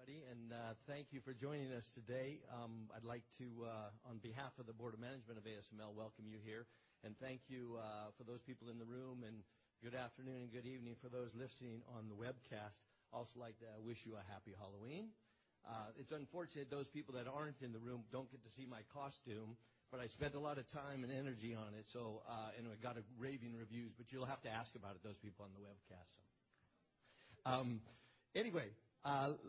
Good morning, everybody. Thank you for joining us today. I'd like to, on behalf of the Board of Management of ASML, welcome you here, and thank you for those people in the room, and good afternoon and good evening for those listening on the webcast. Also, I'd like to wish you a happy Halloween. It's unfortunate those people that aren't in the room don't get to see my costume, but I spent a lot of time and energy on it, and it got raving reviews. You'll have to ask about it, those people on the webcast. Anyway,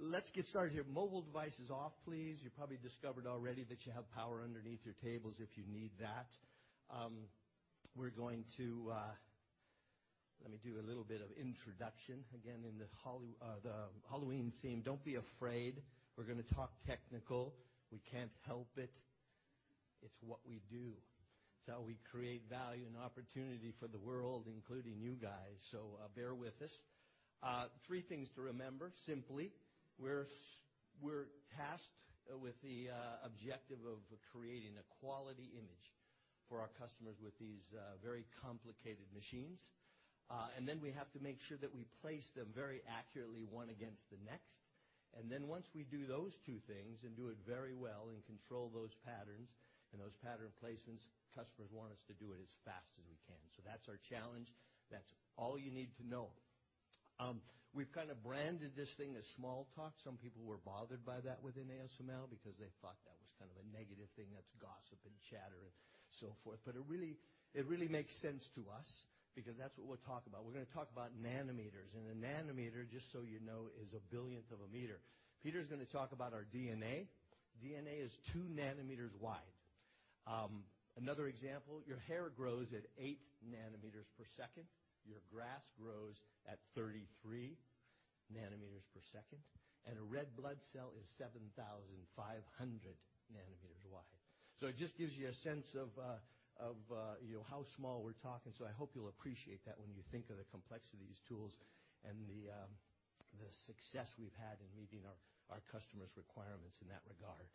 let's get started here. Mobile devices off, please. You probably discovered already that you have power underneath your tables if you need that. Let me do a little bit of introduction. Again, in the Halloween theme, don't be afraid. We're going to talk technical. We can't help it. It's what we do. It's how we create value and opportunity for the world, including you guys. Bear with us. Three things to remember, simply, we're tasked with the objective of creating a quality image for our customers with these very complicated machines. We have to make sure that we place them very accurately, one against the next. Once we do those two things and do it very well and control those patterns and those pattern placements, customers want us to do it as fast as we can. That's our challenge. That's all you need to know. We've kind of branded this thing as Small Talk. Some people were bothered by that within ASML because they thought that was kind of a negative thing, that's gossip and chatter and so forth. It really makes sense to us because that's what we'll talk about. We're going to talk about nanometers, and a nanometer, just so you know, is a billionth of a meter. Peter's going to talk about our DNA. DNA is two nanometers wide. Another example, your hair grows at eight nanometers per second, your grass grows at 33 nanometers per second, and a red blood cell is 7,500 nanometers wide. It just gives you a sense of how small we're talking. I hope you'll appreciate that when you think of the complexity of these tools and the success we've had in meeting our customers' requirements in that regard.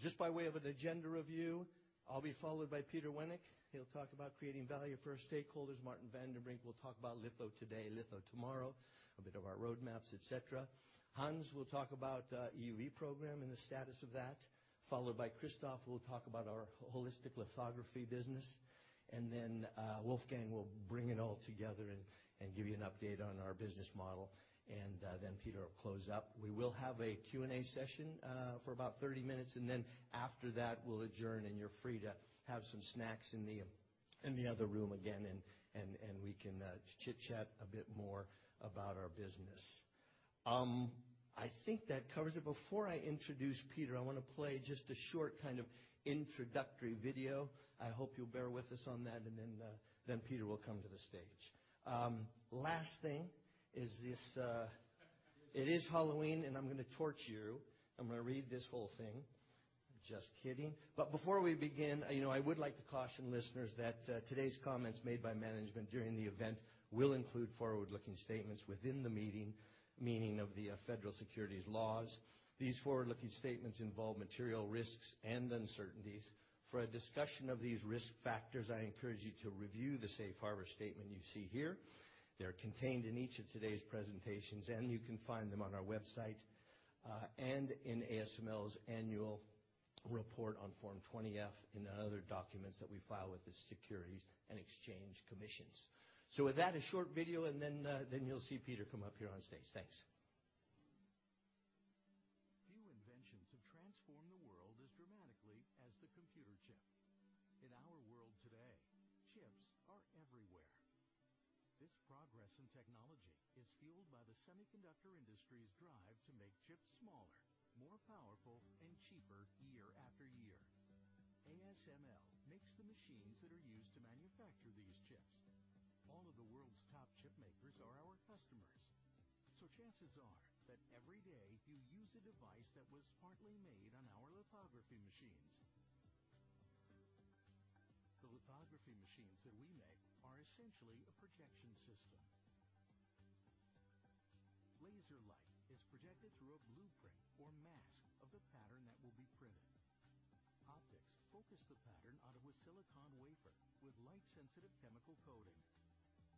Just by way of an agenda review, I'll be followed by Peter Wennink. He'll talk about creating value for our stakeholders. Martin van den Brink will talk about litho today, litho tomorrow, a bit of our roadmaps, et cetera. Hans will talk about EUV program and the status of that, followed by Christophe, who will talk about our holistic lithography business. Wolfgang will bring it all together and give you an update on our business model. Peter will close up. We will have a Q&A session for about 30 minutes, and then after that, we'll adjourn, and you're free to have some snacks in the other room again, and we can chitchat a bit more about our business. I think that covers it. Before I introduce Peter, I want to play just a short kind of introductory video. I hope you'll bear with us on that, and then Peter will come to the stage. Last thing is this. It is Halloween, and I'm going to torture you. I'm going to read this whole thing. Just kidding. Before we begin, I would like to caution listeners that today's comments made by management during the event will include forward-looking statements within the meaning of the federal securities laws. These forward-looking statements involve material risks and uncertainties. For a discussion of these risk factors, I encourage you to review the safe harbor statement you see here. They're contained in each of today's presentations, and you can find them on our website, and in ASML's annual report on Form 20-F and other documents that we file with the Securities and Exchange Commission. With that, a short video, and then you'll see Peter come up here on stage. Thanks. Few inventions have transformed the world as dramatically as the computer chip. In our world today, chips are everywhere. This progress in technology is fueled by the semiconductor industry's drive to make chips smaller, more powerful, and cheaper year after year. ASML makes the machines that are used to manufacture these chips. All of the world's top chip makers are our customers. Chances are that every day you use a device that was partly made on our lithography machines. The lithography machines that we make are essentially a projection system. Laser light is projected through a blueprint or mask of the pattern that will be printed. Optics focus the pattern onto a silicon wafer with light-sensitive chemical coating.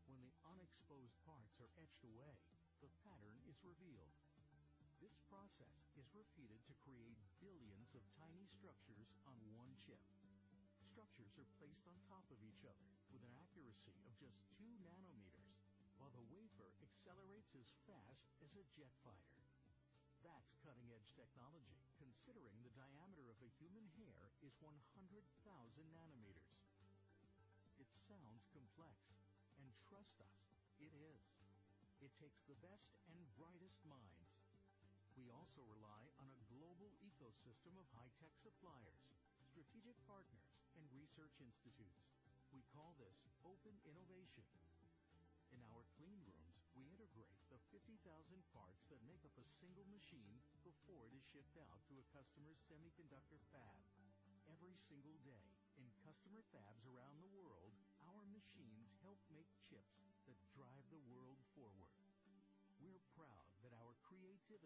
When the unexposed parts are etched away, the pattern is revealed. This process is repeated to create billions of tiny structures on one chip. Structures are placed on top of each other with an accuracy of just two nanometers, while the wafer accelerates as fast as a jet fighter. That's cutting-edge technology, considering the diameter of a human hair is 100,000 nanometers. It sounds complex, and trust us, it is. It takes the best and brightest minds. We also rely on a global ecosystem of high-tech suppliers, strategic partners, and research institutes. We call this open innovation. In our clean rooms, we integrate the 50,000 parts that make up a single machine before it is shipped out to a customer's semiconductor fab. Every single day, in customer fabs around the world, our machines help make chips that drive the world forward. We're proud that our creative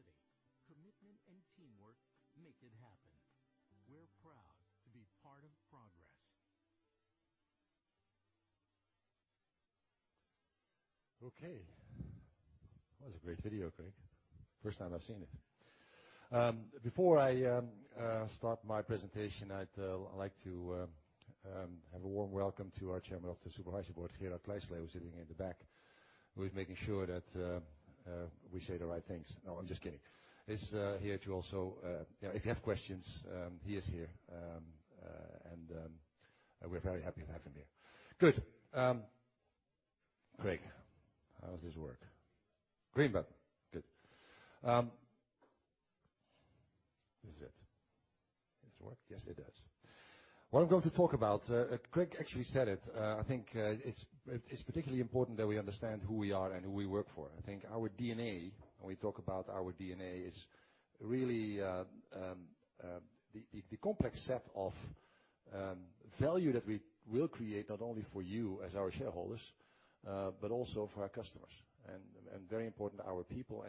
Okay. That was a great video, Craig. First time I've seen it. Before I start my presentation, I'd like to have a warm welcome to our Chairman of the Supervisory Board, Gerard Kleisterlee, who's sitting in the back, who is making sure that we say the right things. No, I'm just kidding. He's here to also, if you have questions, he is here, and we're very happy to have him here. Good. Craig, how does this work? Green button. Good. This is it. This work? Yes, it does. What I'm going to talk about, Craig actually said it. I think it's particularly important that we understand who we are and who we work for. I think our DNA, when we talk about our DNA, is really the complex set of value that we will create, not only for you as our shareholders, but also for our customers. Very important, our people,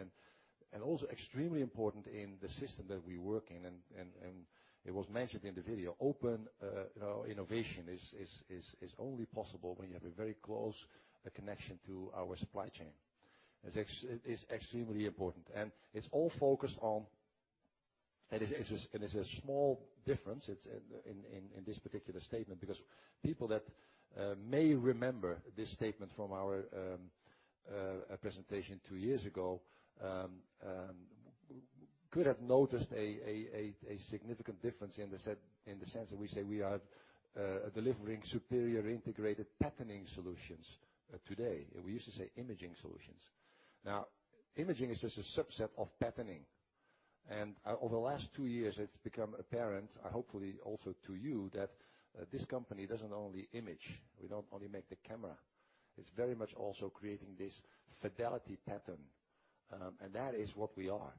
and also extremely important in the system that we work in. It was mentioned in the video, open innovation is only possible when you have a very close connection to our supply chain. It's extremely important. It's all focused on-- it's a small difference in this particular statement, because people that may remember this statement from our presentation two years ago could have noticed a significant difference in the sense that we say we are delivering superior integrated patterning solutions today. We used to say imaging solutions. Now, imaging is just a subset of patterning. Over the last two years, it's become apparent, hopefully also to you, that this company doesn't only image. We don't only make the camera. That is what we are.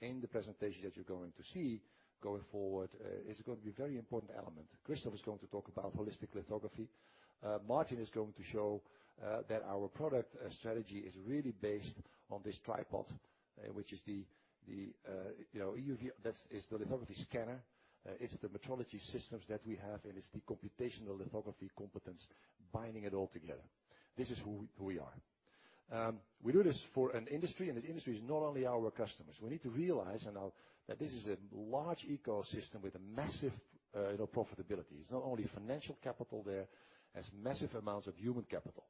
In the presentation that you're going to see going forward, it's going to be a very important element. Christophe is going to talk about holistic lithography. Martin is going to show that our product strategy is really based on this tripod, which is the EUV. That is the lithography scanner. It's the metrology systems that we have, and it's the computational lithography competence binding it all together. This is who we are. We do this for an industry, and this industry is not only our customers. We need to realize that this is a large ecosystem with a massive profitability. It's not only financial capital there. There's massive amounts of human capital.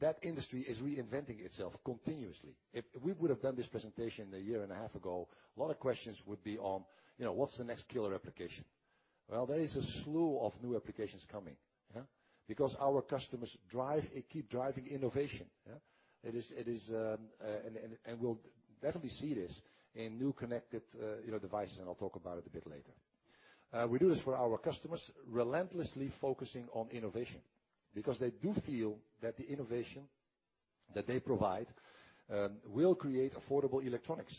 That industry is reinventing itself continuously. If we would have done this presentation a year and a half ago, a lot of questions would be on, what's the next killer application? There is a slew of new applications coming. Because our customers keep driving innovation. We'll definitely see this in new connected devices, and I'll talk about it a bit later. We do this for our customers, relentlessly focusing on innovation, because they do feel that the innovation that they provide will create affordable electronics.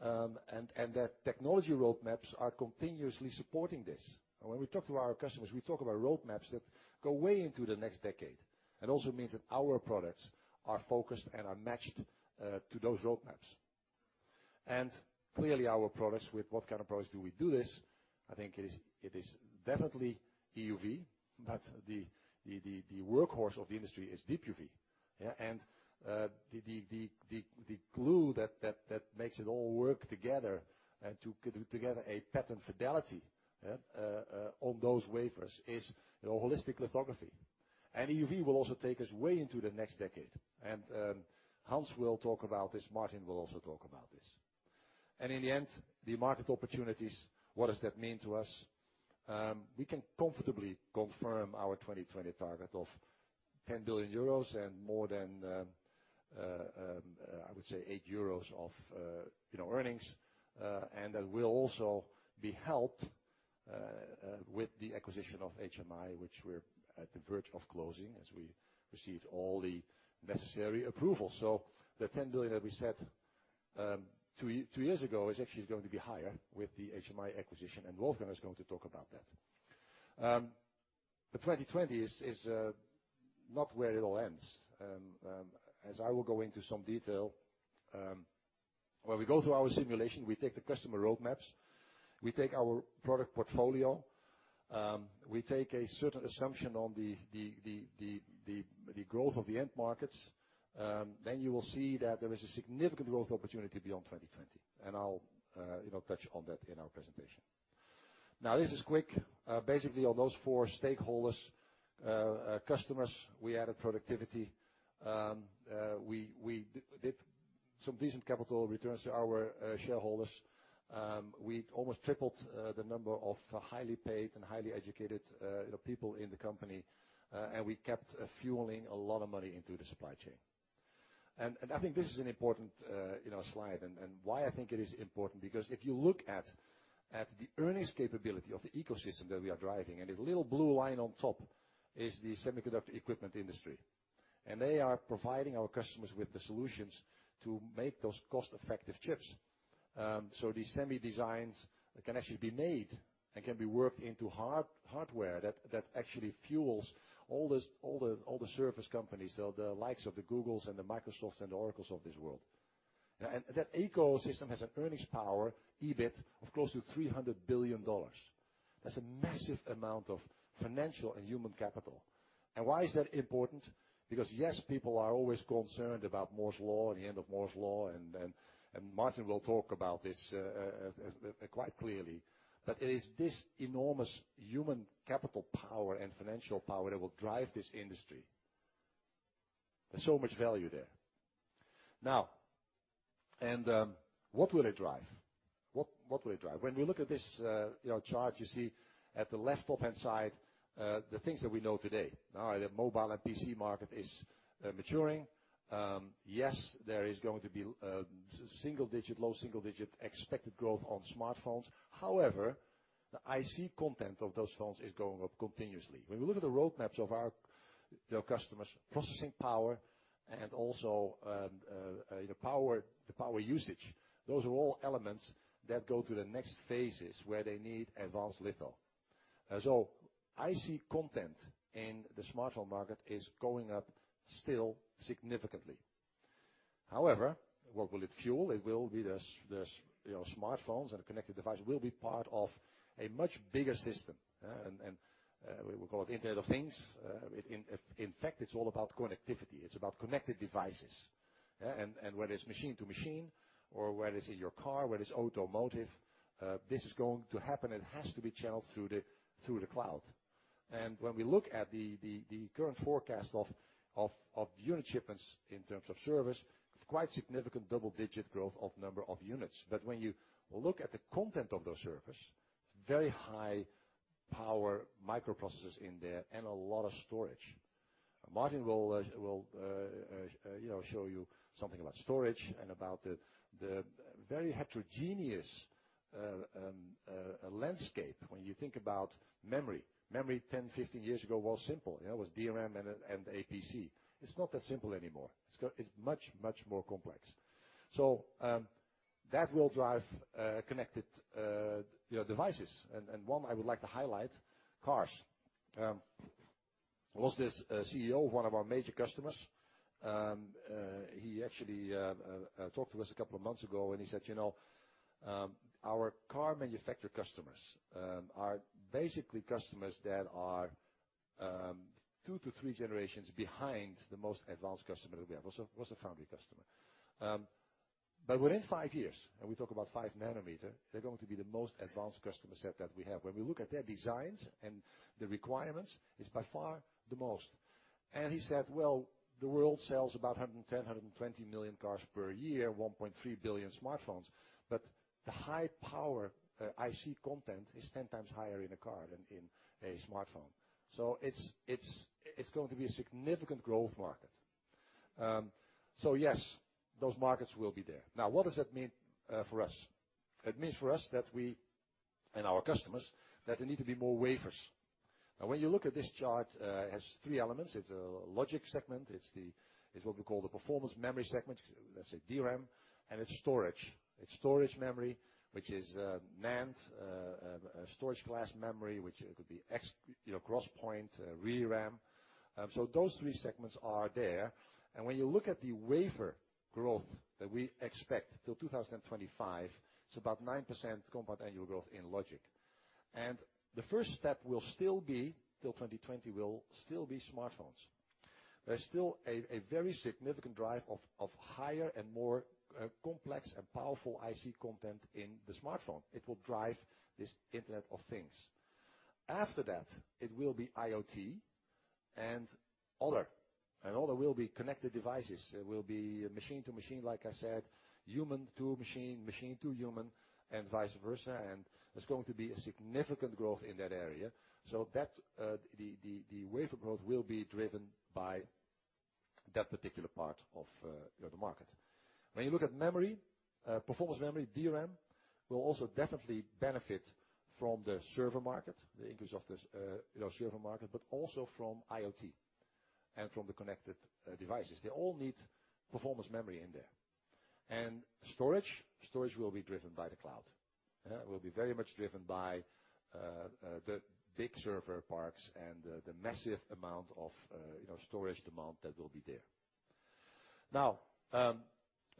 Their technology roadmaps are continuously supporting this. When we talk to our customers, we talk about roadmaps that go way into the next decade. It also means that our products are focused and are matched to those roadmaps. Clearly, our products, with what kind of products do we do this? I think it is definitely EUV, but the workhorse of the industry is Deep UV. The glue that makes it all work together to get together a pattern fidelity on those wafers is holistic lithography. EUV will also take us way into the next decade. Hans will talk about this. Martin will also talk about this. In the end, the market opportunities, what does that mean to us? We can comfortably confirm our 2020 target of €10 billion and more than, I would say, €8 of earnings. That will also be helped with the acquisition of HMI, which we're at the verge of closing as we received all the necessary approvals. The 10 billion that we set two years ago is actually going to be higher with the HMI acquisition, and Wolfgang is going to talk about that. 2020 is not where it all ends, as I will go into some detail. We go through our simulation, we take the customer roadmaps, we take our product portfolio, we take a certain assumption on the growth of the end markets, then you will see that there is a significant growth opportunity beyond 2020, and I'll touch on that in our presentation. This is quick. Basically, on those four stakeholders, customers, we added productivity. We did some decent capital returns to our shareholders. We almost tripled the number of highly paid and highly educated people in the company. We kept fueling a lot of money into the supply chain. I think this is an important slide. Why I think it is important, because if you look at the earnings capability of the ecosystem that we are driving, this little blue line on top is the semiconductor equipment industry. They are providing our customers with the solutions to make those cost-effective chips. These semi designs can actually be made and can be worked into hardware that actually fuels all the service companies, so the likes of the Googles and the Microsofts and the Oracles of this world. That ecosystem has an earnings power, EBIT, of close to $300 billion. That's a massive amount of financial and human capital. Why is that important? Because yes, people are always concerned about Moore's Law and the end of Moore's Law and Martin will talk about this quite clearly. It is this enormous human capital power and financial power that will drive this industry. There's so much value there. What will it drive? We look at this chart, you see at the left top-hand side, the things that we know today. The mobile and PC market is maturing. Yes, there is going to be low single-digit expected growth on smartphones. However, the IC content of those phones is going up continuously. We look at the roadmaps of our customers' processing power and also the power usage, those are all elements that go to the next phases, where they need advanced litho. IC content in the smartphone market is going up still significantly. However, what will it fuel? It will be the smartphones and connected device will be part of a much bigger system, and we call it Internet of Things. In fact, it's all about connectivity. It's about connected devices. Whether it's machine to machine or whether it's in your car, whether it's automotive, this is going to happen. It has to be channeled through the cloud. We look at the current forecast of unit shipments in terms of servers, quite significant double-digit growth of number of units. When you look at the content of those servers, very high power microprocessors in there and a lot of storage. Martin will show you something about storage and about the very heterogeneous landscape when you think about memory. Memory 10, 15 years ago was simple. It was DRAM and APC. It's not that simple anymore. It's much, much more complex. That will drive connected devices. One I would like to highlight, cars. I asked this CEO of one of our major customers, he actually talked to us a couple of months ago, and he said, "Our car manufacturer customers are basically customers that are two to three generations behind the most advanced customer that we have." It was a foundry customer. Within 5 years," and we talk about 5 nanometer, "they're going to be the most advanced customer set that we have. When we look at their designs and the requirements, it's by far the most." He said, "Well, the world sells about 110 million-120 million cars per year, 1.3 billion smartphones. The high power IC content is 10 times higher in a car than in a smartphone." It's going to be a significant growth market. Yes, those markets will be there. What does that mean for us? It means for us and our customers, that there need to be more wafers. When you look at this chart, it has three elements. It's a logic segment. It's what we call the performance memory segment, let's say DRAM, and it's storage. It's storage memory, which is NAND, storage class memory, which could be XPoint, ReRAM. Those three segments are there. When you look at the wafer growth that we expect till 2025, it's about 9% compound annual growth in logic. The first step will still be, till 2020, will still be smartphones. There's still a very significant drive of higher and more complex and powerful IC content in the smartphone. It will drive this Internet of Things. After that, it will be IoT and other. Other will be connected devices. It will be machine to machine, like I said, human to machine to human, and vice versa, and there's going to be a significant growth in that area. The wafer growth will be driven by that particular part of the market. When you look at memory, performance memory, DRAM, will also definitely benefit from the server market, the increase of the server market, but also from IoT and from the connected devices. They all need performance memory in there. Storage, storage will be driven by the cloud. It will be very much driven by the big server parks and the massive amount of storage demand that will be there.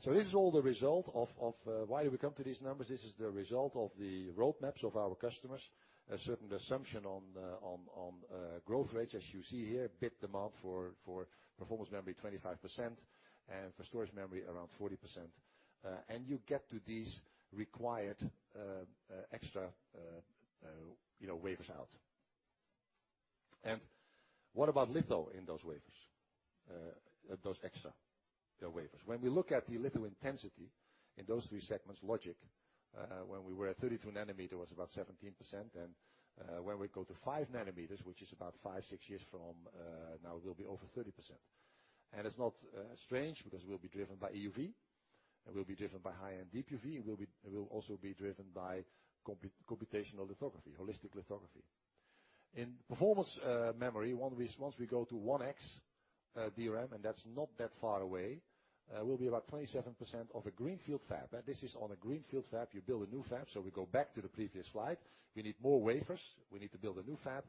This is all the result of why we come to these numbers. This is the result of the roadmaps of our customers. A certain assumption on growth rates, as you see here, bit demand for performance memory, 25%, and for storage memory, around 40%. You get to these required extra wafers out. What about litho in those extra wafers? When we look at the litho intensity in those three segments, logic, when we were at 32 nanometer, was about 17%, and when we go to 5 nanometers, which is about five, six years from now, it will be over 30%. It's not strange because we'll be driven by EUV, and we'll be driven by high-end DUV, and we'll also be driven by computational lithography, holistic lithography. In performance memory, once we go to 1X DRAM, and that's not that far away, we'll be about 27% of a greenfield fab. This is on a greenfield fab. You build a new fab. We go back to the previous slide. We need more wafers. We need to build a new fab.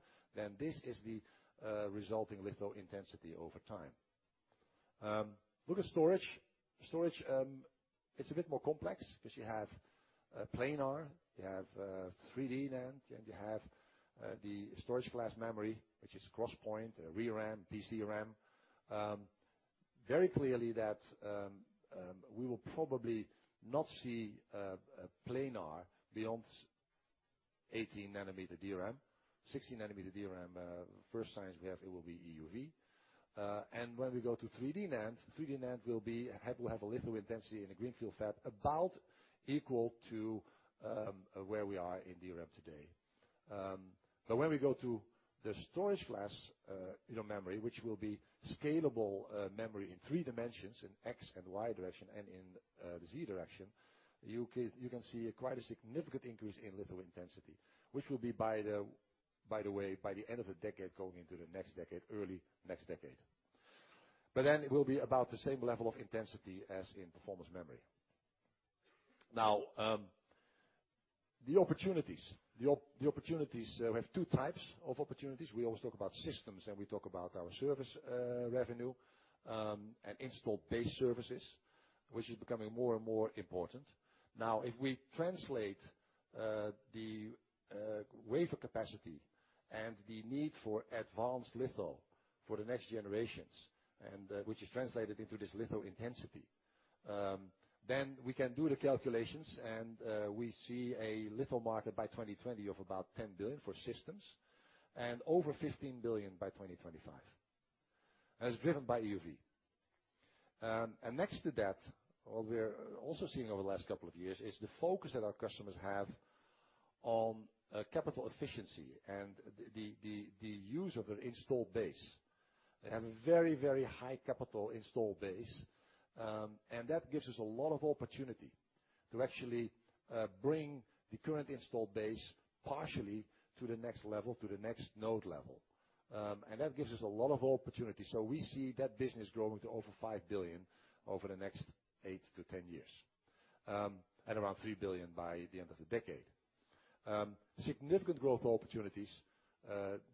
This is the resulting litho intensity over time. Look at storage. Storage, it's a bit more complex because you have planar, you have 3D NAND, and you have the storage class memory, which is CrossPoint, ReRAM, PCRAM. Very clearly that we will probably not see a planar beyond 18 nm DRAM, 16 nm DRAM. First signs we have, it will be EUV. When we go to 3D NAND, 3D NAND will have a litho intensity in a greenfield fab about equal to where we are in DRAM today. When we go to the storage class memory, which will be scalable memory in three dimensions, in x and y direction and in the z direction, you can see quite a significant increase in litho intensity. Which will be, by the way, by the end of the decade, going into the next decade, early next decade. Then it will be about the same level of intensity as in performance memory. The opportunities. We have 2 types of opportunities. We always talk about systems, and we talk about our service revenue, and installed base services, which is becoming more and more important. If we translate the wafer capacity and the need for advanced litho for the next generations, and which is translated into this litho intensity, then we can do the calculations and we see a litho market by 2020 of about 10 billion for systems, and over 15 billion by 2025. As driven by EUV. Next to that, what we're also seeing over the last couple of years is the focus that our customers have on capital efficiency and the use of their installed base. They have a very high capital installed base, and that gives us a lot of opportunity to actually bring the current installed base partially to the next level, to the next node level. That gives us a lot of opportunity. We see that business growing to over 5 billion over the next 8 to 10 years. Around 3 billion by the end of the decade. Significant growth opportunities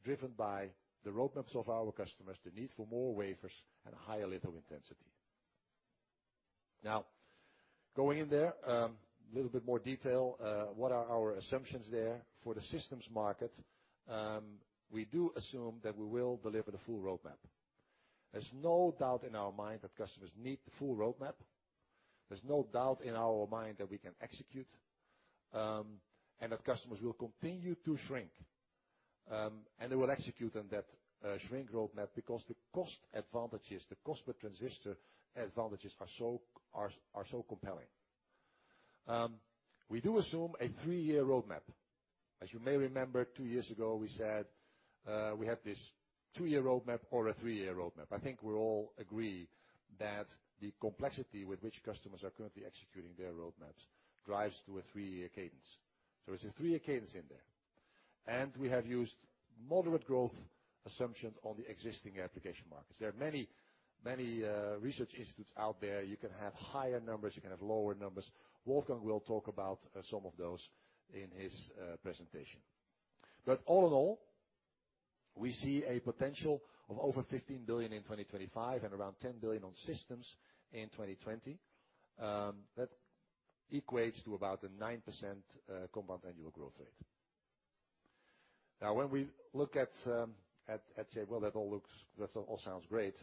driven by the roadmaps of our customers, the need for more wafers and higher litho intensity. Going in there, little bit more detail. What are our assumptions there for the systems market? We do assume that we will deliver the full roadmap. There's no doubt in our mind that customers need the full roadmap. There's no doubt in our mind that we can execute, and that customers will continue to shrink. They will execute on that shrink roadmap because the cost advantages, the cost per transistor advantages are so compelling. We do assume a 3-year roadmap. As you may remember, two years ago, we said we have this 2-year roadmap or a 3-year roadmap. I think we all agree that the complexity with which customers are currently executing their roadmaps drives to a 3-year cadence. There's a 3-year cadence in there. We have used moderate growth assumptions on the existing application markets. There are many research institutes out there. You can have higher numbers, you can have lower numbers. Wolfgang will talk about some of those in his presentation. All in all, we see a potential of over 15 billion in 2025 and around 10 billion on systems in 2020. That equates to about a 9% compound annual growth rate. Well, that all sounds great.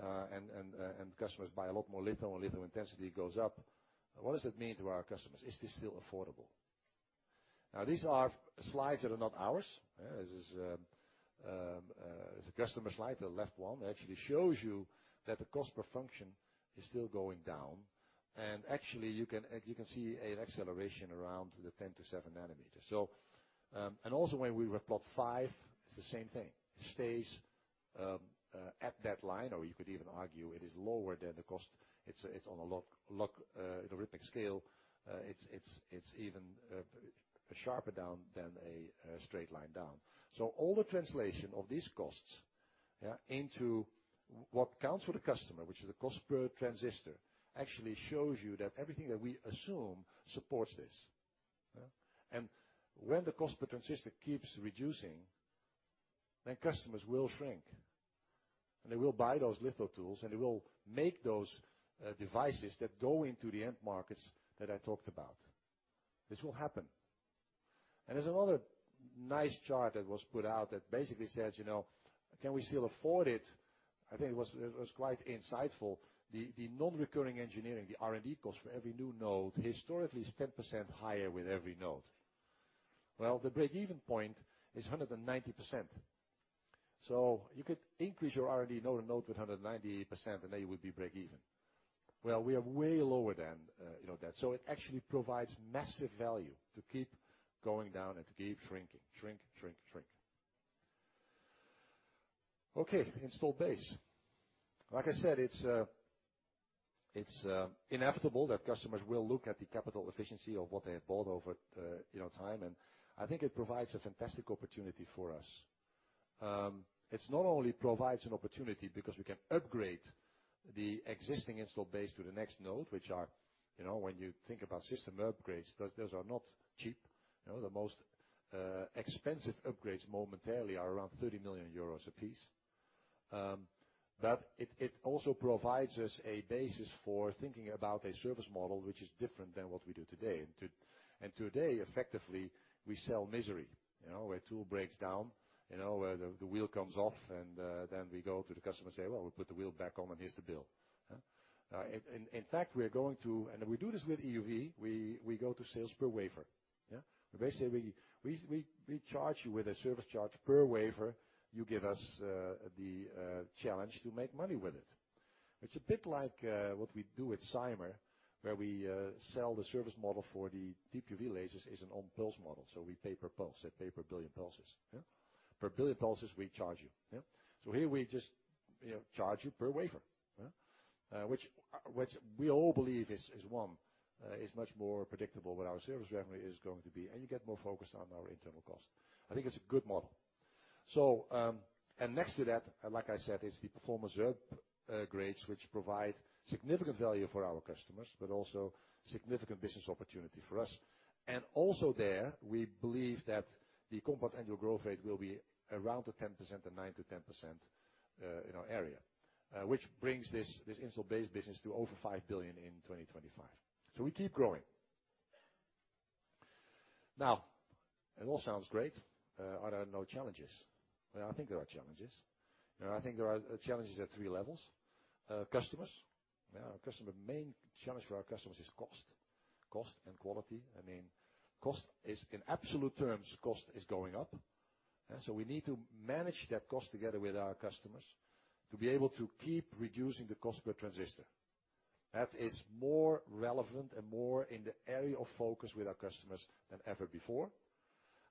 The customers buy a lot more litho and litho intensity goes up. What does that mean to our customers? Is this still affordable? These are slides that are not ours. This is a customer slide, the left one, that actually shows you that the cost per function is still going down. Actually, you can see an acceleration around the 10 to seven nanometers. Also when we plot five, it's the same thing. It stays at that line, or you could even argue it is lower than the cost. It's on a logarithmic scale. It's even sharper down than a straight line down. All the translation of these costs into what counts for the customer, which is the cost per transistor, actually shows you that everything that we assume supports this. When the cost per transistor keeps reducing, customers will shrink. They will buy those litho tools, and they will make those devices that go into the end markets that I talked about. This will happen. There's another nice chart that was put out that basically says, can we still afford it? I think it was quite insightful. The non-recurring engineering, the R&D cost for every new node historically is 10% higher with every node. Well, the break-even point is 190%. You could increase your R&D node to 190%, and you would be break even. Well, we are way lower than that. It actually provides massive value to keep going down and to keep shrinking. Okay, installed base. Like I said, it's inevitable that customers will look at the capital efficiency of what they have bought over time, and I think it provides a fantastic opportunity for us. It not only provides an opportunity because we can upgrade the existing installed base to the next node, which are, when you think about system upgrades, those are not cheap. The most expensive upgrades momentarily are around 30 million euros apiece. It also provides us a basis for thinking about a service model, which is different than what we do today. Today, effectively, we sell misery, where tool breaks down, where the wheel comes off, we go to the customer and say, "Well, we put the wheel back on and here's the bill." In fact, we are going to, we do this with EUV, we go to sales per wafer. Basically, we charge you with a service charge per wafer. You give us the challenge to make money with it. It's a bit like what we do with Cymer, where we sell the service model for the DUV lasers as an on-pulse model. We pay per pulse, they pay per billion pulses. Per billion pulses, we charge you. Here we just charge you per wafer. Which we all believe is one is much more predictable what our service revenue is going to be, and you get more focus on our internal cost. I think it's a good model. Next to that, like I said, is the performance upgrades, which provide significant value for our customers, but also significant business opportunity for us. Also there, we believe that the compound annual growth rate will be around the 10%, the 9% to 10% in our area. This brings this install base business to over 5 billion in 2025. We keep growing. It all sounds great. Are there no challenges? I think there are challenges. I think there are challenges at three levels. Customers. Main challenge for our customers is cost. Cost and quality. Cost is, in absolute terms, cost is going up. We need to manage that cost together with our customers to be able to keep reducing the cost per transistor. That is more relevant and more in the area of focus with our customers than ever before.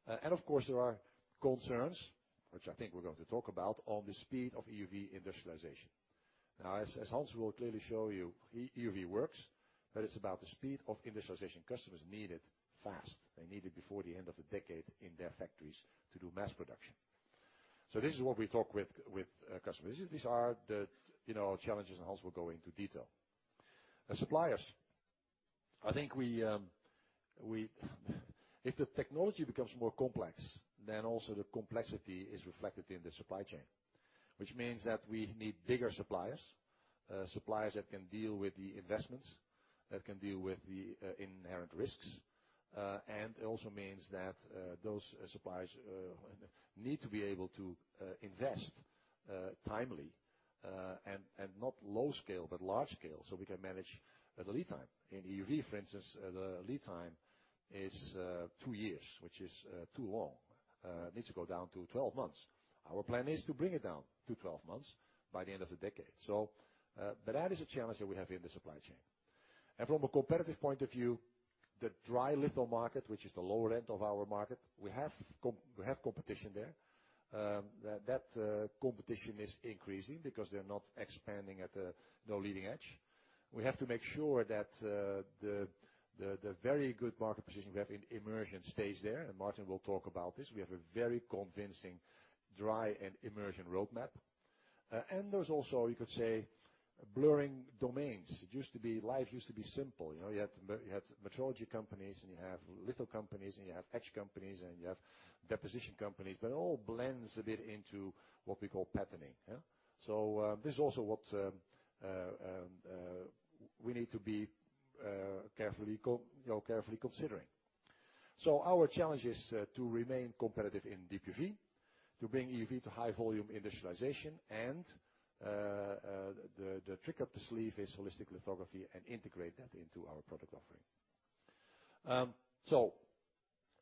Of course, there are concerns, which I think we're going to talk about, on the speed of EUV industrialization. As Hans will clearly show you, EUV works, but it's about the speed of industrialization. Customers need it fast. They need it before the end of the decade in their factories to do mass production. This is what we talk with customers. These are the challenges, Hans will go into detail. Suppliers. I think if the technology becomes more complex, then also the complexity is reflected in the supply chain. This means that we need bigger suppliers that can deal with the investments, that can deal with the inherent risks. It also means that those suppliers need to be able to invest timely, not low scale, but large scale, so we can manage the lead time. In EUV, for instance, the lead time is two years, which is too long. It needs to go down to 12 months. Our plan is to bring it down to 12 months by the end of the decade. That is a challenge that we have in the supply chain. From a competitive point of view, the dry litho market, which is the lower end of our market, we have competition there. That competition is increasing because they're not expanding at the leading edge. We have to make sure that the very good market position we have in immersion stays there, Martin will talk about this. We have a very convincing dry and immersion roadmap. There's also, you could say, blurring domains. Life used to be simple. You had metrology companies and you have litho companies and you have etch companies and you have deposition companies, but it all blends a bit into what we call patterning. This is also what we need to be carefully considering. Our challenge is to remain competitive in DUV, to bring EUV to high volume industrialization, and the trick up the sleeve is holistic lithography and integrate that into our product offering.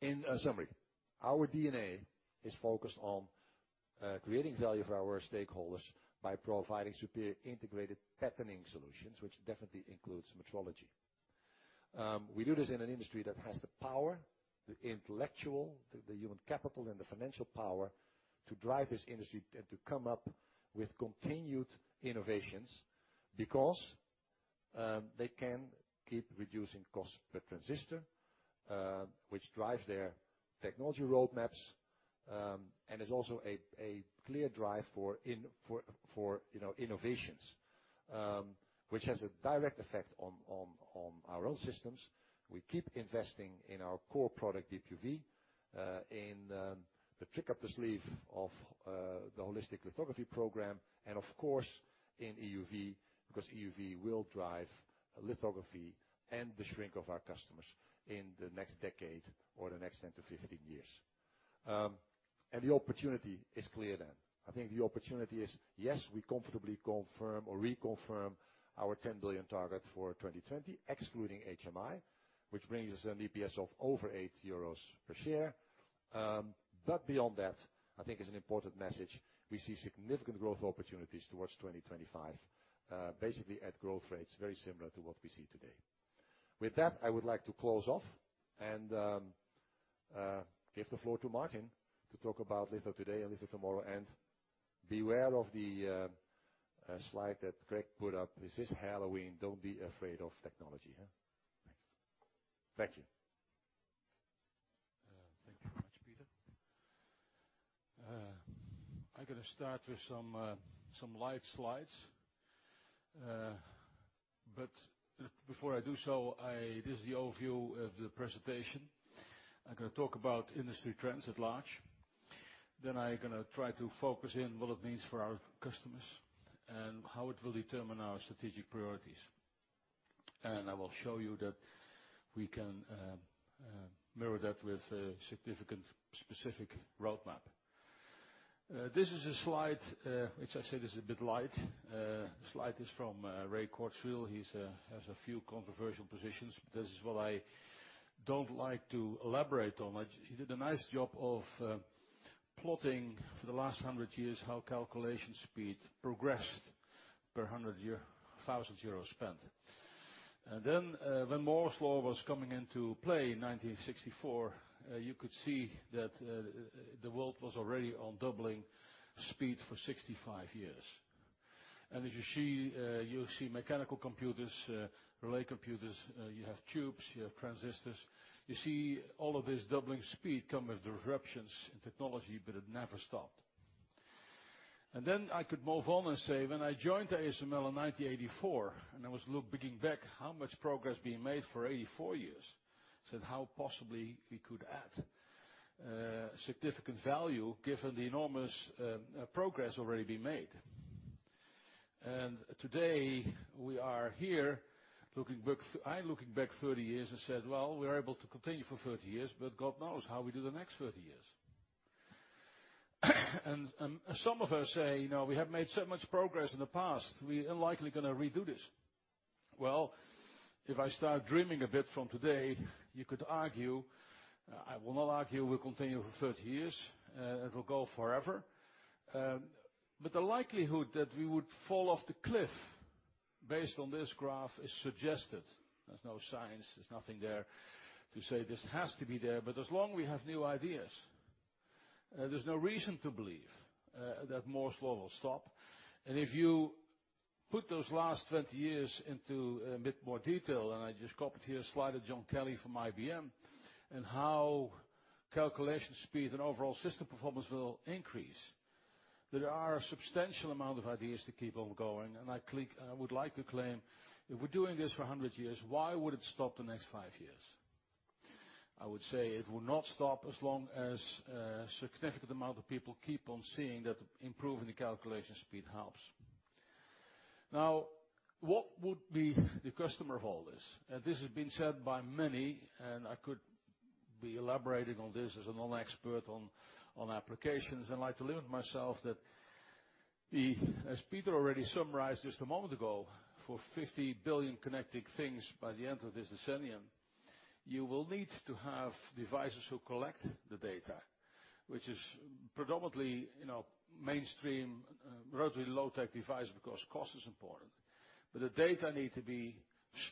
In summary, our DNA is focused on creating value for our stakeholders by providing superior integrated patterning solutions, which definitely includes metrology. We do this in an industry that has the power, the intellectual, the human capital, and the financial power to drive this industry and to come up with continued innovations because they can keep reducing cost per transistor, which drives their technology roadmaps, and is also a clear drive for innovations. This has a direct effect on our own systems. We keep investing in our core product, DUV, in the trick up the sleeve of the holistic lithography program, and of course, in EUV, because EUV will drive lithography and the shrink of our customers in the next decade or the next 10 to 15 years. The opportunity is clear then. I think the opportunity is, yes, we comfortably confirm or reconfirm our 10 billion target for 2020, excluding HMI, which brings us an EPS of over EUR eight per share. Beyond that, I think is an important message, we see significant growth opportunities towards 2025, basically at growth rates very similar to what we see today. With that, I would like to close off and give the floor to Martin to talk about litho today and litho tomorrow. And beware of the slide that Craig put up. This is Halloween. Don't be afraid of technology. Thanks. Thank you. Thank you very much, Peter. I'm going to start with some light slides. Before I do so, this is the overview of the presentation. I'm going to talk about industry trends at large. I'm going to try to focus in what it means for our customers, and how it will determine our strategic priorities. I will show you that we can mirror that with a significant specific roadmap. This is a slide, which I said is a bit light. Slide is from Ray Kurzweil. He has a few controversial positions. This is what I don't like to elaborate on much. He did a nice job of plotting for the last 100 years how calculation speed progressed per 100,000 euros spent. When Moore's Law was coming into play in 1964, you could see that the world was already on doubling speed for 65 years. As you see, mechanical computers, relay computers, you have tubes, you have transistors. You see all of this doubling speed come with disruptions in technology, but it never stopped. I could move on and say, when I joined ASML in 1984, and I was looking back how much progress being made for 84 years. I said how possibly we could add significant value given the enormous progress already being made. Today, we are here, I'm looking back 30 years and said, "Well, we're able to continue for 30 years, but God knows how we do the next 30 years." Some of us say, "We have made so much progress in the past, we are likely going to redo this." Well, if I start dreaming a bit from today, you could argue, I will not argue we'll continue for 30 years. It will go forever. The likelihood that we would fall off the cliff based on this graph is suggested. There's no science, there's nothing there to say this has to be there. As long we have new ideas, there's no reason to believe that Moore's Law will stop. If you put those last 20 years into a bit more detail, I just copied here a slide of John Kelly from IBM, how calculation speed and overall system performance will increase. There are a substantial amount of ideas to keep on going, I would like to claim if we're doing this for 100 years, why would it stop the next five years? I would say it will not stop as long as a significant amount of people keep on seeing that improving the calculation speed helps. What would be the customer of all this? This has been said by many, I could be elaborating on this as a non-expert on applications. I'd like to limit myself that, as Peter already summarized just a moment ago, for 50 billion connected things by the end of this decennium, you will need to have devices who collect the data, which is predominantly mainstream, relatively low-tech device because cost is important. The data need to be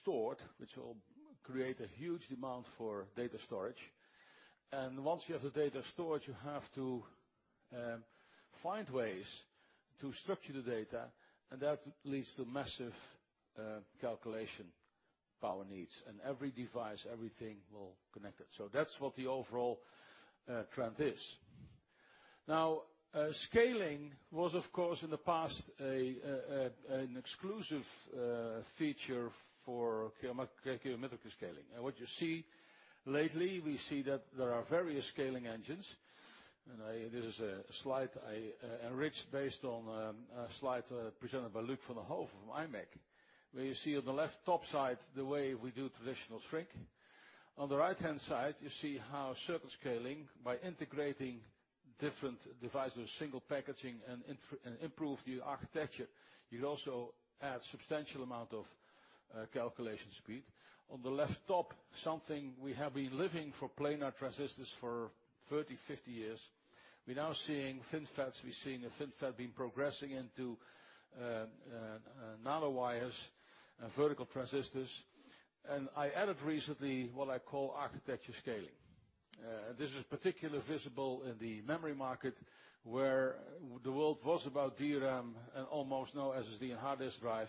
stored, which will create a huge demand for data storage, once you have the data stored, you have to find ways to structure the data, that leads to massive calculation power needs. Every device, everything will connect it. That's what the overall trend is. Scaling was, of course, in the past an exclusive feature for geometrical scaling. What you see lately, we see that there are various scaling engines, this is a slide I enriched based on a slide presented by Luc Van den hove from imec. Where you see on the left top side, the way we do traditional shrink. On the right-hand side, you see how circuit scaling by integrating different devices, single packaging, improve the architecture, you also add substantial amount of calculation speed. On the left top, something we have been living for planar transistors for 30, 50 years. We're now seeing FinFETs, we're seeing a FinFET being progressing into nanowires and vertical transistors. I added recently what I call architecture scaling. This is particularly visible in the memory market, where the world was about DRAM and almost no SSD and hard disk drive,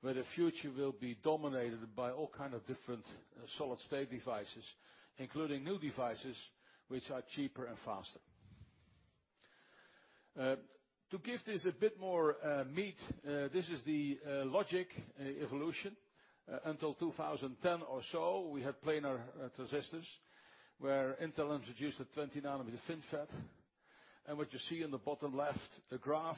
where the future will be dominated by all kind of different solid-state devices, including new devices, which are cheaper and faster. To give this a bit more meat, this is the logic evolution. Until 2010 or so, we had planar transistors, where Intel introduced a 20 nanometer FinFET. What you see in the bottom left graph,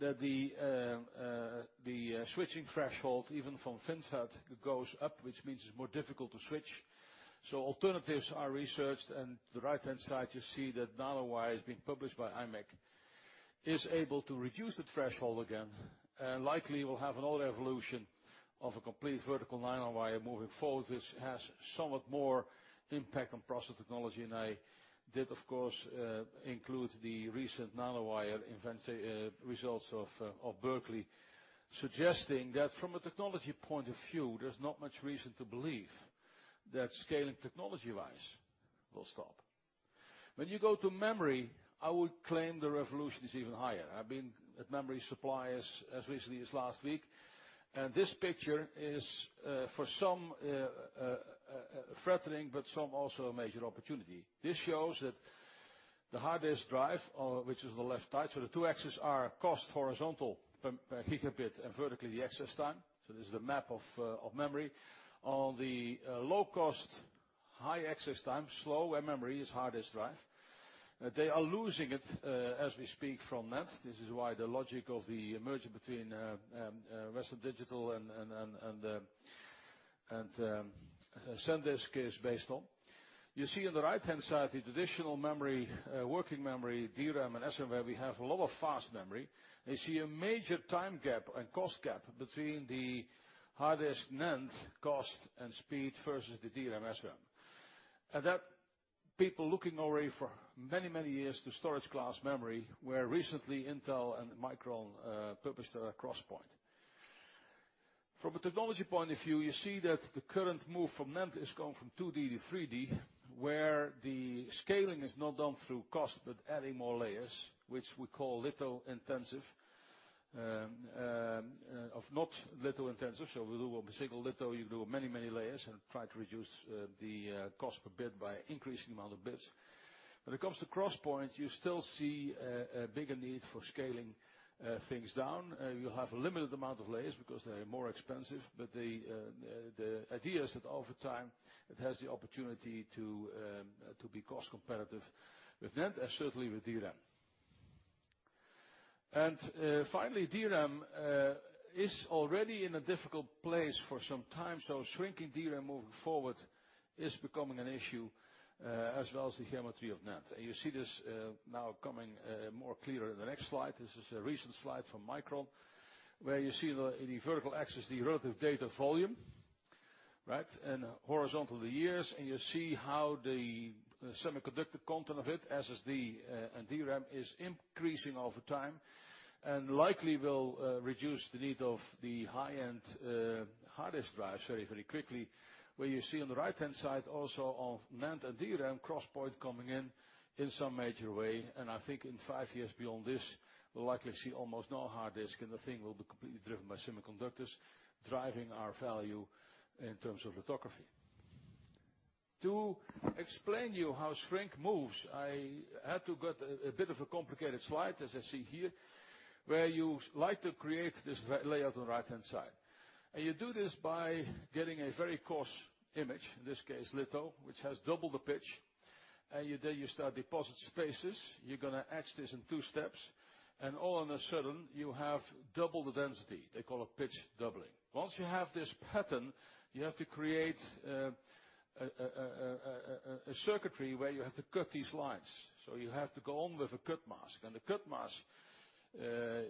that the switching threshold, even from FinFET, goes up, which means it's more difficult to switch. Alternatives are researched, the right-hand side you see that nanowire has been published by imec, is able to reduce the threshold again. Likely we'll have another evolution of a complete vertical nanowire moving forward. This has somewhat more impact on process technology. I did of course, include the recent nanowire results of Berkeley, suggesting that from a technology point of view, there is not much reason to believe that scaling technology-wise will stop. When you go to memory, I would claim the revolution is even higher. I have been at memory suppliers as recently as last week. This picture is for some threatening, but some also a major opportunity. This shows that the hard disk drive, which is on the left side. The two axes are cost horizontal per gigabit and vertically the access time. This is the map of memory. On the low cost, high access time, slow memory is hard disk drive. They are losing it as we speak from NAND. This is why the logic of the merger between Western Digital and SanDisk is based on. You see on the right-hand side, the traditional memory, working memory, DRAM and SRAM, where we have a lot of fast memory. You see a major time gap and cost gap between the hard disk NAND cost and speed versus the DRAM, SRAM. People looking already for many years to storage class memory, where recently Intel and Micron published their Crosspoint. From a technology point of view, you see that the current move from NAND is going from 2D to 3D, where the scaling is not done through cost but adding more layers, which we call litho-intensive, or not litho-intensive. We do on a single litho, you do many layers and try to reduce the cost per bit by increasing the amount of bits. When it comes to Crosspoint, you still see a bigger need for scaling things down. You will have a limited amount of layers because they are more expensive, but the idea is that over time it has the opportunity to be cost competitive with NAND and certainly with DRAM. Finally, DRAM is already in a difficult place for some time. Shrinking DRAM moving forward is becoming an issue, as well as the geometry of NAND. You see this now coming clearer in the next slide. This is a recent slide from Micron, where you see in the vertical axis the relative data volume, right. Horizontal, the years. You see how the semiconductor content of it, SSD and DRAM, is increasing over time and likely will reduce the need of the high-end hard disk drives very quickly. Where you see on the right-hand side also of NAND and DRAM, Crosspoint coming in some major way. I think in five years beyond this, we will likely see almost no hard disk and the thing will be completely driven by semiconductors, driving our value in terms of lithography. To explain you how shrink moves, I had to get a bit of a complicated slide as I see here, where you like to create this layout on the right-hand side. You do this by getting a very coarse image, in this case litho, which has double the pitch. You then you start deposits phases. You are going to etch this in two steps. All of a sudden, you have double the density. They call it pitch doubling. Once you have this pattern, you have to create a circuitry where you have to cut these lines. You have to go on with a cut mask. The cut mask,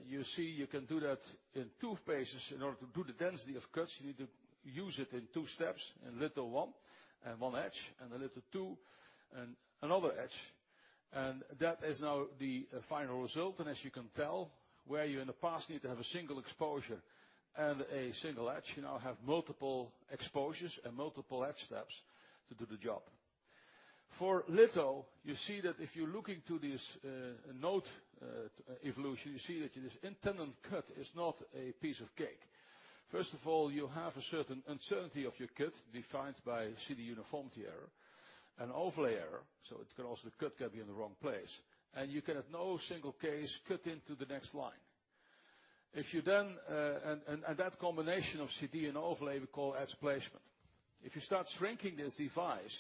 you see you can do that in 2 phases. In order to do the density of cuts, you need to use it in 2 steps, in litho one and one etch, and the litho two and another etch. That is now the final result. As you can tell, where you in the past needed to have a single exposure and a single etch, you now have multiple exposures and multiple etch steps to do the job. For litho, you see that if you look into this node evolution, you see that this end-to-end cut is not a piece of cake. First of all, you have a certain uncertainty of your cut defined by CD uniformity error and overlay error. It can also cut, can be in the wrong place. You can at no single case cut into the next line. That combination of CD and overlay, we call etch placement. If you start shrinking this device,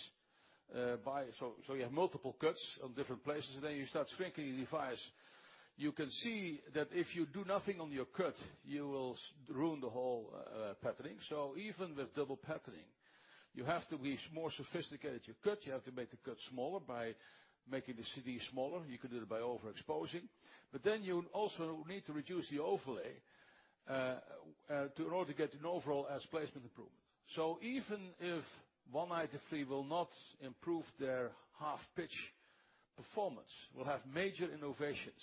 so you have multiple cuts on different places, then you start shrinking the device. You can see that if you do nothing on your cut, you will ruin the whole patterning. Even with double patterning, you have to be more sophisticated. Your cut, you have to make the cut smaller by making the CD smaller. You could do it by overexposing. You also need to reduce the overlay, in order to get an overall etch placement improvement. Even if 193 will not improve their half pitch performance, we'll have major innovations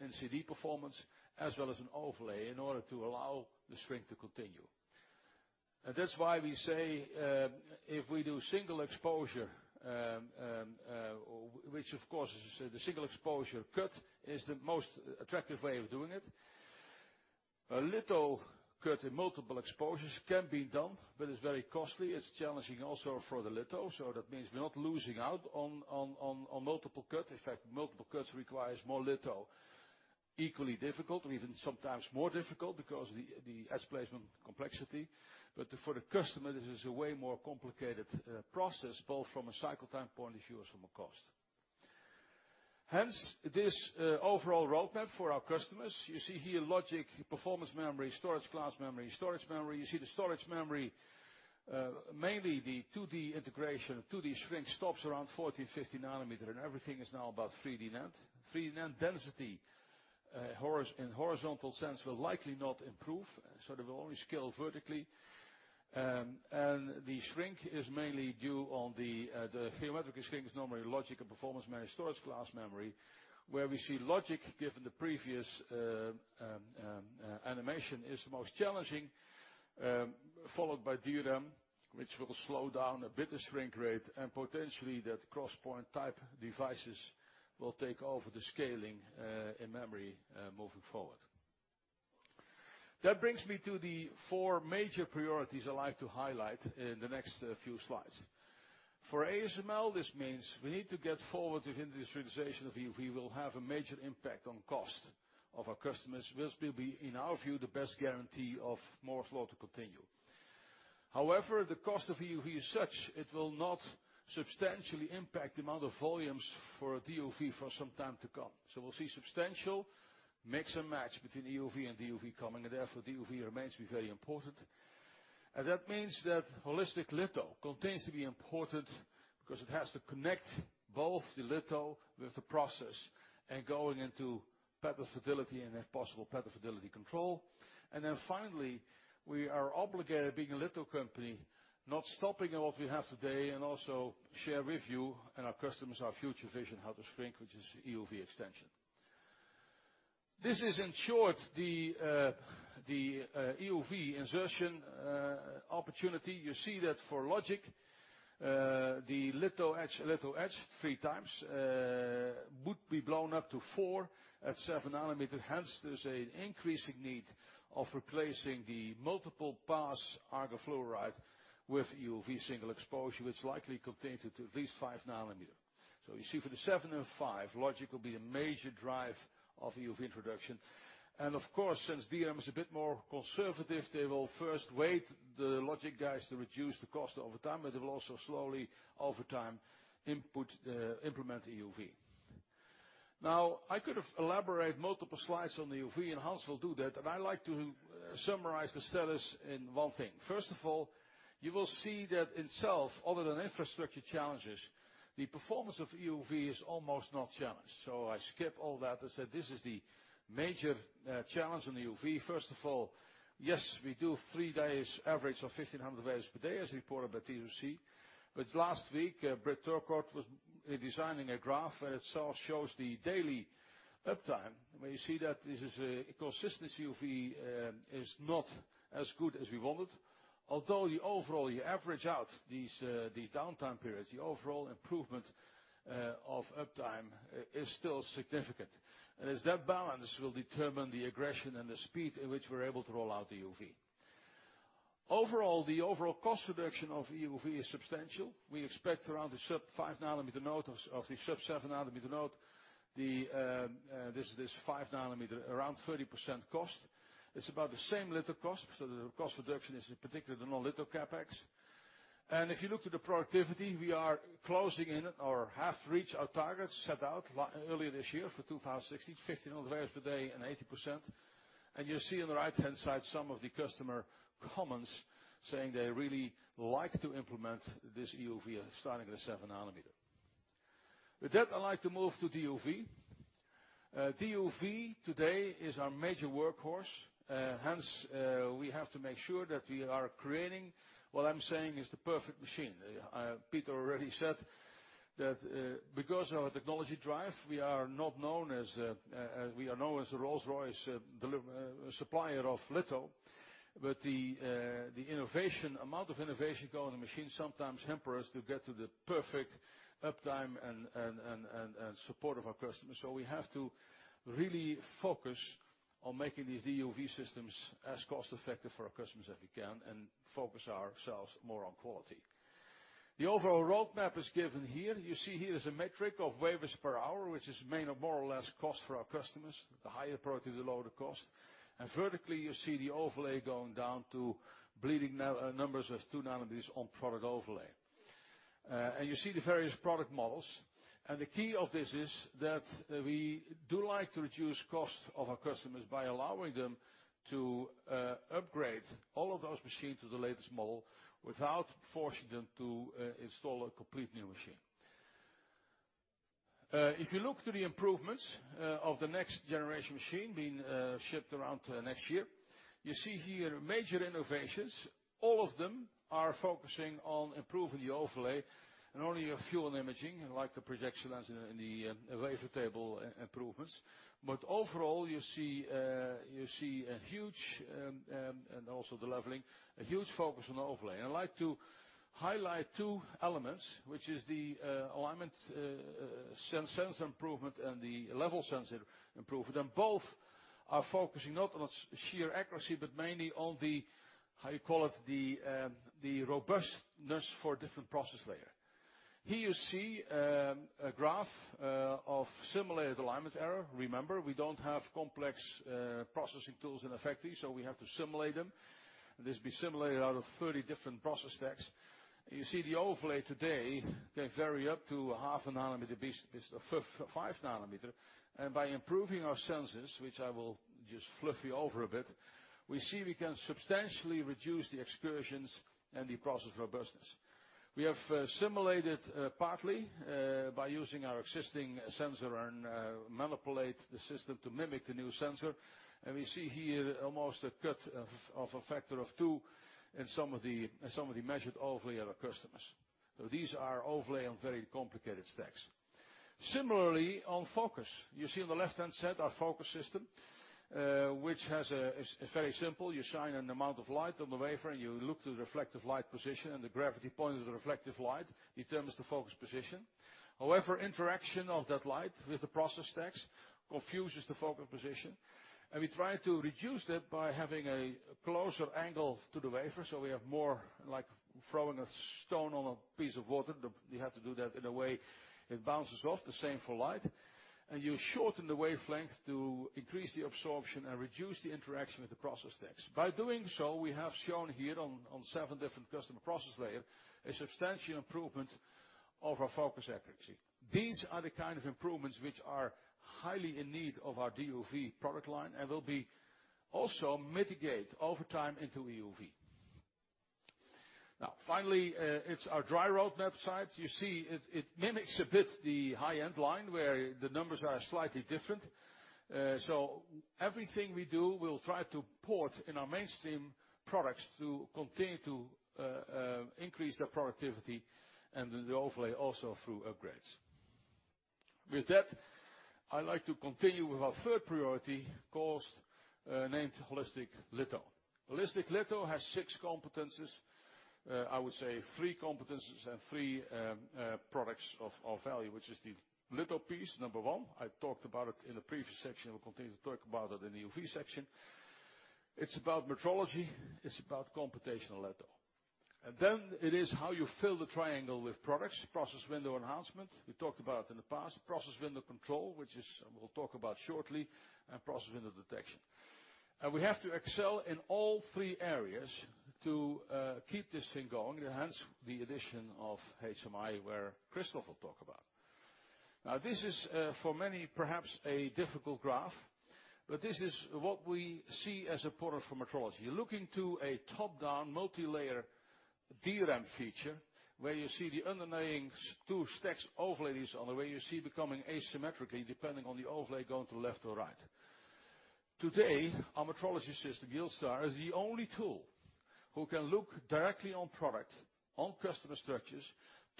in CD performance as well as an overlay in order to allow the shrink to continue. That's why we say, if we do single exposure, which of course is the single exposure cut, is the most attractive way of doing it. A litho cut in multiple exposures can be done, but it's very costly. It's challenging also for the litho. That means we're not losing out on multiple cut. In fact, multiple cuts requires more litho. Equally difficult or even sometimes more difficult because of the etch placement complexity. For the customer, this is a way more complicated process, both from a cycle time point of view or from a cost. Hence, this overall roadmap for our customers. You see here logic, performance memory, storage class memory, storage memory. You see the storage memory, mainly the 2D integration, 2D shrink stops around 40, 50 nanometer and everything is now about 3D NAND. 3D NAND density in horizontal sense will likely not improve. They will only scale vertically. The shrink is mainly due on the geometric shrink is normally logic and performance memory, storage class memory, where we see logic, given the previous animation, is the most challenging. Followed by DRAM, which will slow down a bit the shrink rate, and potentially that CrossPoint-type devices will take over the scaling in memory moving forward. That brings me to the 4 major priorities I'd like to highlight in the next few slides. For ASML, this means we need to get forward with industrialization of EUV. We will have a major impact on cost of our customers, which will be, in our view, the best guarantee of Moore's Law to continue. However, the cost of EUV is such, it will not substantially impact the amount of volumes for DUV for some time to come. We'll see substantial mix and match between EUV and DUV coming. DUV remains to be very important. That means that holistic litho continues to be important because it has to connect both the litho with the process and going into pattern fidelity and if possible, pattern fidelity control. We are obligated, being a little company, not stopping at what we have today and also share with you and our customers our future vision how to shrink, which is EUV extension. This is, in short, the EUV insertion opportunity. You see that for logic, the litho etch three times would be blown up to four at 7 nanometer. There's an increasing need of replacing the multiple-pass argon fluoride with EUV single exposure, which likely continues to at least 5 nanometer. You see for the 7 and 5, logic will be a major drive of EUV introduction. Since DM is a bit more conservative, they will first wait the logic guys to reduce the cost over time. They will also slowly, over time, implement EUV. I could have elaborated multiple slides on EUV. Hans will do that. I'd like to summarize the status in one thing. You will see that in itself, other than infrastructure challenges, the performance of EUV is almost not challenged. I skip all that. This is the major challenge on EUV. Yes, we do three days average of 1,500 wafers per day, as reported by TSMC. Last week, [Brett Turcot] was designing a graph. It shows the daily uptime, where you see that this is a consistency EUV is not as good as we wanted. Although overall, you average out these downtime periods. The overall improvement of uptime is still significant. It's that balance will determine the aggression and the speed at which we're able to roll out EUV. Overall, the overall cost reduction of EUV is substantial. We expect around the sub 5 nanometer node of the sub 7 nanometer node, this 5 nanometer, around 30% cost. It's about the same litho cost. The cost reduction is in particular the non-litho CapEx. If you look to the productivity, we are closing in or have to reach our targets set out earlier this year for 2016, 1,500 wafers per day and 80%. You see on the right-hand side some of the customer comments saying they really like to implement this EUV starting at 7 nanometer. With that, I'd like to move to DUV. DUV today is our major workhorse. We have to make sure that we are creating what I'm saying is the perfect machine. Peter already said that because of our technology drive, we are known as the Rolls-Royce supplier of litho. The amount of innovation going on in the machine sometimes hampers to get to the perfect uptime and support of our customers. We have to really focus on making these DUV systems as cost-effective for our customers as we can. Focus ourselves more on quality. The overall roadmap is given here. You see here is a metric of wafers per hour, which is mainly more or less cost for our customers. Vertically, you see the overlay going down to bleeding numbers of 2 nanometers on product overlay. You see the various product models. The key of this is that we do like to reduce cost of our customers by allowing them to upgrade all of those machines to the latest model without forcing them to install a complete new machine. If you look to the improvements of the next generation machine being shipped around next year, you see here major innovations. All of them are focusing on improving the overlay and only a few on imaging, like the projection lens and the wafer table improvements. Overall, you see a huge, and also the leveling, a huge focus on the overlay. I'd like to highlight 2 elements, which is the alignment sensor improvement and the level sensor improvement, both are focusing not on sheer accuracy, but mainly on the, how you call it, the robustness for different process layer. Here you see a graph of simulated alignment error. Remember, we don't have complex processing tools in effect, so we have to simulate them. This be simulated out of 30 different process stacks. You see the overlay today can vary up to a 0.5 nanometer, 5 nanometer. By improving our sensors, which I will just flip you over a bit, we see we can substantially reduce the excursions and the process robustness. We have simulated partly by using our existing sensor and manipulate the system to mimic the new sensor. We see here almost a cut of a factor of 2 in some of the measured overlay of our customers. These are overlay on very complicated stacks. Similarly, on focus. You see on the left-hand side our focus system, which is very simple. You shine an amount of light on the wafer, you look to the reflective light position, the gravity point of the reflective light determines the focus position. However, interaction of that light with the process stacks confuses the focus position. We try to reduce that by having a closer angle to the wafer, so we have more like throwing a stone on a piece of water. You have to do that in a way it bounces off, the same for light. You shorten the wavelength to increase the absorption and reduce the interaction with the process stacks. By doing so, we have shown here on 7 different customer process layers, a substantial improvement of our focus accuracy. These are the kind of improvements which are highly in need of our DUV product line and will be also mitigate over time into EUV. Finally, it's our dry roadmap slide. You see it mimics a bit the high-end line where the numbers are slightly different. Everything we do, we'll try to port in our mainstream products to continue to increase their productivity and the overlay also through upgrades. With that, I'd like to continue with our third priority, named holistic litho. Holistic litho has 6 competencies. I would say 3 competencies and 3 products of value, which is the litho piece, number 1. I talked about it in the previous section. We'll continue to talk about it in EUV section. It's about metrology. It's about computational litho. It is how you fill the triangle with products, process window enhancement, we talked about in the past. Process window control, which we'll talk about shortly, and process window detection. We have to excel in all three areas to keep this thing going, hence the addition of HMI, where Christophe will talk about. This is for many, perhaps a difficult graph, but this is what we see as a product for metrology. You're looking to a top-down multilayer DRAM feature where you see the underlying two stacks overlays on the way, you see becoming asymmetric depending on the overlay going to left or right. Today, our metrology system, YieldStar, is the only tool who can look directly on product, on customer structures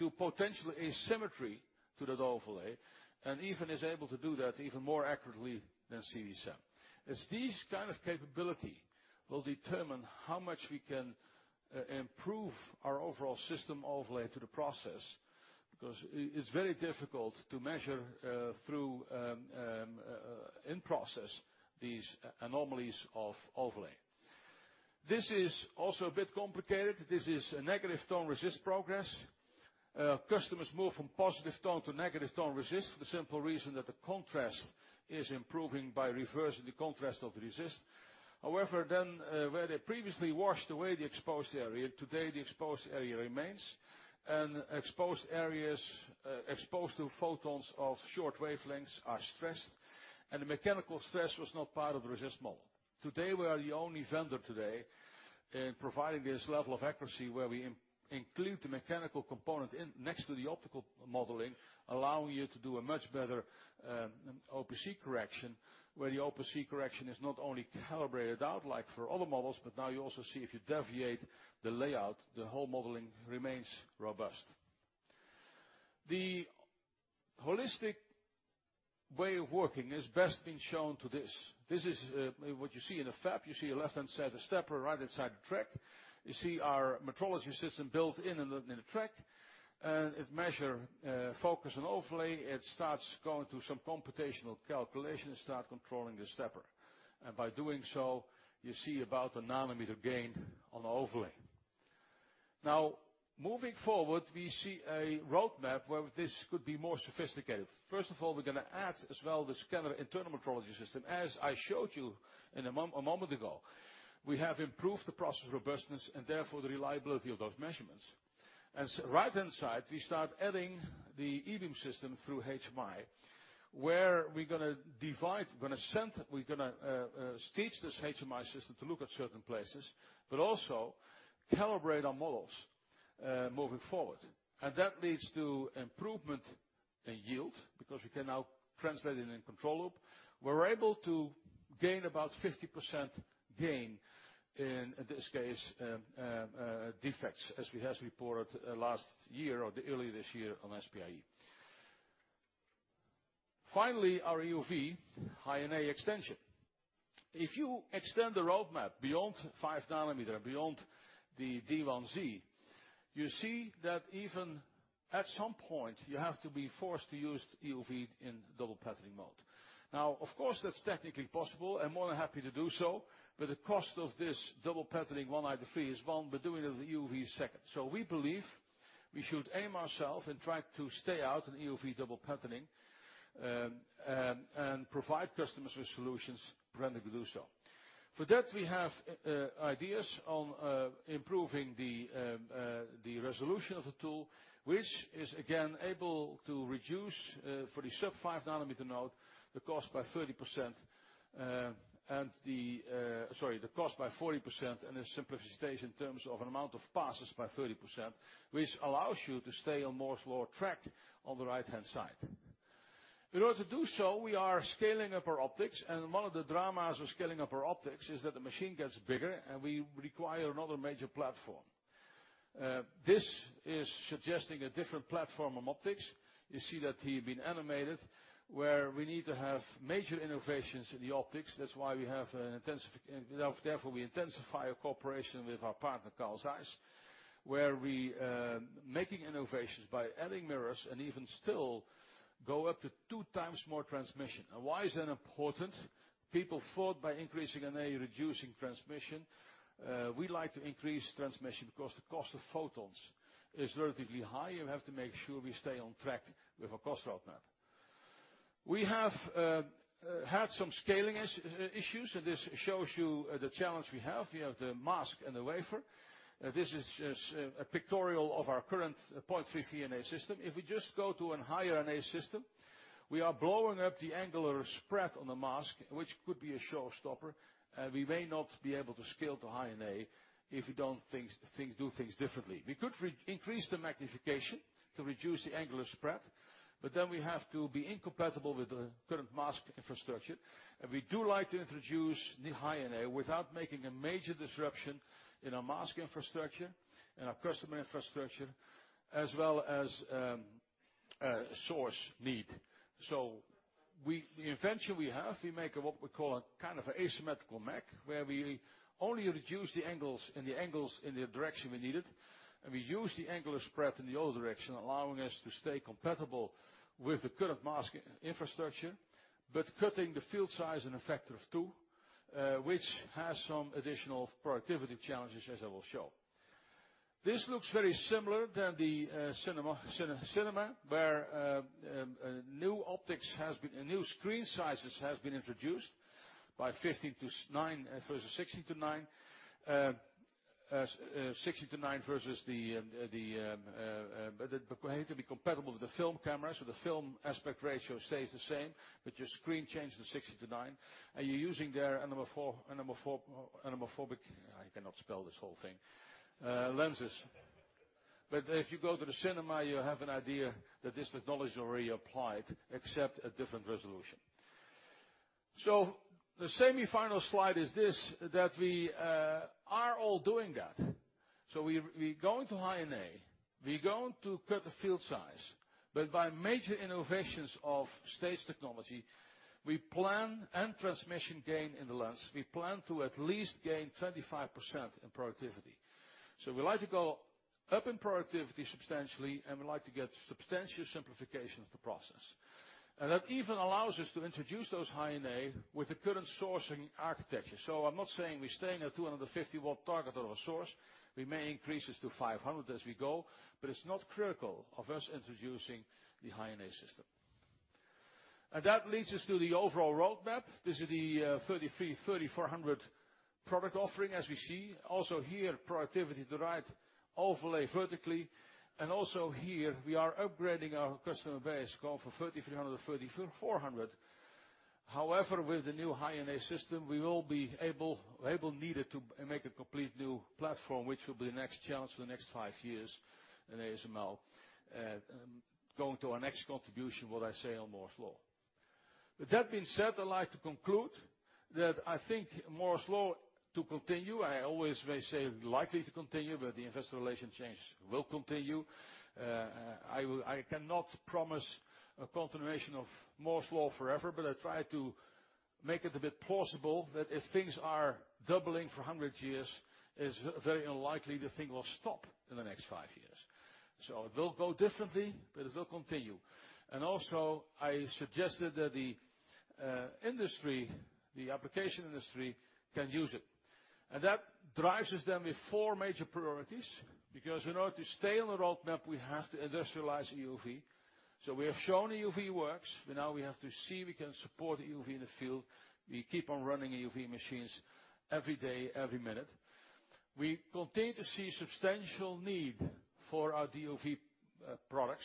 to potential asymmetry to that overlay, and even is able to do that even more accurately than CD-SEM. These kind of capability will determine how much we can improve our overall system overlay to the process, because it's very difficult to measure through in process these anomalies of overlay. This is also a bit complicated. This is a negative tone resist progress. Customers move from positive tone to negative tone resist for the simple reason that the contrast is improving by reversing the contrast of the resist. However, where they previously washed away the exposed area, today the exposed area remains, and exposed areas, exposed to photons of short wavelengths are stressed, and the mechanical stress was not part of the resist model. Today we are the only vendor today in providing this level of accuracy where we include the mechanical component next to the optical modeling, allowing you to do a much better OPC correction, where the OPC correction is not only calibrated out like for other models, but now you also see if you deviate the layout, the whole modeling remains robust. The holistic way of working is best being shown to this. This is what you see in a fab. You see left-hand side, a stepper, right-hand side, a track. You see our metrology system built in a track. It measure focus and overlay. It starts going through some computational calculations, start controlling the stepper. By doing so, you see about a nanometer gain on the overlay. Moving forward, we see a roadmap where this could be more sophisticated. First of all, we're going to add as well the scanner internal metrology system. As I showed you a moment ago, we have improved the process robustness and therefore the reliability of those measurements. Right-hand side, we start adding the E-beam system through HMI, where we're going to teach this HMI system to look at certain places, but also calibrate our models moving forward. That leads to improvement in yield because we can now translate it in control loop. We're able to gain about 50% gain in this case, defects, as we have reported last year or early this year on SPIE. Finally, our EUV high NA extension. If you extend the roadmap beyond five nanometer, beyond the D1Z, you see that even at some point, you have to be forced to use EUV in double patterning mode. That's technically possible and more than happy to do so, but the cost of this double patterning one eye to three is one, but doing it with EUV is second. We believe we should aim ourselves and try to stay out in EUV double patterning, and provide customers with solutions when they could do so. For that, we have ideas on improving the resolution of the tool, which is again, able to reduce for the sub 5-nanometer node, the cost by 40% and a simplification in terms of an amount of passes by 30%, which allows you to stay on more slower track on the right-hand side. In order to do so, we are scaling up our optics, and one of the dramas of scaling up our optics is that the machine gets bigger and we require another major platform. This is suggesting a different platform of optics. You see that here it's been animated, where we need to have major innovations in the optics. Therefore, we intensify our cooperation with our partner, Carl Zeiss, where we are making innovations by adding mirrors and even still go up to 2 times more transmission. Why is that important? People thought by increasing NA, reducing transmission. We like to increase transmission because the cost of photons is relatively high, and we have to make sure we stay on track with our cost roadmap. We have had some scaling issues, and this shows you the challenge we have. We have the mask and the wafer. This is just a pictorial of our current 0.33 NA system. If we just go to a higher NA system, we are blowing up the angular spread on the mask, which could be a showstopper. We may not be able to scale to high NA if we don't do things differently. We could increase the magnification to reduce the angular spread, but then we have to be incompatible with the current mask infrastructure. We do like to introduce the high NA without making a major disruption in our mask infrastructure and our customer infrastructure as well as source need. The invention we have, we make what we call a kind of an asymmetrical mask, where we only reduce the angles in the direction we need it, and we use the angular spread in the other direction, allowing us to stay compatible with the current mask infrastructure, but cutting the field size in a factor of 2, which has some additional productivity challenges, as I will show. This looks very similar than the cinema, where new screen sizes have been introduced by 16 to 9. We have to be compatible with the film camera, so the film aspect ratio stays the same, but your screen changes to 16 to 9, and you're using their anamorphic, I cannot spell this whole thing, lenses. If you go to the cinema, you have an idea that this technology already applied, except a different resolution. The semifinal slide is this, that we are all doing that. We're going to high NA, we're going to cut the field size, but by major innovations of stage technology and transmission gain in the lens, we plan to at least gain 25% in productivity. We like to go up in productivity substantially, and we like to get substantial simplification of the process. That even allows us to introduce those High-NA with the current sourcing architecture. I'm not saying we're staying at 250 W target of a source. We may increase this to 500 as we go, but it's not critical of us introducing the High-NA system. That leads us to the overall roadmap. This is the 33/3400 product offering, as we see. Also here, productivity to right overlay vertically. Also here, we are upgrading our customer base going from NXE:3300 to NXE:3400. However, with the new High-NA system, we will be able, needed to make a complete new platform, which will be the next challenge for the next 5 years in ASML, going to our next contribution, what I say on Moore's Law. With that being said, I'd like to conclude that I think Moore's Law to continue, I always may say likely to continue, but the investor relations change will continue. I cannot promise a continuation of Moore's Law forever, but I try to make it a bit plausible that if things are doubling for 100 years, it's very unlikely the thing will stop in the next 5 years. It will go differently, but it will continue. Also, I suggested that the application industry can use it. That drives us then with four major priorities, because in order to stay on the roadmap, we have to industrialize EUV. We have shown EUV works, but now we have to see we can support EUV in the field. We keep on running EUV machines every day, every minute. We continue to see substantial need for our DUV products,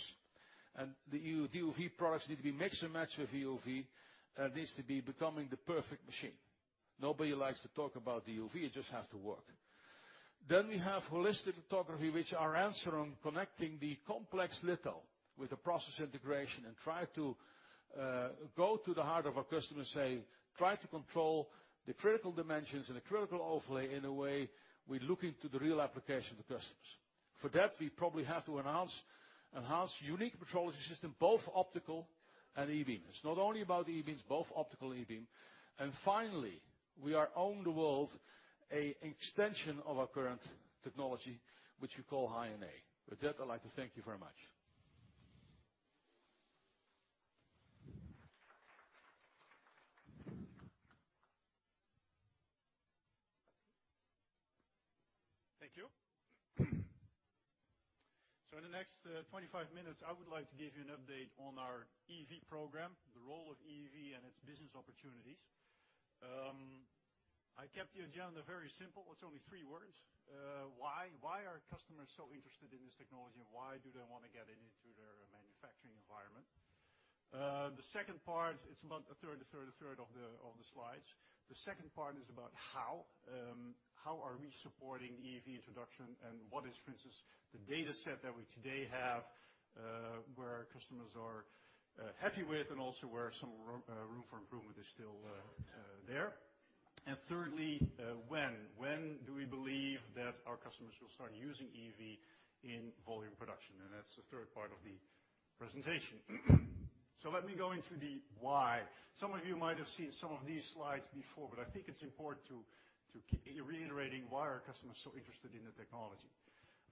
the DUV products need to be mix and match with EUV, needs to be becoming the perfect machine. Nobody likes to talk about DUV, it just has to work. We have holistic lithography, which are answering, connecting the complex little with the process integration and try to go to the heart of our customer, say, try to control the critical dimensions and the critical overlay in a way we look into the real application of the customers. For that, we probably have to enhance unique metrology system, both optical and E-beam. It's not only about E-beams, both optical and E-beam. Finally, we are on the world, a extension of our current technology, which we call High-NA. With that, I'd like to thank you very much. Thank you. In the next 25 minutes, I would like to give you an update on our EUV program, the role of EUV and its business opportunities. I kept the agenda very simple. It's only three words. Why are customers so interested in this technology, why do they want to get it into their manufacturing environment? The second part, it's about a third, a third, a third of the slides. The second part is about how are we supporting EUV introduction and what is, for instance, the data set that we today have, where our customers are happy with and also where some room for improvement is still there. Thirdly, when. When do we believe that our customers will start using EUV in volume production? That's the third part of the presentation. Let me go into the why. Some of you might have seen some of these slides before, but I think it's important to keep reiterating why our customers are so interested in the technology.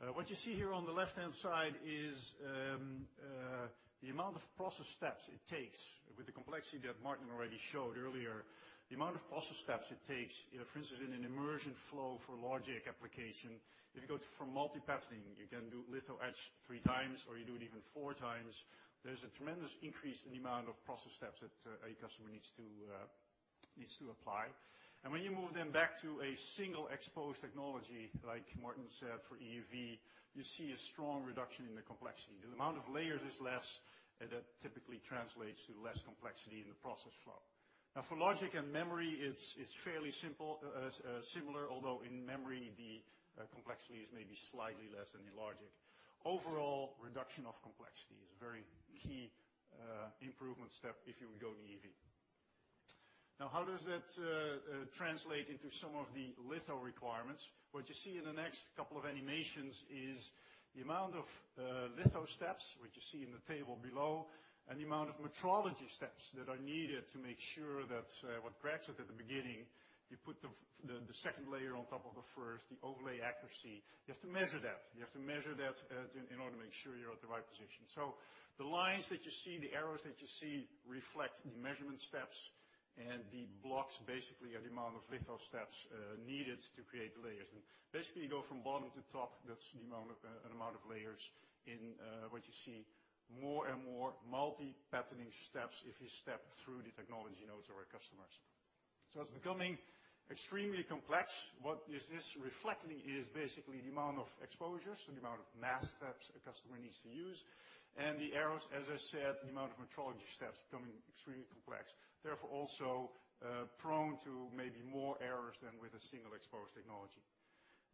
What you see here on the left-hand side is the amount of process steps it takes with the complexity that Martin already showed earlier, the amount of process steps it takes, for instance, in an immersion flow for logic application, if you go from multi-patterning, you can do litho etch three times, or you do it even four times. There's a tremendous increase in the amount of process steps that a customer needs to apply. When you move them back to a single exposed technology, like Martin said, for EUV, you see a strong reduction in the complexity. The amount of layers is less, and that typically translates to less complexity in the process flow. For logic and memory, it's fairly similar, although in memory, the complexity is maybe slightly less than in logic. Overall, reduction of complexity is a very key improvement step if you go to EUV. How does that translate into some of the litho requirements? What you see in the next couple of animations is the amount of litho steps, which you see in the table below, and the amount of metrology steps that are needed to make sure that what cracks it at the beginning, you put the second layer on top of the first, the overlay accuracy. You have to measure that. You have to measure that in order to make sure you're at the right position. The lines that you see, the arrows that you see, reflect the measurement steps, and the blocks basically are the amount of litho steps needed to create the layers. Basically, you go from bottom to top, that's the amount of layers in what you see more and more multi-patterning steps if you step through the technology nodes of our customers. It's becoming extremely complex. What this is reflecting is basically the amount of exposures, the amount of mask steps a customer needs to use, and the arrows, as I said, the amount of metrology steps becoming extremely complex, therefore also prone to maybe more errors than with a single exposed technology.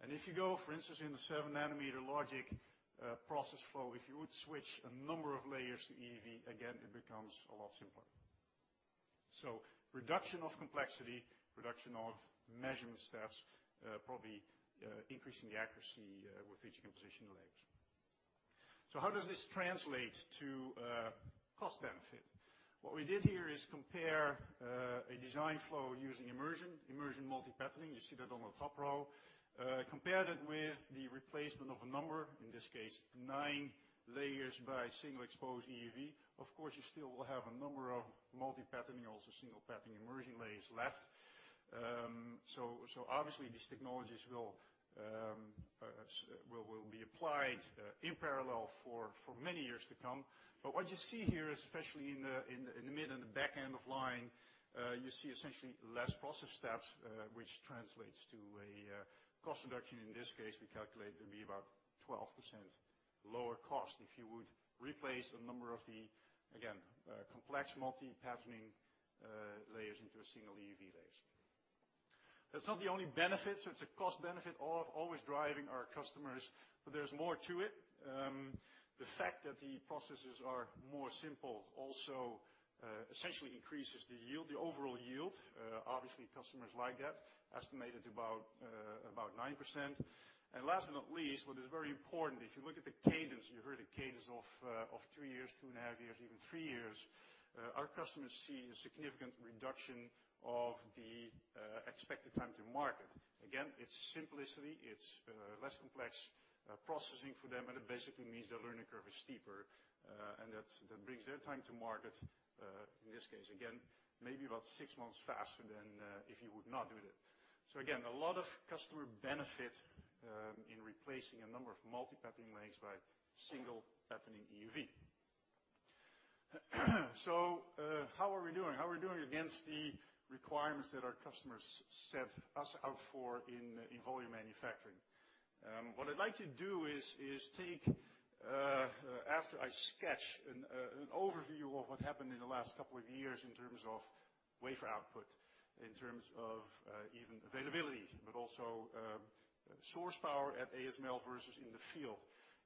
If you go, for instance, in the seven nanometer logic process flow, if you would switch a number of layers to EUV, again, it becomes a lot simpler. Reduction of complexity, reduction of measurement steps, probably increasing the accuracy with each positional edge. How does this translate to cost benefit? What we did here is compare a design flow using immersion multi-patterning, you see that on the top row, compared it with the replacement of a number, in this case, nine layers by single exposed EUV. Of course, you still will have a number of multi-patterning, also single patterning immersion layers left. Obviously, these technologies will be applied in parallel for many years to come. What you see here, especially in the mid and the back end of line, you see essentially less process steps, which translates to a cost reduction. In this case, we calculate it to be about 12% lower cost if you would replace a number of the, again complex multi-patterning, layers into a single EUV layers. That's not the only benefit. It's a cost benefit, always driving our customers, but there's more to it. The fact that the processes are more simple also essentially increases the yield, the overall yield. Obviously, customers like that, estimated about 9%. Last but not least, what is very important, if you look at the cadence, you heard a cadence of two years, two and a half years, even three years, our customers see a significant reduction of the expected time to market. Again, it's simplicity. It's less complex processing for them, and it basically means the learning curve is steeper, and that brings their time to market, in this case, again, maybe about six months faster than if you would not do it. Again, a lot of customer benefit in replacing a number of multi-patterning layers by single patterning EUV. How are we doing? How are we doing against the requirements that our customers set us out for in volume manufacturing? What I'd like to do is take, after I sketch an overview of what happened in the last couple of years in terms of wafer output, in terms of even availability, but also source power at ASML versus in the field.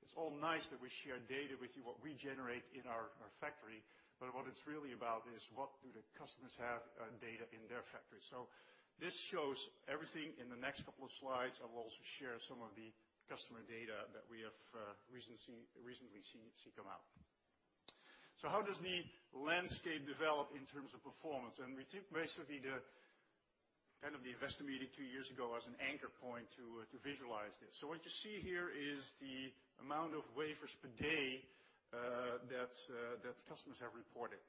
It's all nice that we share data with you, what we generate in our factory, but what it's really about is what do the customers have data in their factory. This shows everything in the next couple of slides. I will also share some of the customer data that we have recently seen come out. How does the landscape develop in terms of performance? We took basically the kind of the investor meeting two years ago as an anchor point to visualize this. What you see here is the amount of wafers per day that customers have reported,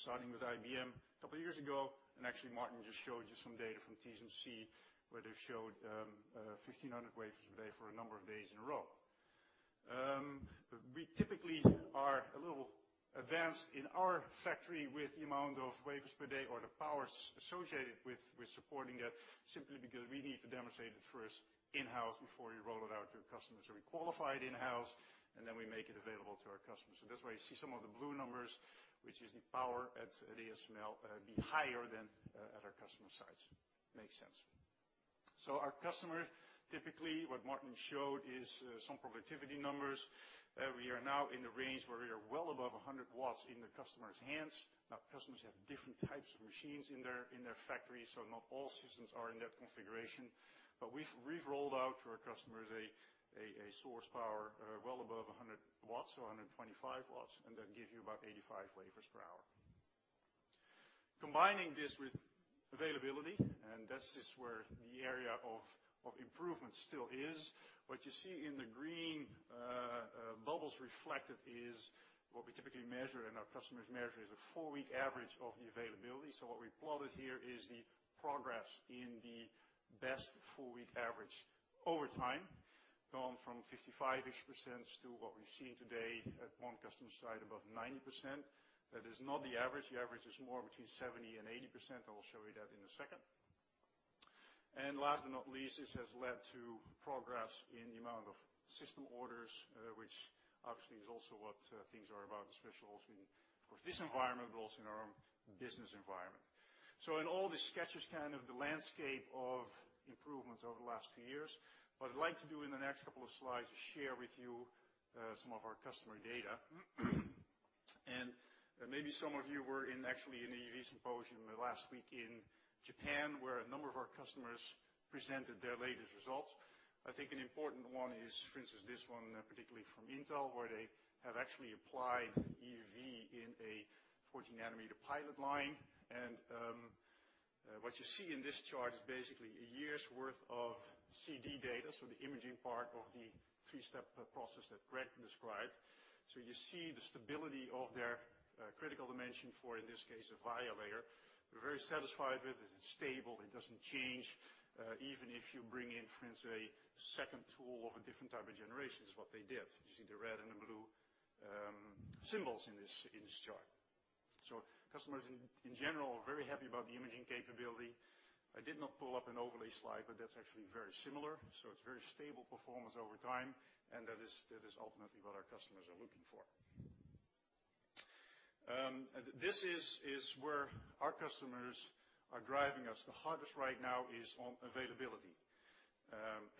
starting with IBM a couple of years ago, and actually Martin just showed you some data from TSMC, where they showed 1,500 wafers a day for a number of days in a row. We typically are a little advanced in our factory with the amount of wafers per day or the powers associated with supporting that, simply because we need to demonstrate it first in-house before we roll it out to customers. We qualify it in-house, and then we make it available to our customers. That's why you see some of the blue numbers, which is the power at ASML, be higher than at our customer sites. Makes sense. Our customers, typically, what Martin showed is some productivity numbers. We are now in the range where we are well above 100 watts in the customer's hands. Customers have different types of machines in their factories, so not all systems are in that configuration. We've rolled out to our customers a source power well above 100 watts to 125 watts, and that gives you about 85 wafers per hour. Combining this with availability, and this is where the area of improvement still is. What you see in the green bubbles reflected is what we typically measure and our customers measure, is a four-week average of the availability. What we plotted here is the progress in the best four-week average over time, gone from 55%-ish to what we're seeing today at one customer site, above 90%. That is not the average. The average is more between 70% and 80%. I will show you that in a second. Last but not least, this has led to progress in the amount of system orders, which obviously is also what things are about, especially also in this environment, but also in our own business environment. In all the sketches kind of the landscape of improvements over the last few years, what I'd like to do in the next couple of slides is share with you some of our customer data. Maybe some of you were actually in EUV Symposium last week in Japan, where a number of our customers presented their latest results. I think an important one is, for instance, this one, particularly from Intel, where they have actually applied EUV in a 14-nanometer pilot line. What you see in this chart is basically a year's worth of CD data, so the imaging part of the 3-step process that Craig described. You see the stability of their critical dimension for, in this case, a via layer. We're very satisfied with it. It's stable. It doesn't change. Even if you bring in, for instance, a 2nd tool of a different type of generation, is what they did. You see the red and the blue symbols in this chart. Customers, in general, are very happy about the imaging capability. I did not pull up an overlay slide, but that's actually very similar. It's very stable performance over time, and that is ultimately what our customers are looking for. This is where our customers are driving us the hardest right now, is on availability.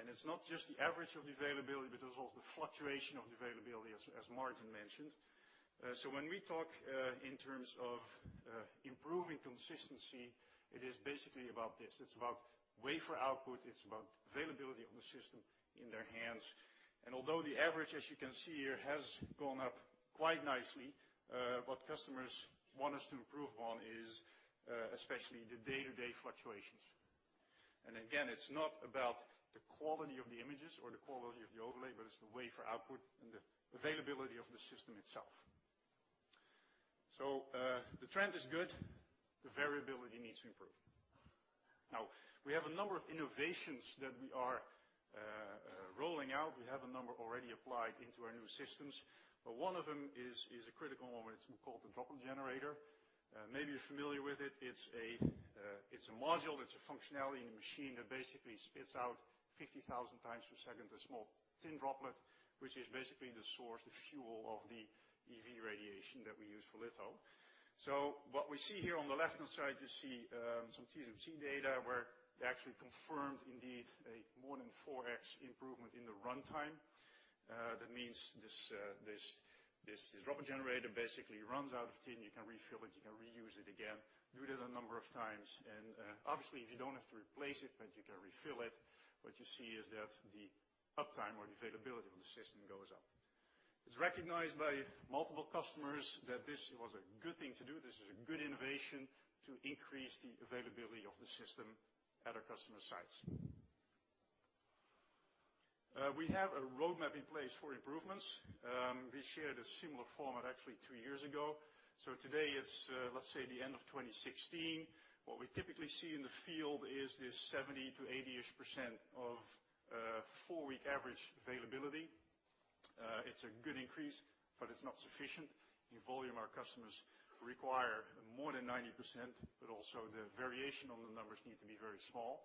It's not just the average of the availability, but it's also the fluctuation of the availability, as Martin mentioned. When we talk in terms of improving consistency, it is basically about this. It's about wafer output. It's about availability of the system in their hands. Although the average, as you can see here, has gone up quite nicely, what customers want us to improve on is especially the day-to-day fluctuations. Again, it's not about the quality of the images or the quality of the overlay, but it's the wafer output and the availability of the system itself. The trend is good. The variability needs to improve. We have a number of innovations that we are rolling out. We have a number already applied into our new systems, but one of them is a critical one. It's called the droplet generator. Maybe you're familiar with it. It's a module. It's a functionality in a machine that basically spits out 50,000 times per second, a small, thin droplet, which is basically the source, the fuel of the EUV radiation that we use for litho. What we see here on the left-hand side, you see some TSMC data where they actually confirmed indeed a more than 4X improvement in the runtime. That means this droplet generator basically runs out of tin. You can refill it. You can reuse it again, do that a number of times. Obviously, if you don't have to replace it, but you can refill it, what you see is that the uptime or the availability of the system goes up. It's recognized by multiple customers that this was a good thing to do. This is a good innovation to increase the availability of the system at our customer sites. We have a roadmap in place for improvements. We shared a similar format actually two years ago. Today it's, let's say, the end of 2016. What we typically see in the field is this 70% to 80-ish percent of four-week average availability. It's a good increase, but it's not sufficient. In volume, our customers require more than 90%, but also the variation on the numbers need to be very small.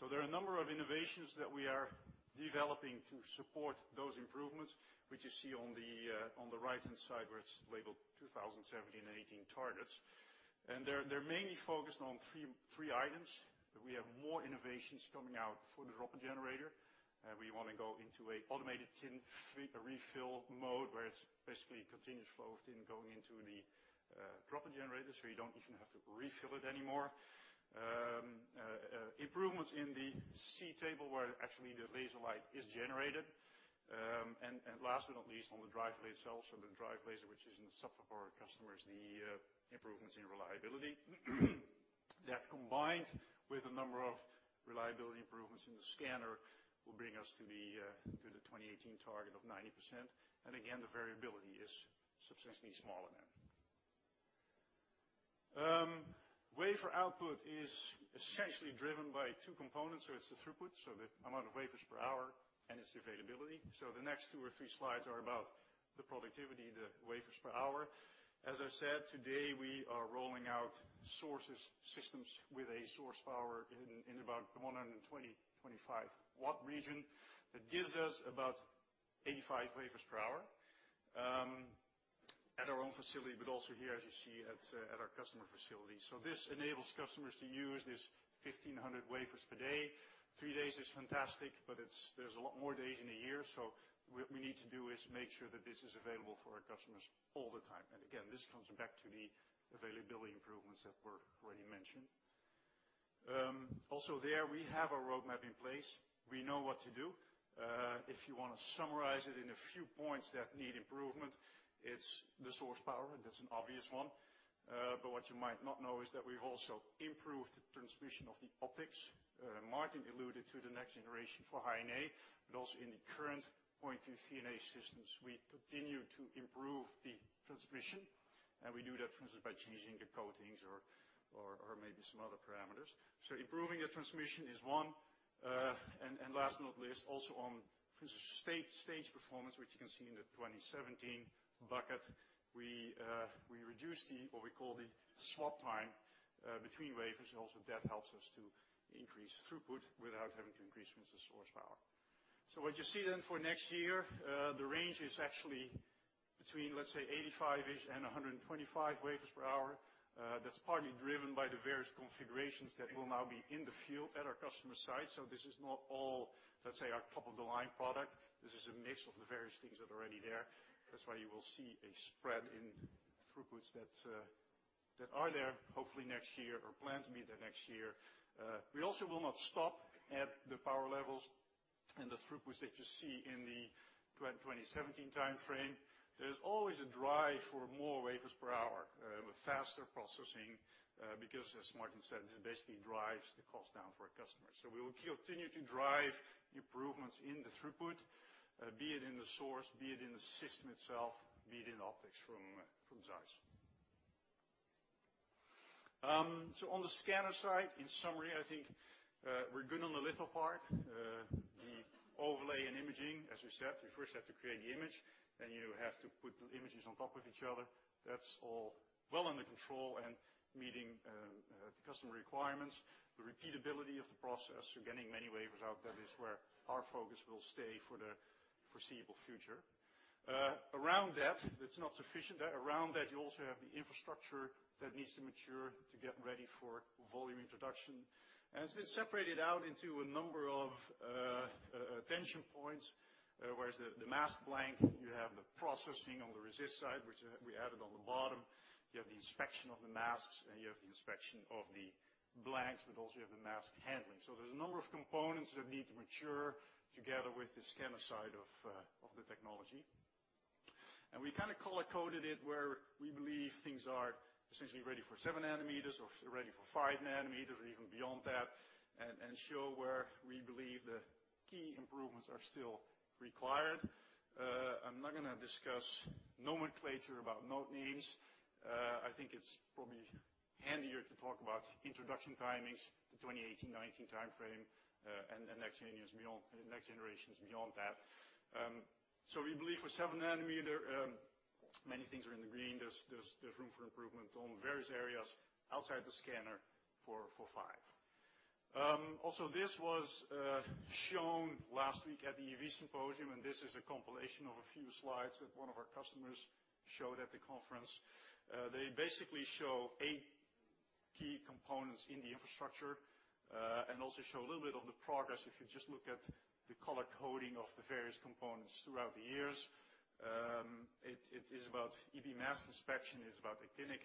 There are a number of innovations that we are developing to support those improvements, which you see on the right-hand side, where it's labeled 2017 and 2018 targets. They're mainly focused on three items. We have more innovations coming out for the droplet generator. We want to go into an automated tin refill mode, where it's basically a continuous flow of tin going into the droplet generator, so you don't even have to refill it anymore. Improvements in the seed table, where actually the laser light is generated. Last but not least, on the drive laser itself. The drive laser, which is an issue for our customers, the improvements in reliability. That combined with a number of reliability improvements in the scanner will bring us to the 2018 target of 90%. Again, the variability is substantially smaller then. Wafer output is essentially driven by two components, it's the throughput, the amount of wafers per hour, and its availability. The next two or three slides are about the productivity, the wafers per hour. As I said, today, we are rolling out systems with a source power in about 120, 125-watt region. That gives us about 85 wafers per hour. At our own facility, but also here, as you see at our customer facilities. This enables customers to use these 1,500 wafers per day. Three days is fantastic, but there's a lot more days in a year. What we need to do is make sure that this is available for our customers all the time. Again, this comes back to the availability improvements that were already mentioned. Also there, we have a roadmap in place. We know what to do. If you want to summarize it in a few points that need improvement, it's the source power, that's an obvious one. But what you might not know is that we've also improved the transmission of the optics. Martin alluded to the next generation for High-NA, but also in the current 0.3 NA systems, we continue to improve the transmission, and we do that, for instance, by changing the coatings or maybe some other parameters. Improving the transmission is one. Last but not least, also on stage performance, which you can see in the 2017 bucket, we reduced what we call the swap time between wafers, and also that helps us to increase throughput without having to increase source power. What you see then for next year, the range is actually between, let's say, 85-ish and 125 wafers per hour. That's partly driven by the various configurations that will now be in the field at our customer site. This is not all, let's say, our top-of-the-line product. This is a mix of the various things that are already there. That's why you will see a spread in throughputs that are there, hopefully next year or planned to be there next year. We also will not stop at the power levels and the throughputs that you see in the 2017 timeframe. There's always a drive for more wafers per hour, with faster processing, because as Martin said, this basically drives the cost down for a customer. We will continue to drive improvements in the throughput, be it in the source, be it in the system itself, be it in optics from ZEISS. On the scanner side, in summary, I think, we're good on the litho part. The overlay and imaging, as we said, we first have to create the image, then you have to put the images on top of each other. That's all well under control and meeting the customer requirements. The repeatability of the process, so getting many wafers out, that is where our focus will stay for the foreseeable future. Around that, it's not sufficient. Around that, you also have the infrastructure that needs to mature to get ready for volume introduction, it's been separated out into a number of attention points. Whereas the mask blank, you have the processing on the resist side, which we added on the bottom. You have the inspection of the masks, and you have the inspection of the blanks, but also you have the mask handling. There's a number of components that need to mature together with the scanner side of the technology. We kind of color-coded it where we believe things are essentially ready for 7 nanometers or ready for 5 nanometers or even beyond that, and show where we believe the key improvements are still required. I'm not going to discuss nomenclature about node names. I think it's probably handier to talk about introduction timings, the 2018-2019 timeframe, and next generations beyond that. We believe for 7 nanometer, many things are in the green. There's room for improvement on various areas outside the scanner for 5. Also, this was shown last week at the EUV Symposium, and this is a compilation of a few slides that one of our customers showed at the conference. They basically show 8 key components in the infrastructure, also show a little bit of the progress. If you just look at the color coding of the various components throughout the years, it is about EUV mask inspection, it's about actinic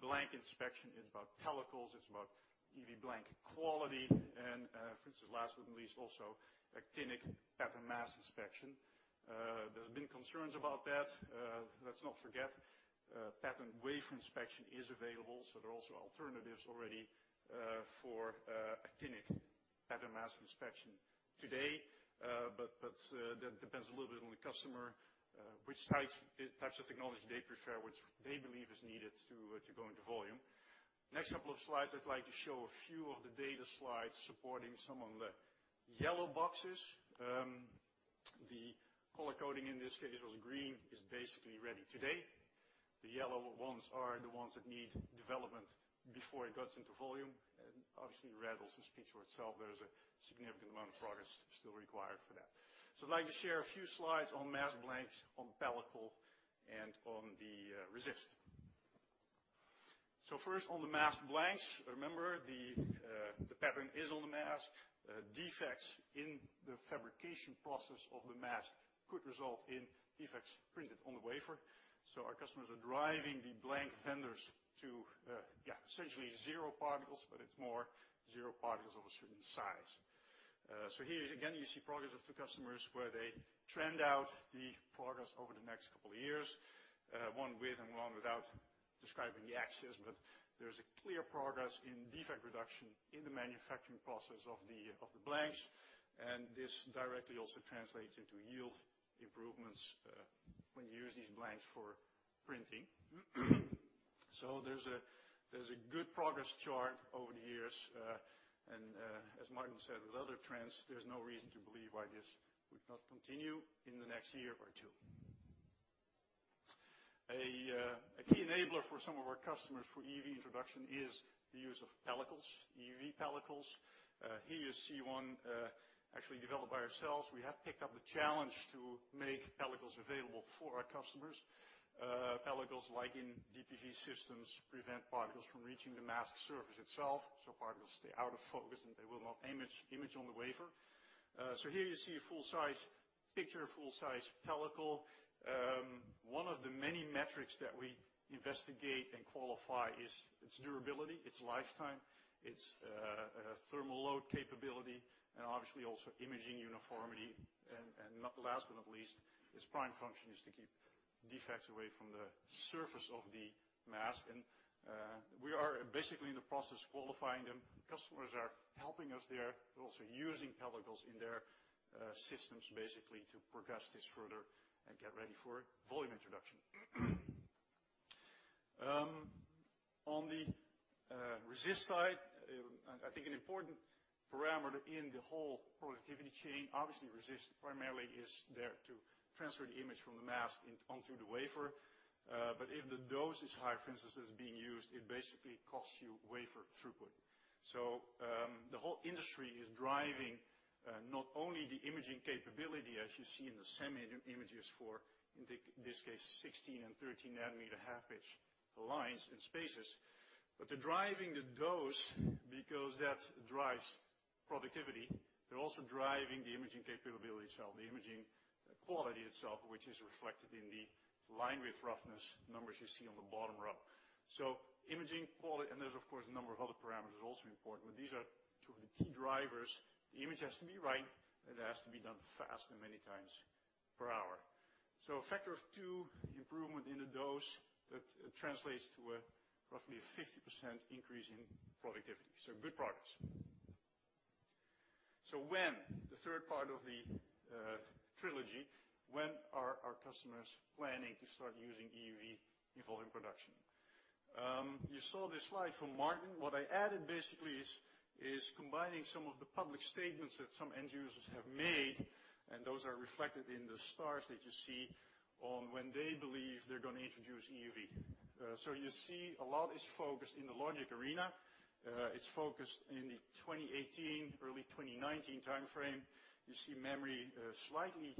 blank inspection, it's about pellicles, it's about EUV blank quality, and last but not least, also actinic pattern mask inspection. There's been concerns about that. Let's not forget, pattern wafer inspection is available, there are also alternatives already for actinic pattern mask inspection today. That depends a little bit on the customer, which types of technology they prefer, which they believe is needed to go into volume. Next couple of slides, I'd like to show a few of the data slides supporting some of the yellow boxes. The color coding in this case was green, is basically ready today. The yellow ones are the ones that need development before it goes into volume. Obviously, red speaks for itself. There is a significant amount of progress still required for that. I'd like to share a few slides on mask blanks, on pellicle, and on the resist. First, on the mask blanks, remember the pattern is on the mask. Defects in the fabrication process of the mask could result in defects printed on the wafer. Our customers are driving the blank vendors to essentially zero particles, but it's more zero particles of a certain size. Here again, you see progress of the customers where they trend out the progress over the next couple of years, one with and one without describing the axes. There is a clear progress in defect reduction in the manufacturing process of the blanks, and this directly also translates into yield improvements, when you use these blanks for printing. There is a good progress chart over the years. As Martin said, with other trends, there is no reason to believe why this would not continue in the next year or two. A key enabler for some of our customers for EUV introduction is the use of pellicles, EUV pellicles. Here you see one, actually developed by ourselves. We have taken up the challenge to make pellicles available for our customers. Pellicles, like in DUV systems, prevent particles from reaching the mask surface itself, so particles stay out of focus, and they will not image on the wafer. Here you see a full-size picture, full-size pellicle. One of the many metrics that we investigate and qualify is its durability, its lifetime, its thermal load capability, and obviously also imaging uniformity. Last but not least, its prime function is to keep defects away from the surface of the mask. We are basically in the process of qualifying them. Customers are helping us there. They are also using pellicles in their systems, basically to progress this further and get ready for volume introduction. On the resist side, I think an important parameter in the whole productivity chain, obviously resist primarily is there to transfer the image from the mask onto the wafer. If the dose is high, for instance, as being used, it basically costs you wafer throughput. The whole industry is driving not only the imaging capability, as you see in the SEM images for, in this case, 16 and 13 nanometer half pitch lines and spaces, but they are driving the dose, because that drives productivity. They are also driving the imaging capability itself, the imaging quality itself, which is reflected in the line width roughness numbers you see on the bottom row. There is, of course, a number of other parameters also important, but these are two of the key drivers. The image has to be right, and it has to be done fast and many times per hour. A factor of two improvement in the dose, that translates to roughly a 50% increase in productivity. Good progress. When? The third part of the trilogy, when are our customers planning to start using EUV involved in production? You saw this slide from Martin. What I added basically is combining some of the public statements that some end users have made, and those are reflected in the stars that you see on when they believe they are going to introduce EUV. You see a lot is focused in the logic arena. It is focused in the 2018, early 2019 timeframe. You see memory slightly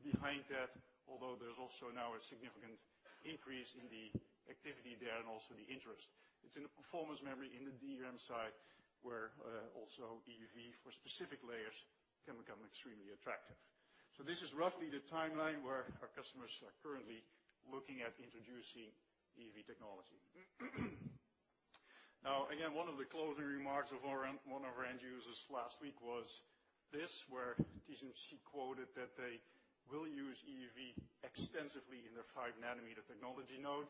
behind that, although there is also now a significant increase in the activity there and also the interest. It is in the performance memory in the DRAM side, where also EUV for specific layers can become extremely attractive. This is roughly the timeline where our customers are currently looking at introducing EUV technology. Again, one of the closing remarks of one of our end users last week was this, where TSMC quoted that they will use EUV extensively in their 5 nanometer technology node.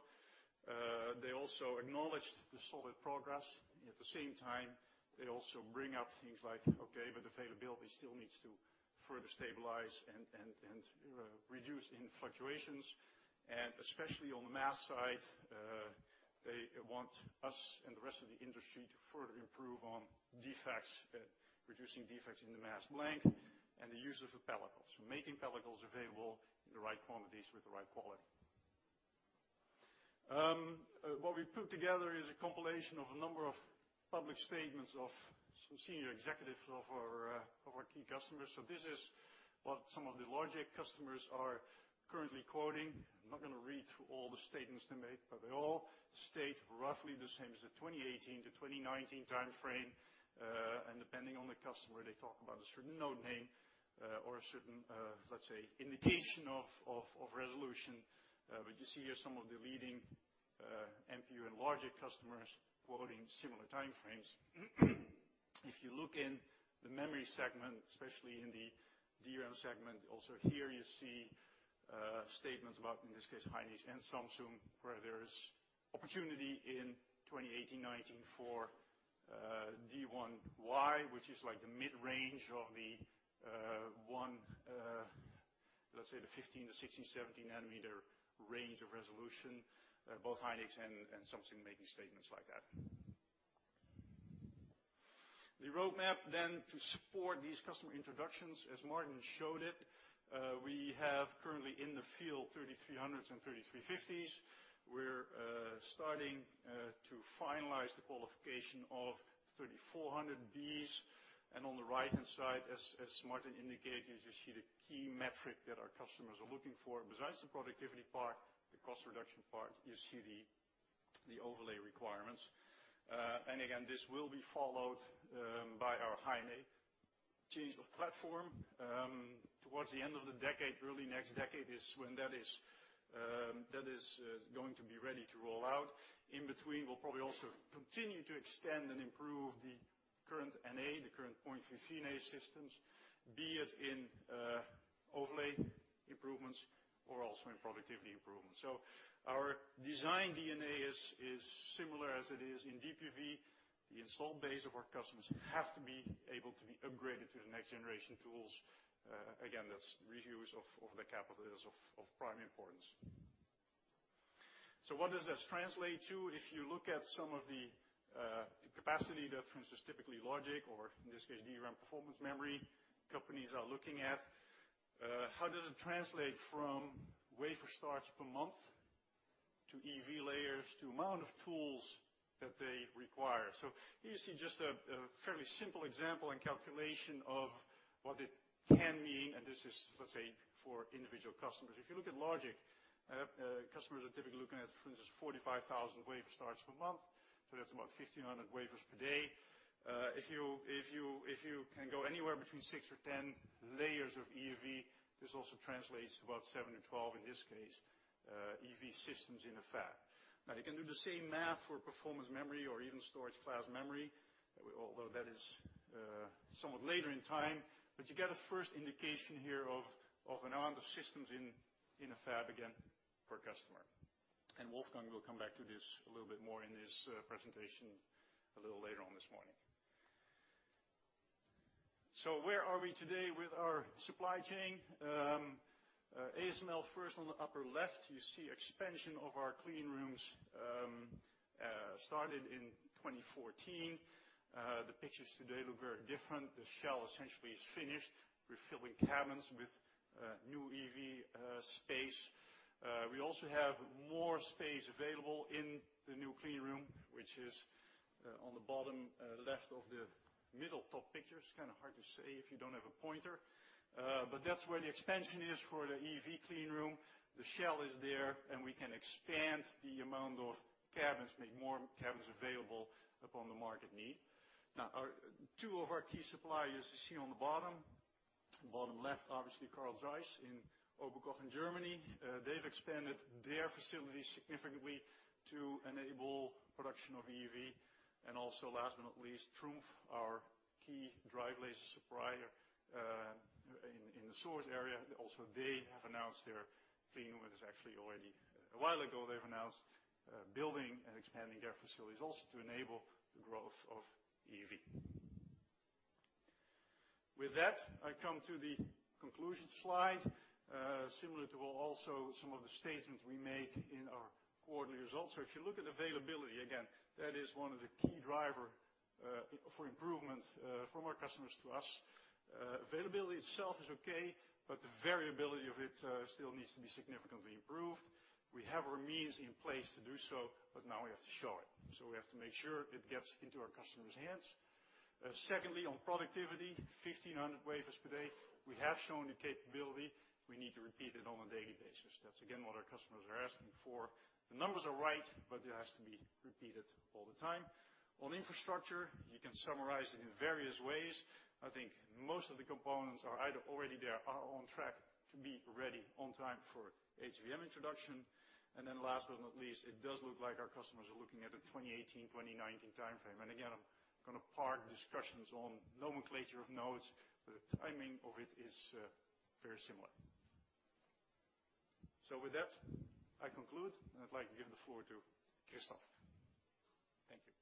They also acknowledged the solid progress, and at the same time, they also bring up things like, okay, but availability still needs to further stabilize and reduce in fluctuations. Especially on the mask side, they want us and the rest of the industry to further improve on reducing defects in the mask blank, and the use of the pellicles. Making pellicles available in the right quantities with the right quality. What we put together is a compilation of a number of public statements of some senior executives of our key customers. This is what some of the logic customers are currently quoting. I am not going to read through all the statements they make, but they all state roughly the same as the 2018-2019 timeframe. Depending on the customer, they talk about a certain node name, or a certain, let's say, indication of resolution. You see here some of the leading NPU and logic customers quoting similar timeframes. If you look in the memory segment, especially in the DRAM segment, also here you see statements about, in this case, Hynix and Samsung, where there is opportunity in 2018, 2019 for D1Y, which is like the mid-range of the one let's say the 15 to 16, 17 nanometer range of resolution, both Hynix and Samsung making statements like that. The roadmap to support these customer introductions, as Martin showed it, we have currently in the field 3300 and 3350s. We are starting to finalize the qualification of 3400Bs. On the right-hand side, as Martin indicated, you see the key metric that our customers are looking for. Besides the productivity part, the cost reduction part, you see the overlay requirements. Again, this will be followed by our High-NA change of platform. Towards the end of the decade, early next decade is when that is going to be ready to roll out. In between, we will probably also continue to extend and improve the current NA, the current 0.33 NA systems, be it in overlay improvements or also in productivity improvements. Our design DNA is similar as it is in DUV. The install base of our customers have to be able to be upgraded to the next generation tools. Again, that is reuse of the capital. It is of prime importance. What does this translate to? If you look at some of the capacity that, for instance, typically logic or in this case, DRAM performance memory companies are looking at. How does it translate from wafer starts per month to EUV layers, to amount of tools that they require? Here you see just a fairly simple example and calculation of what it can mean, and this is, let's say, for individual customers. If you look at logic, customers are typically looking at, for instance, 45,000 wafer starts per month. That is about 1,500 wafers per day. If you can go anywhere between 6 or 10 layers of EUV, this also translates to about 7 to 12, in this case, EUV systems in a fab. You can do the same math for performance memory or even storage class memory, although that is somewhat later in time. You get a first indication here of an amount of systems in a fab, again, per customer. Wolfgang will come back to this a little bit more in his presentation a little later on this morning. Where are we today with our supply chain? ASML first on the upper left, you see expansion of our clean rooms, started in 2014. The pictures today look very different. The shell essentially is finished. We are filling cabins with new EUV space. We also have more space available in the new clean room, which is on the bottom left of the middle top picture. It is kind of hard to say if you do not have a pointer. That is where the expansion is for the EUV clean room. The shell is there, and we can expand the amount of cabins, make more cabins available upon the market need. Two of our key suppliers you see on the bottom. Bottom left, obviously, Carl Zeiss in Oberkochen, Germany. They have expanded their facilities significantly to enable production of EUV. Also, last but not least, TRUMPF, our key drive laser supplier, in the source area. Also, they have announced their clean room. It was actually already a while ago, they have announced building and expanding their facilities also to enable the growth of EUV. With that, I come to the conclusion slide, similar to also some of the statements we made in our quarterly results. If you look at availability, again, that is one of the key driver, for improvement from our customers to us. Availability itself is okay, the variability of it still needs to be significantly improved. We have our means in place to do so, now we have to show it. We have to make sure it gets into our customers' hands. Secondly, on productivity, 1,500 wafers per day. We have shown the capability. We need to repeat it on a daily basis. That is again, what our customers are asking for. The numbers are right, it has to be repeated all the time. On infrastructure, you can summarize it in various ways. I think most of the components are either already there or are on track to be ready on time for HVM introduction. Last but not least, it does look like our customers are looking at a 2018, 2019 timeframe. Again, I am going to park discussions on nomenclature of nodes, the timing of it is very similar. With that, I conclude, and I would like to give the floor to Christophe. Thank you.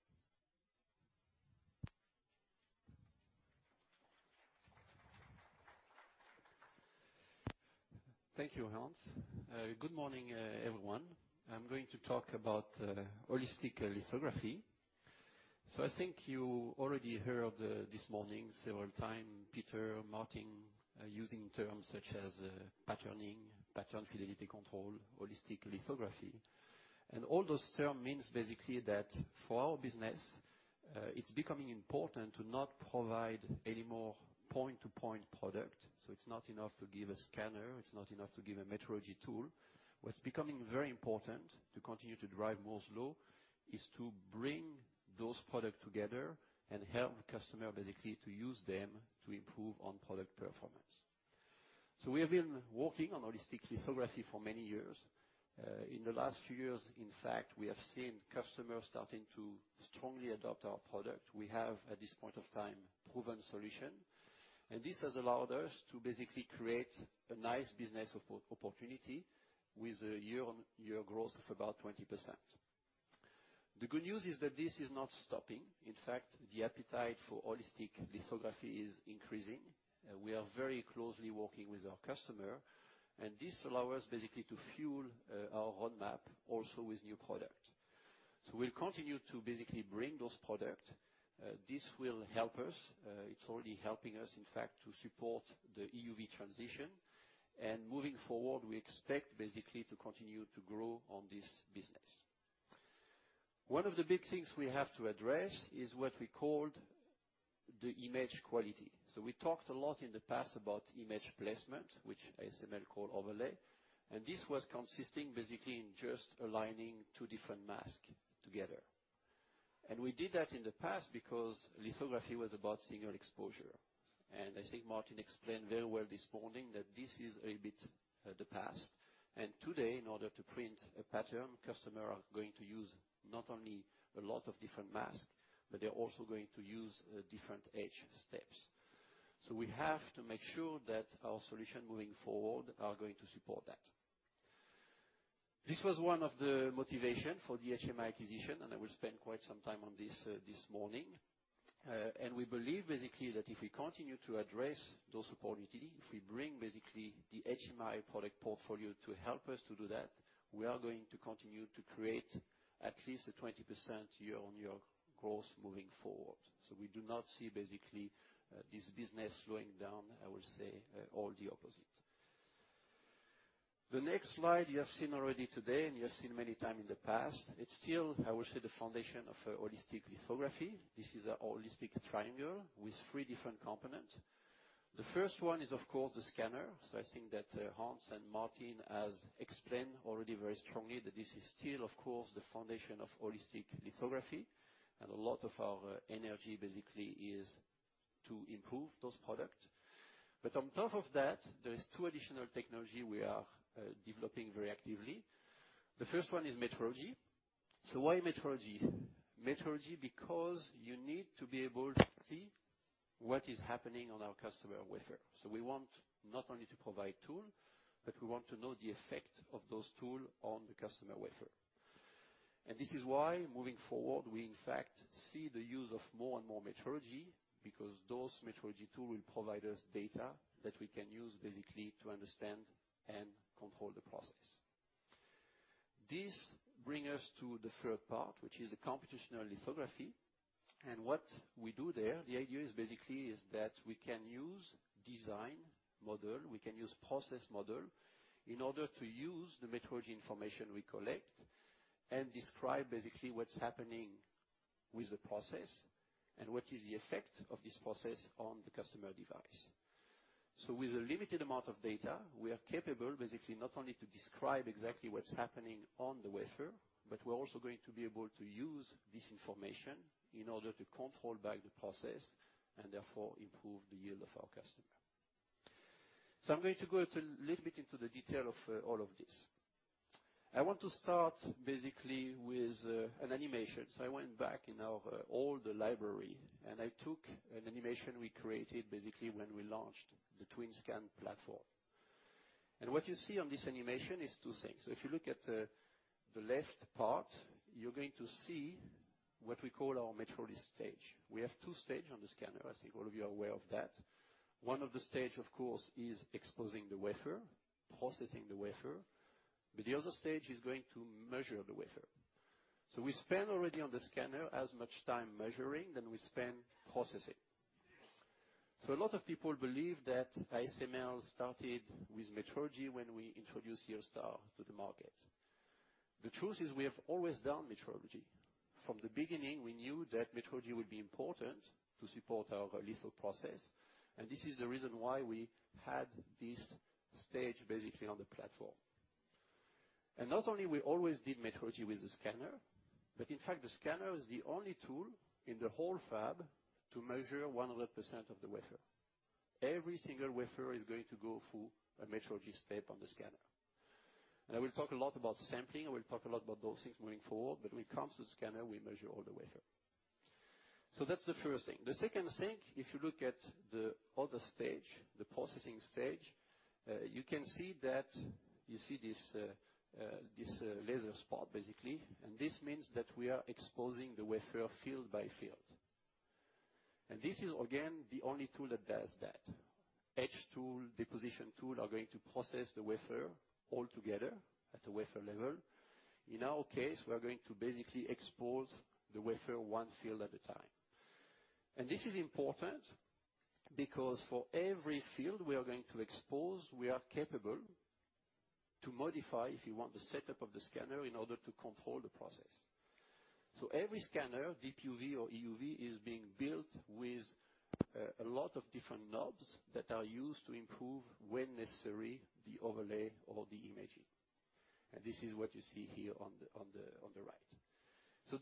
Thank you, Hans. Good morning, everyone. I'm going to talk about holistic lithography. I think you already heard this morning several times, Peter, Martin, using terms such as patterning, pattern fidelity control, holistic lithography. All those terms means basically that for our business, it's becoming important to not provide any more point-to-point product. It's not enough to give a scanner, it's not enough to give a metrology tool. What's becoming very important to continue to drive Moore's Law is to bring those product together and help the customer basically to use them to improve on product performance. We have been working on holistic lithography for many years. In the last few years, in fact, we have seen customers starting to strongly adopt our product. We have, at this point of time, proven solutions, and this has allowed us to basically create a nice business opportunity with a year-on-year growth of about 20%. The good news is that this is not stopping. In fact, the appetite for holistic lithography is increasing. We are very closely working with our customer, and this allows us basically to fuel our roadmap also with new product. We'll continue to basically bring those product. This will help us. It's already helping us, in fact, to support the EUV transition. Moving forward, we expect basically to continue to grow on this business. One of the big things we have to address is what we called the image quality. We talked a lot in the past about image placement, which ASML call overlay. This was consisting basically in just aligning two different mask together. We did that in the past because lithography was about single exposure. I think Martin explained very well this morning that this is a bit the past. Today, in order to print a pattern, customers are going to use not only a lot of different mask, but they're also going to use different etch steps. We have to make sure that our solution moving forward are going to support that. This was one of the motivation for the HMI acquisition, and I will spend quite some time on this this morning. We believe basically that if we continue to address those opportunities, if we bring basically the HMI product portfolio to help us to do that, we are going to continue to create at least a 20% year-on-year growth moving forward. We do not see basically this business slowing down, I would say, all the opposite. The next slide you have seen already today, you have seen many times in the past. It's still, I will say, the foundation of holistic lithography. This is a holistic triangle with three different components. The first one is, of course, the scanner. I think that Hans and Martin have explained already very strongly that this is still, of course, the foundation of holistic lithography, a lot of our energy basically is to improve those products. On top of that, there is two additional technologies we are developing very actively. The first one is metrology. Why metrology? Metrology, because you need to be able to see what is happening on our customer wafer. We want not only to provide tools, but we want to know the effect of those tools on the customer wafer. This is why, moving forward, we in fact see the use of more and more metrology, because those metrology tools will provide us data that we can use basically to understand and control the process. This brings us to the third part, which is the computational lithography, and what we do there, the idea is basically is that we can use design model, we can use process model in order to use the metrology information we collect and describe basically what's happening with the process and what is the effect of this process on the customer device. With a limited amount of data, we are capable basically not only to describe exactly what's happening on the wafer, but we're also going to be able to use this information in order to control back the process and therefore improve the yield of our customer. I'm going to go a little bit into the detail of all of this. I want to start basically with an animation. I went back in our old library and I took an animation we created basically when we launched the TWINSCAN platform. What you see on this animation is two things. If you look at the left part, you're going to see what we call our metrology stage. We have 2 stages on the scanner. I think all of you are aware of that. One of the stages, of course, is exposing the wafer, processing the wafer, the other stage is going to measure the wafer. We spend already on the scanner as much time measuring than we spend processing. A lot of people believe that ASML started with metrology when we introduced Yieldstar to the market. The truth is we have always done metrology. From the beginning, we knew that metrology would be important to support our litho process, and this is the reason why we had this stage basically on the platform. Not only we always did metrology with the scanner, but in fact, the scanner is the only tool in the whole fab to measure 100% of the wafer. Every single wafer is going to go through a metrology step on the scanner. I will talk a lot about sampling, I will talk a lot about those things moving forward. When it comes to the scanner, we measure all the wafer. That's the first thing. The second thing, if you look at the other stage, the processing stage, you can see that, you see this laser spot, basically, this means that we are exposing the wafer field by field. This is again, the only tool that does that. Etch tool, deposition tool are going to process the wafer all together at a wafer level. In our case, we are going to basically expose the wafer one field at a time. This is important because for every field we are going to expose, we are capable to modify, if you want, the setup of the scanner in order to control the process. Every scanner, Deep UV or EUV, is being built with a lot of different knobs that are used to improve, when necessary, the overlay or the imaging. This is what you see here on the right.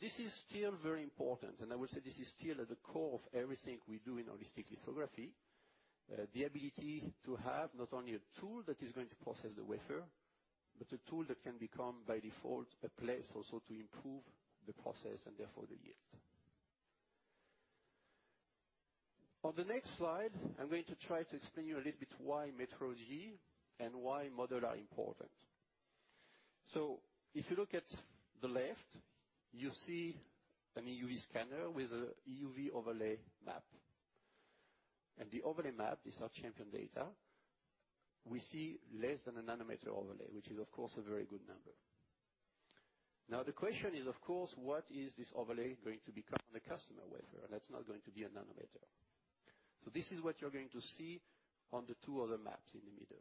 This is still very important, and I would say this is still at the core of everything we do in holistic lithography. The ability to have not only a tool that is going to process the wafer, but a tool that can become, by default, a place also to improve the process and therefore the yield. On the next slide, I'm going to try to explain to you a little bit why metrology and why model are important. If you look at the left, you see an EUV scanner with a EUV overlay map. The overlay map is our champion data. We see less than a nanometer overlay, which is of course a very good number. The question is, of course, what is this overlay going to become on the customer wafer? That's not going to be a nanometer. This is what you're going to see on the two other maps in the middle.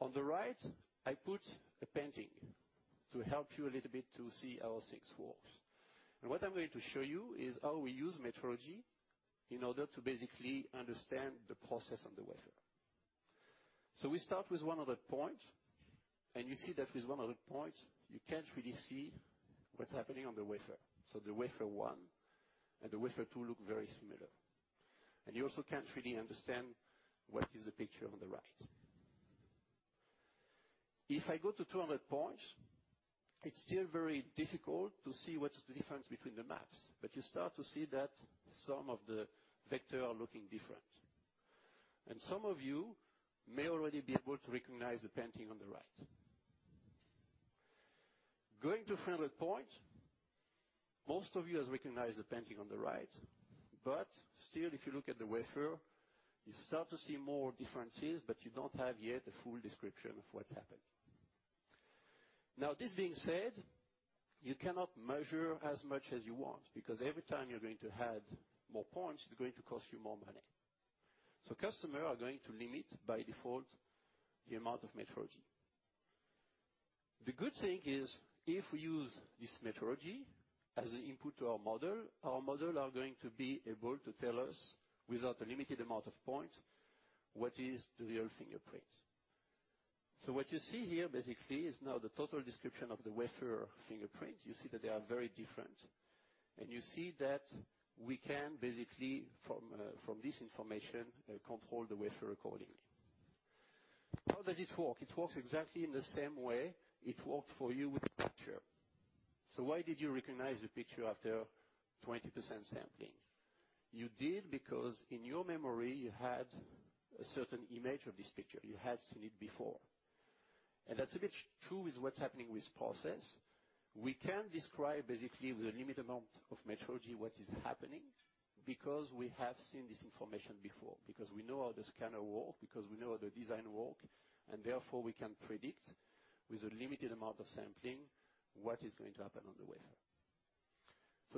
On the right, I put a painting to help you a little bit to see how this works. What I'm going to show you is how we use metrology in order to basically understand the process on the wafer. We start with 100 points. You see that with 100 points, you can't really see what's happening on the wafer. The wafer 1 and the wafer 2 look very similar. You also can't really understand what is the picture on the right. If I go to 200 points, it's still very difficult to see what is the difference between the maps. You start to see that some of the vectors are looking different. Some of you may already be able to recognize the painting on the right. Going to 300 points, most of you have recognized the painting on the right. Still, if you look at the wafer, you start to see more differences, but you don't have yet a full description of what's happened. This being said, you cannot measure as much as you want, because every time you're going to add more points, it's going to cost you more money. Customers are going to limit, by default, the amount of metrology. The good thing is, if we use this metrology as an input to our model, our model are going to be able to tell us, without a limited amount of points, what is the real fingerprint. What you see here, basically, is now the total description of the wafer fingerprint. You see that they are very different. You see that we can basically, from this information, control the wafer accordingly. How does it work? It works exactly in the same way it worked for you with the picture. Why did you recognize the picture after 20% sampling? You did because, in your memory, you had a certain image of this picture. You had seen it before. That's a bit true with what's happening with process. We can describe basically with a limited amount of metrology what is happening, because we have seen this information before, because we know how the scanner works, because we know how the design works, therefore we can predict, with a limited amount of sampling, what is going to happen on the wafer.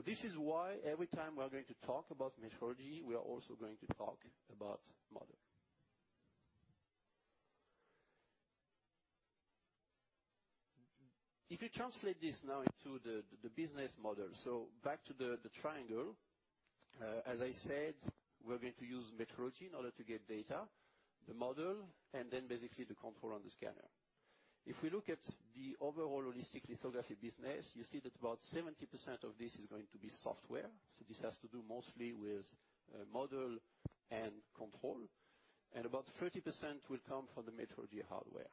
This is why every time we are going to talk about metrology, we are also going to talk about model. If you translate this now into the business model, back to the triangle. As I said, we're going to use metrology in order to get data, the model, and then basically the control on the scanner. If we look at the overall holistic lithography business, you see that about 70% of this is going to be software. This has to do mostly with model and control, and about 30% will come from the metrology hardware.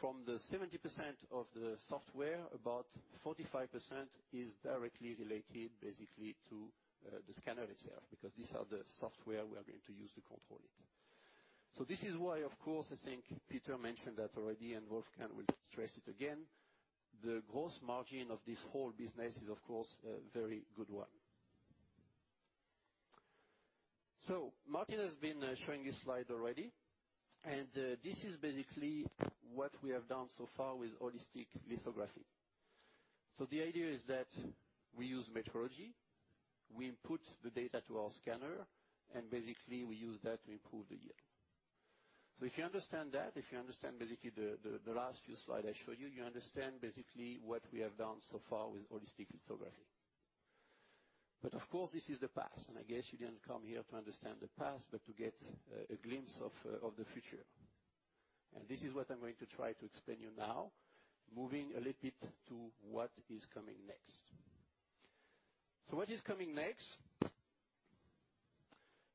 From the 70% of the software, about 45% is directly related basically to the scanner itself, because these are the software we are going to use to control it. This is why, of course, I think Peter mentioned that already, and Wolfgang will stress it again, the gross margin of this whole business is, of course, a very good one. Martin has been showing this slide already, and this is basically what we have done so far with holistic lithography. The idea is that we use metrology, we input the data to our scanner, and basically we use that to improve the yield. If you understand that, if you understand basically the last few slides I showed you understand basically what we have done so far with holistic lithography. But of course, this is the past, and I guess you didn't come here to understand the past, but to get a glimpse of the future. This is what I'm going to try to explain you now, moving a little bit to what is coming next. What is coming next?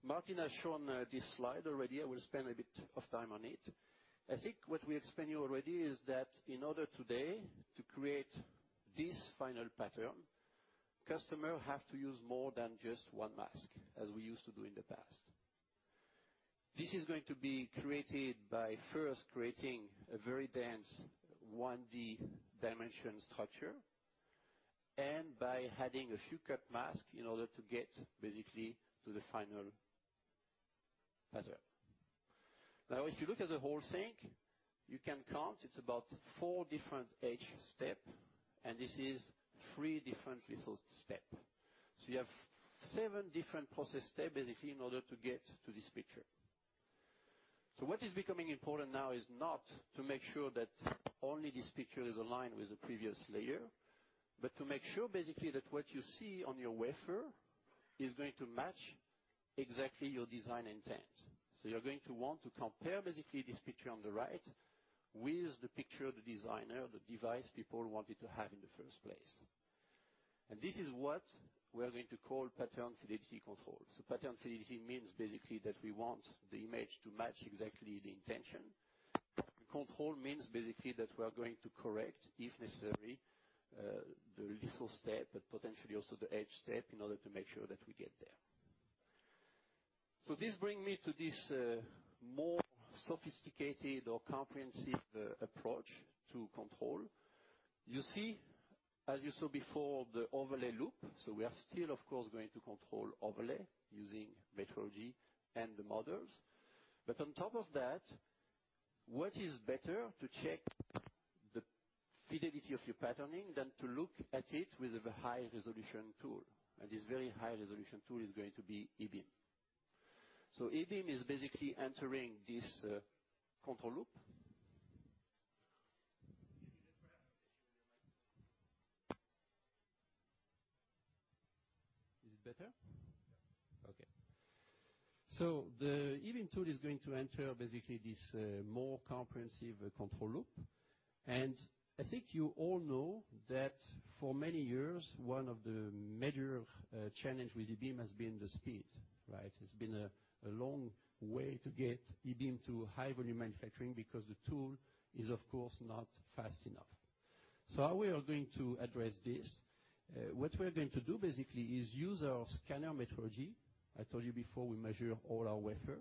Martin has shown this slide already. I will spend a bit of time on it. I think what we explained you already is that in order today to create this final pattern, customers have to use more than just one mask, as we used to do in the past. This is going to be created by first creating a very dense 1D dimension structure, and by adding a few cut masks in order to get basically to the final pattern. Now, if you look at the whole thing, you can count, it's about four different etch steps, and this is three different lithos steps. You have seven different process steps, basically, in order to get to this picture. What is becoming important now is not to make sure that only this picture is aligned with the previous layer, but to make sure basically that what you see on your wafer is going to match exactly your design intent. You're going to want to compare basically this picture on the right with the picture of the designer, the device people wanted to have in the first place. This is what we are going to call pattern fidelity control. Pattern fidelity means basically that we want the image to match exactly the intention. Control means basically that we are going to correct, if necessary, the litho step, but potentially also the etch step in order to make sure that we get there. This bring me to this more sophisticated or comprehensive approach to control. You see, as you saw before, the overlay loop. We are still, of course, going to control overlay using metrology and the models. On top of that, what is better to check the fidelity of your patterning than to look at it with a very high-resolution tool? This very high-resolution tool is going to be E-beam. E-beam is basically entering this control loop. Can you just grab the issue with your microphone? Is it better? Yeah. Okay. The E-beam tool is going to enter basically this more comprehensive control loop. I think you all know that for many years, one of the major challenge with E-beam has been the speed, right? It's been a long way to get E-beam to high volume manufacturing because the tool is, of course, not fast enough. How we are going to address this? What we are going to do basically is use our scanner metrology. I told you before, we measure all our wafer,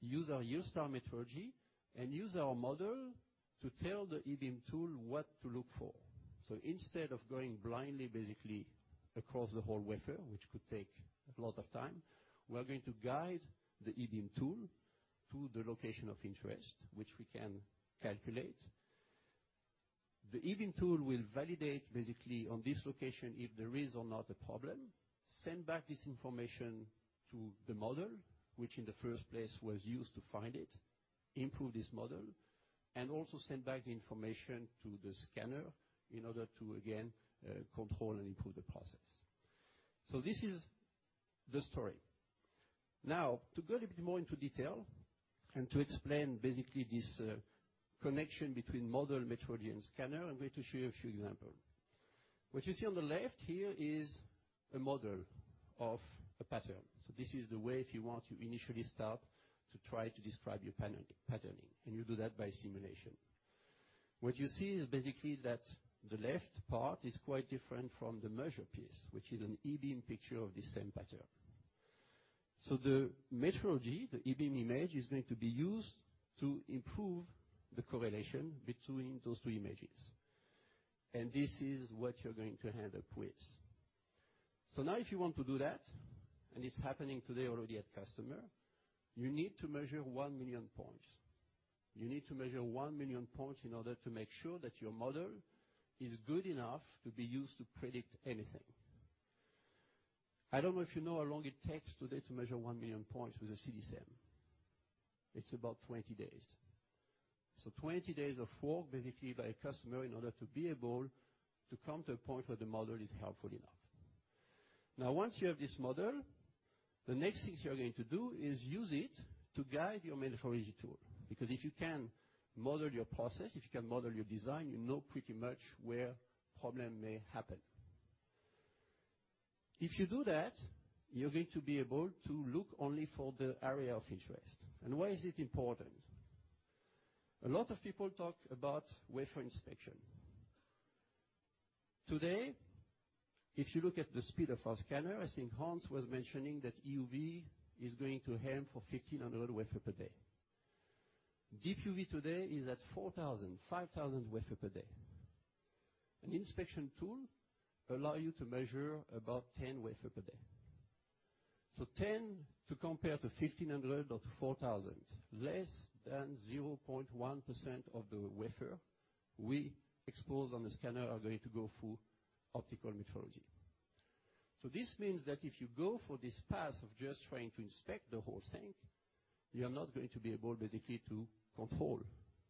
use our YieldStar metrology, and use our model to tell the E-beam tool what to look for. Instead of going blindly basically across the whole wafer, which could take a lot of time, we are going to guide the E-beam tool to the location of interest, which we can calculate. The E-beam tool will validate basically on this location if there is or not a problem, send back this information to the model, which in the first place was used to find it, improve this model, and also send back the information to the scanner in order to, again, control and improve the process. This is the story. To go a little bit more into detail and to explain basically this connection between model metrology and scanner, I'm going to show you a few example. What you see on the left here is a model of a pattern. This is the way, if you want to initially start to try to describe your patterning. You do that by simulation. What you see is basically that the left part is quite different from the measure piece, which is an E-beam picture of the same pattern. The metrology, the E-beam image, is going to be used to improve the correlation between those two images. This is what you're going to end up with. Now if you want to do that, and it's happening today already at customer, you need to measure 1 million points. You need to measure 1 million points in order to make sure that your model is good enough to be used to predict anything. I don't know if you know how long it takes today to measure 1 million points with a SEM. It's about 20 days. 20 days of work basically by a customer in order to be able to come to a point where the model is helpful enough. Once you have this model, the next things you are going to do is use it to guide your metrology tool. Because if you can model your process, if you can model your design, you know pretty much where problem may happen. If you do that, you're going to be able to look only for the area of interest. Why is it important? A lot of people talk about wafer inspection. Today, if you look at the speed of our scanner, I think Hans was mentioning that EUV is going to aim for 1,500 wafer per day. Deep UV today is at 4,000, 5,000 wafer per day. An inspection tool allow you to measure about 10 wafer per day. 10 to compare to 1,500 or to 4,000. Less than 0.1% of the wafer we expose on the scanner are going to go through optical metrology. This means that if you go for this path of just trying to inspect the whole thing, you are not going to be able basically to control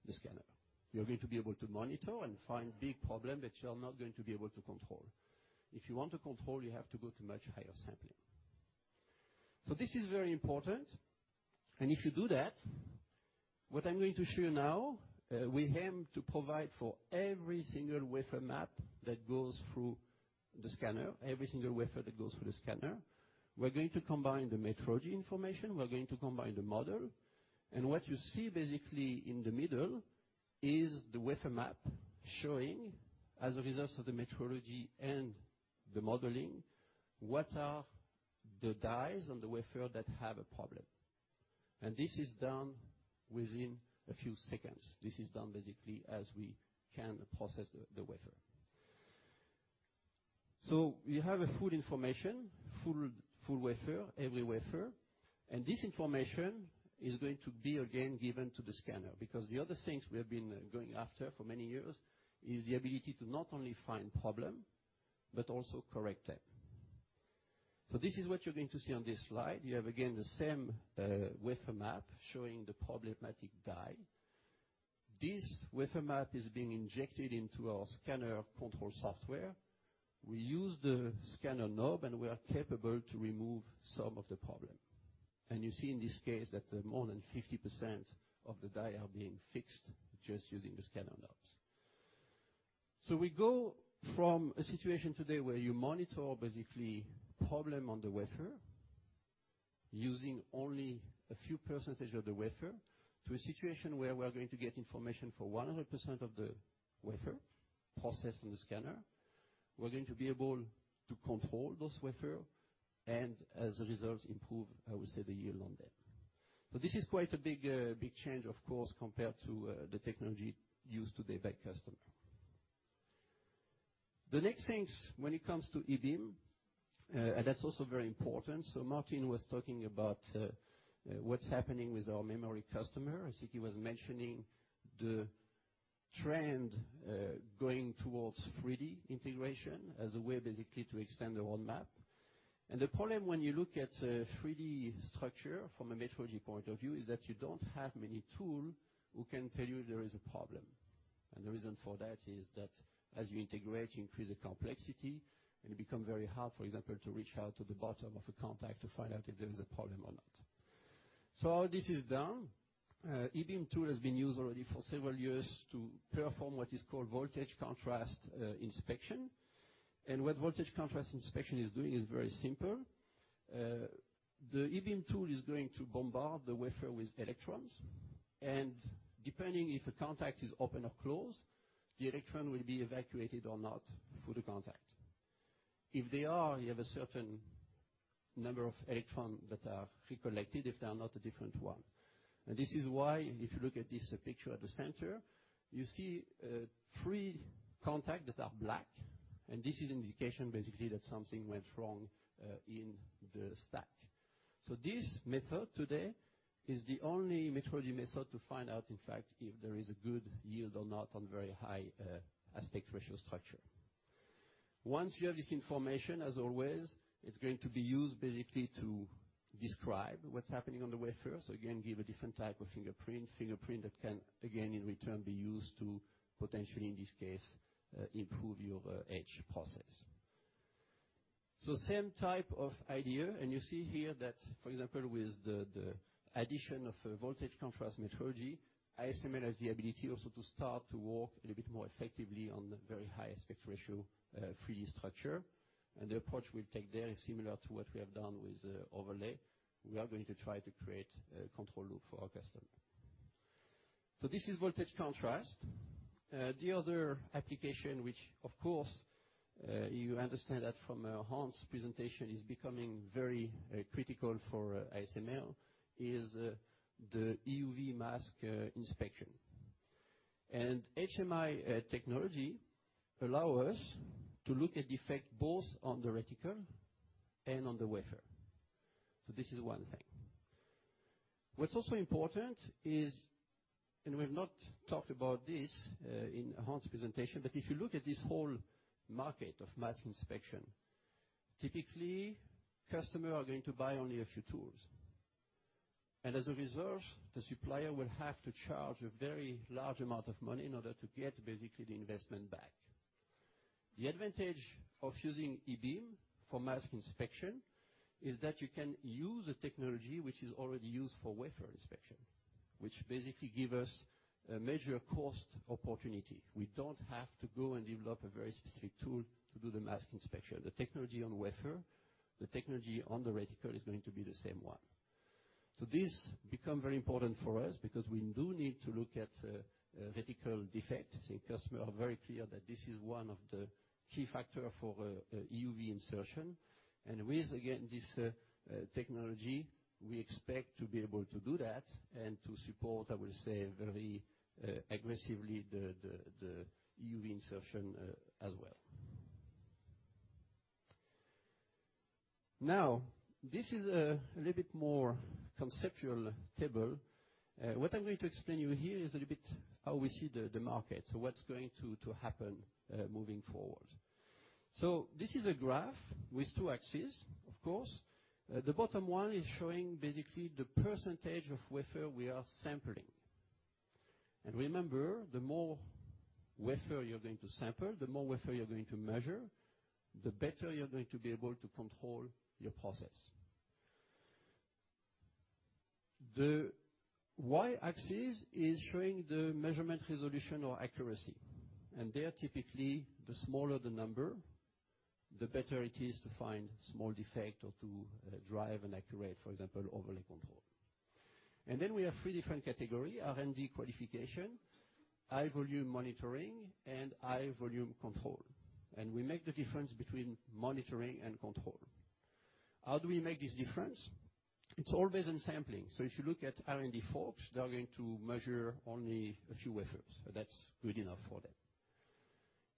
the scanner. You're going to be able to monitor and find big problem, but you are not going to be able to control. If you want to control, you have to go to much higher sampling. This is very important. If you do that, what I'm going to show you now, we aim to provide for every single wafer map that goes through the scanner, every single wafer that goes through the scanner. We're going to combine the metrology information, we're going to combine the model. What you see basically in the middle is the wafer map showing, as a result of the metrology and the modeling, what are the dies on the wafer that have a problem. This is done within a few seconds. This is done basically as we can process the wafer. You have a full information, full wafer, every wafer. This information is going to be again given to the scanner, because the other things we have been going after for many years is the ability to not only find problem but also correct it. This is what you're going to see on this slide. You have again the same wafer map showing the problematic die. This wafer map is being injected into our scanner control software. We use the scanner knob, we are capable to remove some of the problem. You see in this case that more than 50% of the die are being fixed just using the scanner knobs. We go from a situation today where you monitor basically problem on the wafer, using only a few percentage of the wafer, to a situation where we are going to get information for 100% of the wafer processed in the scanner. We're going to be able to control those wafer, and as a result, improve, I would say, the yield on that. This is quite a big change, of course, compared to the technology used today by customer. The next things when it comes to E-beam, that's also very important. Martin was talking about what's happening with our memory customer. I think he was mentioning the trend, going towards 3D integration as a way basically to extend the road map. The problem when you look at 3D structure from a metrology point of view is that you don't have many tool who can tell you there is a problem. The reason for that is that as you integrate, you increase the complexity, and it become very hard, for example, to reach out to the bottom of a contact to find out if there is a problem or not. How this is done, E-beam tool has been used already for several years to perform what is called voltage contrast inspection. What voltage contrast inspection is doing is very simple. The E-beam tool is going to bombard the wafer with electrons, and depending if a contact is open or closed, the electron will be evacuated or not through the contact. If they are, you have a certain number of electrons that are recollected if they are not a different one. This is why, if you look at this picture at the center, you see three contacts that are black, and this is an indication, basically, that something went wrong in the stack. This method today is the only metrology method to find out, in fact, if there is a good yield or not on very high aspect ratio structure. Once you have this information, as always, it's going to be used basically to describe what's happening on the wafer. Again, give a different type of fingerprint. Fingerprint that can, again, in return, be used to potentially, in this case, improve your etch process. Same type of idea, and you see here that, for example, with the addition of voltage contrast metrology, ASML has the ability also to start to work a little bit more effectively on the very high aspect ratio 3D structure. The approach we'll take there is similar to what we have done with overlay. We are going to try to create a control loop for our customer. This is voltage contrast. The other application, which of course, you understand that from Hans' presentation, is becoming very critical for ASML, is the EUV mask inspection. HMI technology allow us to look at defect both on the reticle and on the wafer. This is one thing. What's also important is. We've not talked about this in Hans' presentation, but if you look at this whole market of mask inspection, typically, customer are going to buy only a few tools. As a result, the supplier will have to charge a very large amount of money in order to get basically the investment back. The advantage of using E-beam for mask inspection is that you can use a technology which is already used for wafer inspection, which basically give us a major cost opportunity. We don't have to go and develop a very specific tool to do the mask inspection. The technology on wafer, the technology on the reticle is going to be the same one. This become very important for us because we do need to look at reticle defect, customer are very clear that this is one of the key factor for EUV insertion. With, again, this technology, we expect to be able to do that and to support, I would say, very aggressively the EUV insertion, as well. This is a little bit more conceptual table. What I'm going to explain you here is a little bit how we see the market. What's going to happen moving forward. This is a graph with two axes, of course. The bottom one is showing basically the percentage of wafer we are sampling. Remember, the more wafer you're going to sample, the more wafer you're going to measure, the better you're going to be able to control your process. The Y-axis is showing the measurement resolution or accuracy. There, typically, the smaller the number, the better it is to find small defect or to drive an accurate, for example, overlay control. Then we have three different category: R&D qualification, high volume monitoring, and high volume control. We make the difference between monitoring and control. How do we make this difference? It's all based on sampling. If you look at R&D folks, they're going to measure only a few wafers. That's good enough for them.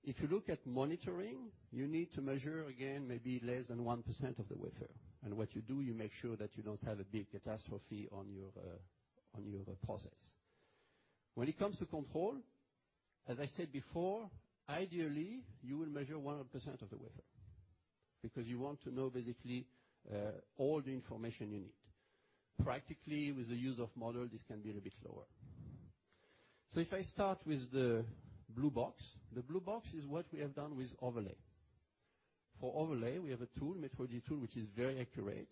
If you look at monitoring, you need to measure again maybe less than 1% of the wafer. What you do, you make sure that you don't have a big catastrophe on your process. When it comes to control, as I said before, ideally, you will measure 100% of the wafer because you want to know basically, all the information you need. Practically, with the use of model, this can be a little bit lower. If I start with the blue box. The blue box is what we have done with overlay. For overlay, we have a tool, metrology tool, which is very accurate.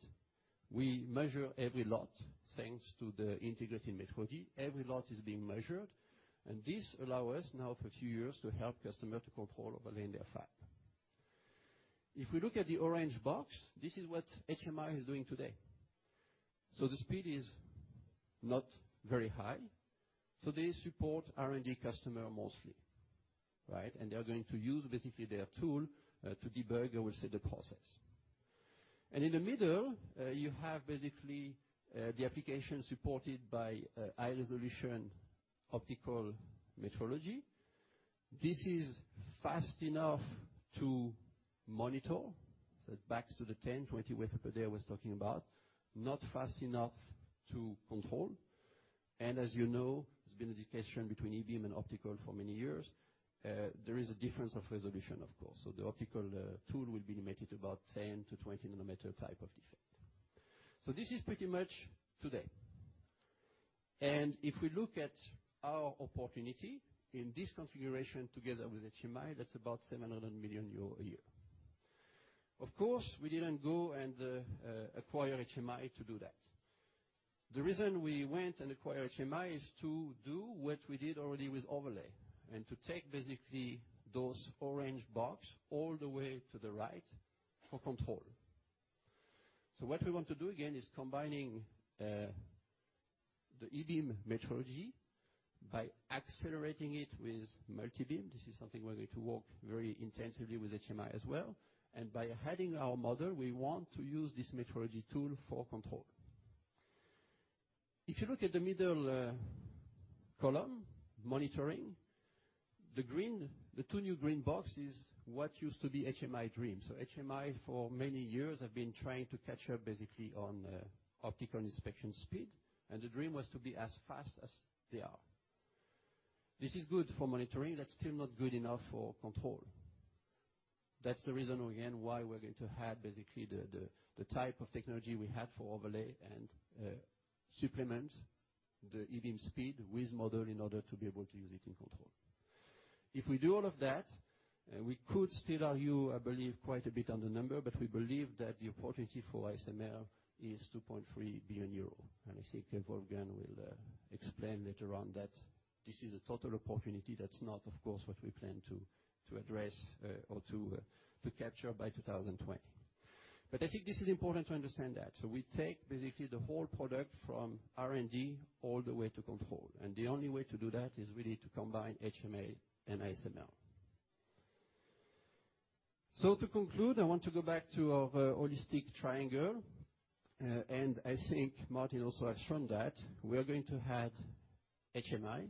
We measure every lot. Thanks to the integrated metrology, every lot is being measured, and this allow us now for a few years to help customer to control overlay in their fab. If we look at the orange box, this is what HMI is doing today. The speed is not very high. They support R&D customer mostly, right? They are going to use basically their tool to debug, I would say, the process. In the middle, you have basically the application supported by high-resolution optical metrology. This is fast enough to monitor. It backs to the 10, 20 wafer per day I was talking about, not fast enough to control. As you know, it's been a discussion between e-beam and optical for many years. There is a difference of resolution, of course. The optical tool will be limited to about 10 to 20 nanometer type of defect. This is pretty much today. If we look at our opportunity in this configuration together with HMI, that's about 700 million euro a year. Of course, we didn't go and acquire HMI to do that. The reason we went and acquired HMI is to do what we did already with overlay, and to take basically those orange box all the way to the right for control. What we want to do, again, is combining the e-beam metrology by accelerating it with multibeam. This is something we're going to work very intensively with HMI as well. By adding our model, we want to use this metrology tool for control. If you look at the middle column, monitoring, the two new green boxes, what used to be HMI dream. HMI for many years have been trying to catch up basically on optical inspection speed, and the dream was to be as fast as they are. This is good for monitoring. That's still not good enough for control. That's the reason, again, why we're going to have basically the type of technology we have for overlay and supplement the e-beam speed with model in order to be able to use it in control. If we do all of that, we could still argue, I believe, quite a bit on the number, but we believe that the opportunity for ASML is 2.3 billion euros. I think Wolfgang will explain later on that this is a total opportunity. That's not, of course, what we plan to address, or to capture by 2020. I think this is important to understand that. We take basically the whole product from R&D all the way to control. The only way to do that is really to combine HMI and ASML. To conclude, I want to go back to our holistic triangle. I think Martin also has shown that we are going to add HMI,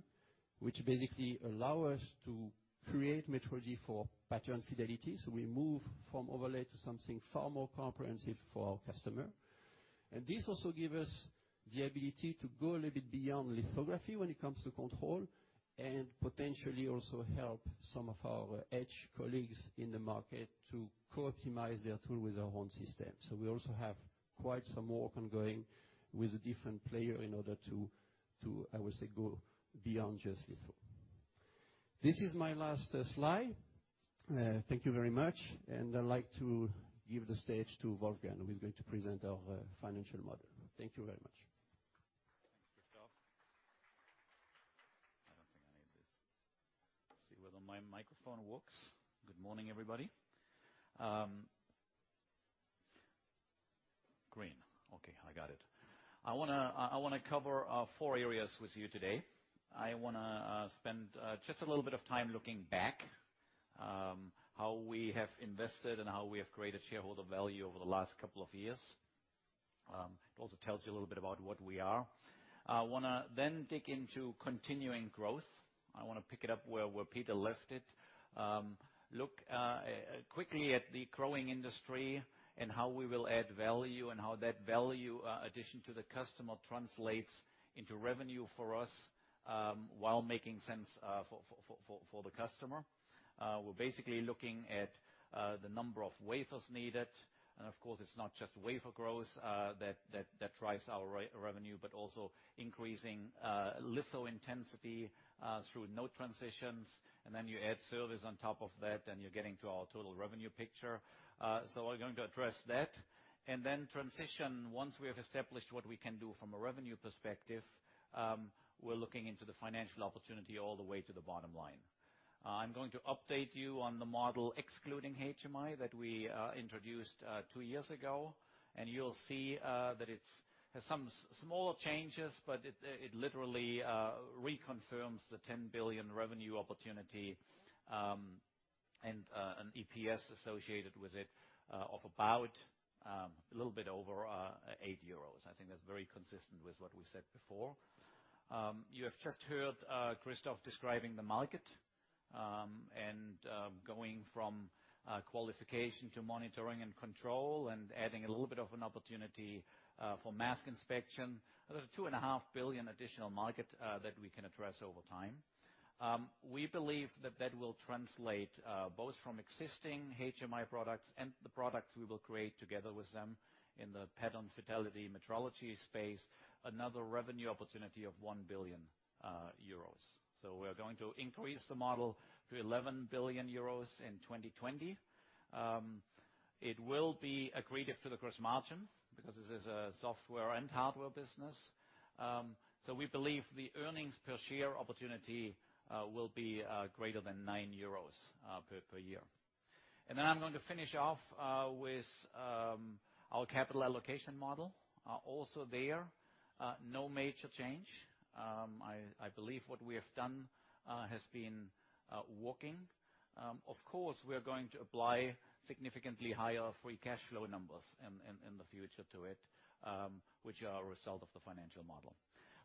which basically allow us to create metrology for pattern fidelity. We move from overlay to something far more comprehensive for our customer. This also give us the ability to go a little bit beyond lithography when it comes to control, and potentially also help some of our edge colleagues in the market to co-optimize their tool with our own system. We also have quite some work ongoing with a different player in order to, I would say, go beyond just litho. This is my last slide. Thank you very much. I'd like to give the stage to Wolfgang, who is going to present our financial model. Thank you very much. Thanks, Christophe. I don't think I need this. See whether my microphone works. Good morning, everybody. Green. Okay, I got it. I want to cover four areas with you today. I want to spend just a little bit of time looking back, how we have invested and how we have created shareholder value over the last couple of years. It also tells you a little bit about what we are. I want to dig into continuing growth. I want to pick it up where Peter left it. Look quickly at the growing industry and how we will add value, and how that value addition to the customer translates into revenue for us, while making sense for the customer. We're basically looking at the number of wafers needed, of course, it's not just wafer growth that drives our revenue, but also increasing litho intensity through node transitions, then you add service on top of that, you're getting to our total revenue picture. We're going to address that, then transition once we have established what we can do from a revenue perspective, we're looking into the financial opportunity all the way to the bottom line. I'm going to update you on the model excluding HMI that we introduced two years ago. You'll see that it has some small changes, it literally reconfirms the 10 billion revenue opportunity, and an EPS associated with it, of about a little bit over 8 euros. I think that's very consistent with what we said before. You have just heard Christophe describing the market, going from qualification to monitoring and control adding a little bit of an opportunity for mask inspection. There's a 2.5 billion additional market that we can address over time. We believe that that will translate both from existing HMI products and the products we will create together with them in the pattern fidelity metrology space, another revenue opportunity of 1 billion euros. We're going to increase the model to 11 billion euros in 2020. It will be accretive to the gross margin because this is a software and hardware business. We believe the earnings per share opportunity will be greater than 9 euros per year. Then I'm going to finish off with our capital allocation model. Also there, no major change. I believe what we have done has been working. Of course, we are going to apply significantly higher free cash flow numbers in the future to it, which are a result of the financial model.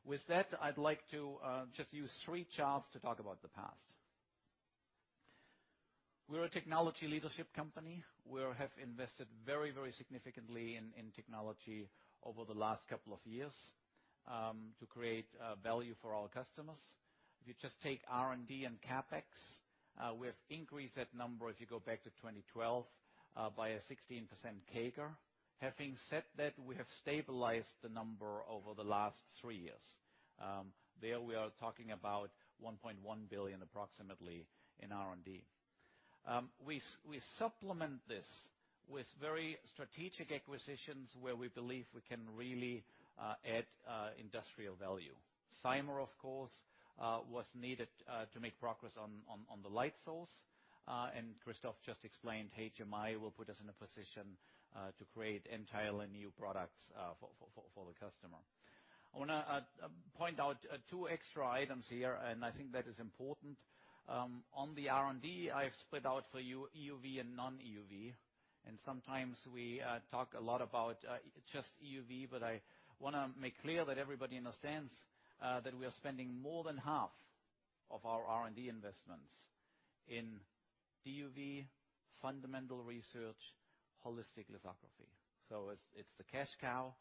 With that, I'd like to just use three charts to talk about the past. We're a technology leadership company. We have invested very significantly in technology over the last couple of years, to create value for our customers. If you just take R&D and CapEx, we have increased that number as you go back to 2012, by a 16% CAGR. Having said that, we have stabilized the number over the last three years. There we are talking about 1.1 billion, approximately in R&D. We supplement this with very strategic acquisitions where we believe we can really add industrial value. Cymer, of course, was needed to make progress on the light source Christophe just explained HMI will put us in a position to create entirely new products for the customer. I want to point out two extra items here, I think that is important. On the R&D, I have split out for you EUV and non-EUV. Sometimes we talk a lot about just EUV, I want to make clear that everybody understands that we are spending more than half of our R&D investments in DUV, fundamental research, holistic lithography. It's the cash cow.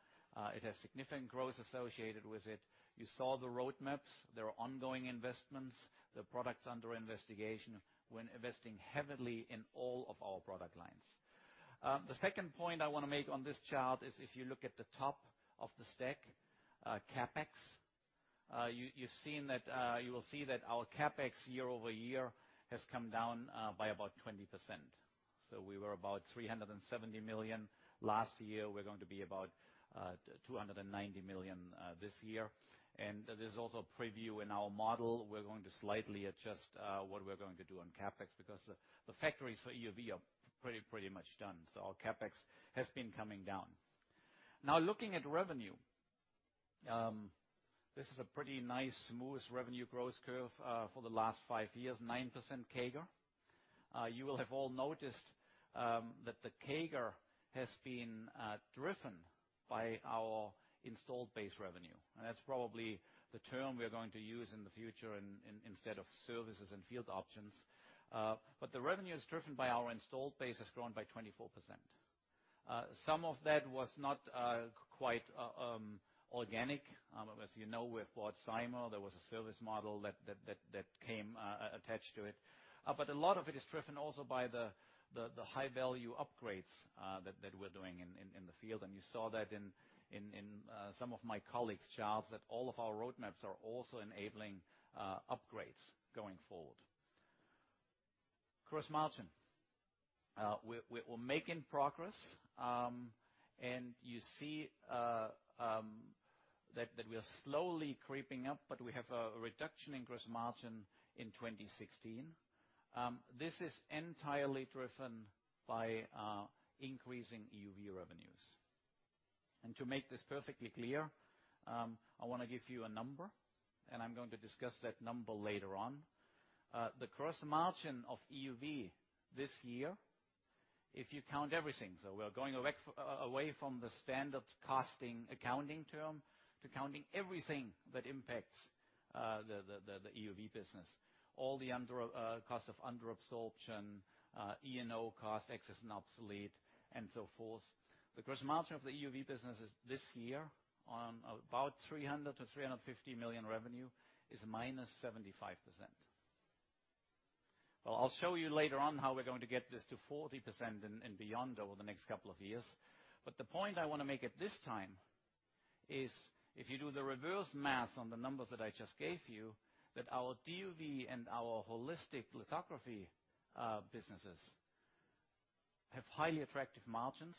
It has significant growth associated with it. You saw the roadmaps. There are ongoing investments. There are products under investigation. We're investing heavily in all of our product lines. The second point I want to make on this chart is if you look at the top of the stack, CapEx, you will see that our CapEx year-over-year has come down by about 20%. We were about 370 million last year. We're going to be about 290 million this year. There's also a preview in our model. We're going to slightly adjust what we're going to do on CapEx because the factories for EUV are pretty much done. Our CapEx has been coming down. Looking at revenue. This is a pretty nice, smooth revenue growth curve for the last five years, 9% CAGR. You will have all noticed that the CAGR has been driven by our installed base revenue. That's probably the term we are going to use in the future instead of services and field options. The revenue is driven by our installed base has grown by 24%. Some of that was not quite organic. As you know, we've bought Cymer. There was a service model that came attached to it. A lot of it is driven also by the high-value upgrades that we're doing in the field. You saw that in some of my colleagues' charts, that all of our roadmaps are also enabling upgrades going forward. Gross margin. We're making progress. You see that we are slowly creeping up, but we have a reduction in gross margin in 2016. This is entirely driven by increasing EUV revenues. To make this perfectly clear, I want to give you a number, and I'm going to discuss that number later on. The gross margin of EUV this year, if you count everything, we are going away from the standard costing accounting term to counting everything that impacts the EUV business, all the cost of under absorption, E&O cost, excess and obsolete, and so forth. The gross margin of the EUV businesses this year on about 300 million to 350 million revenue is minus 75%. I'll show you later on how we're going to get this to 40% and beyond over the next couple of years. The point I want to make at this time is if you do the reverse math on the numbers that I just gave you, that our DUV and our holistic lithography businesses have highly attractive margins,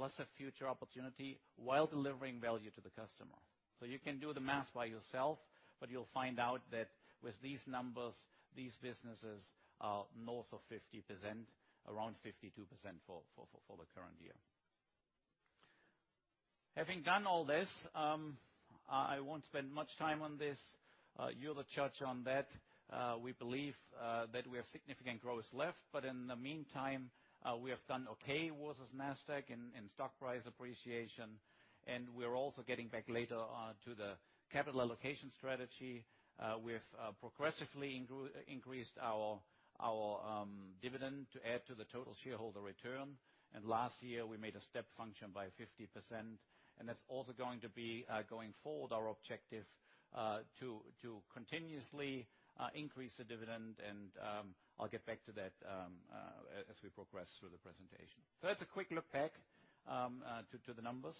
plus a future opportunity while delivering value to the customer. You can do the math by yourself, but you'll find out that with these numbers, these businesses are north of 50%, around 52% for the current year. Having done all this, I won't spend much time on this. You're the judge on that. We believe that we have significant growth left, but in the meantime, we have done okay versus Nasdaq in stock price appreciation, and we're also getting back later on to the capital allocation strategy. We have progressively increased our dividend to add to the total shareholder return, and last year, we made a step function by 50%, and that's also going to be, going forward, our objective to continuously increase the dividend, and I'll get back to that as we progress through the presentation. That's a quick look back to the numbers.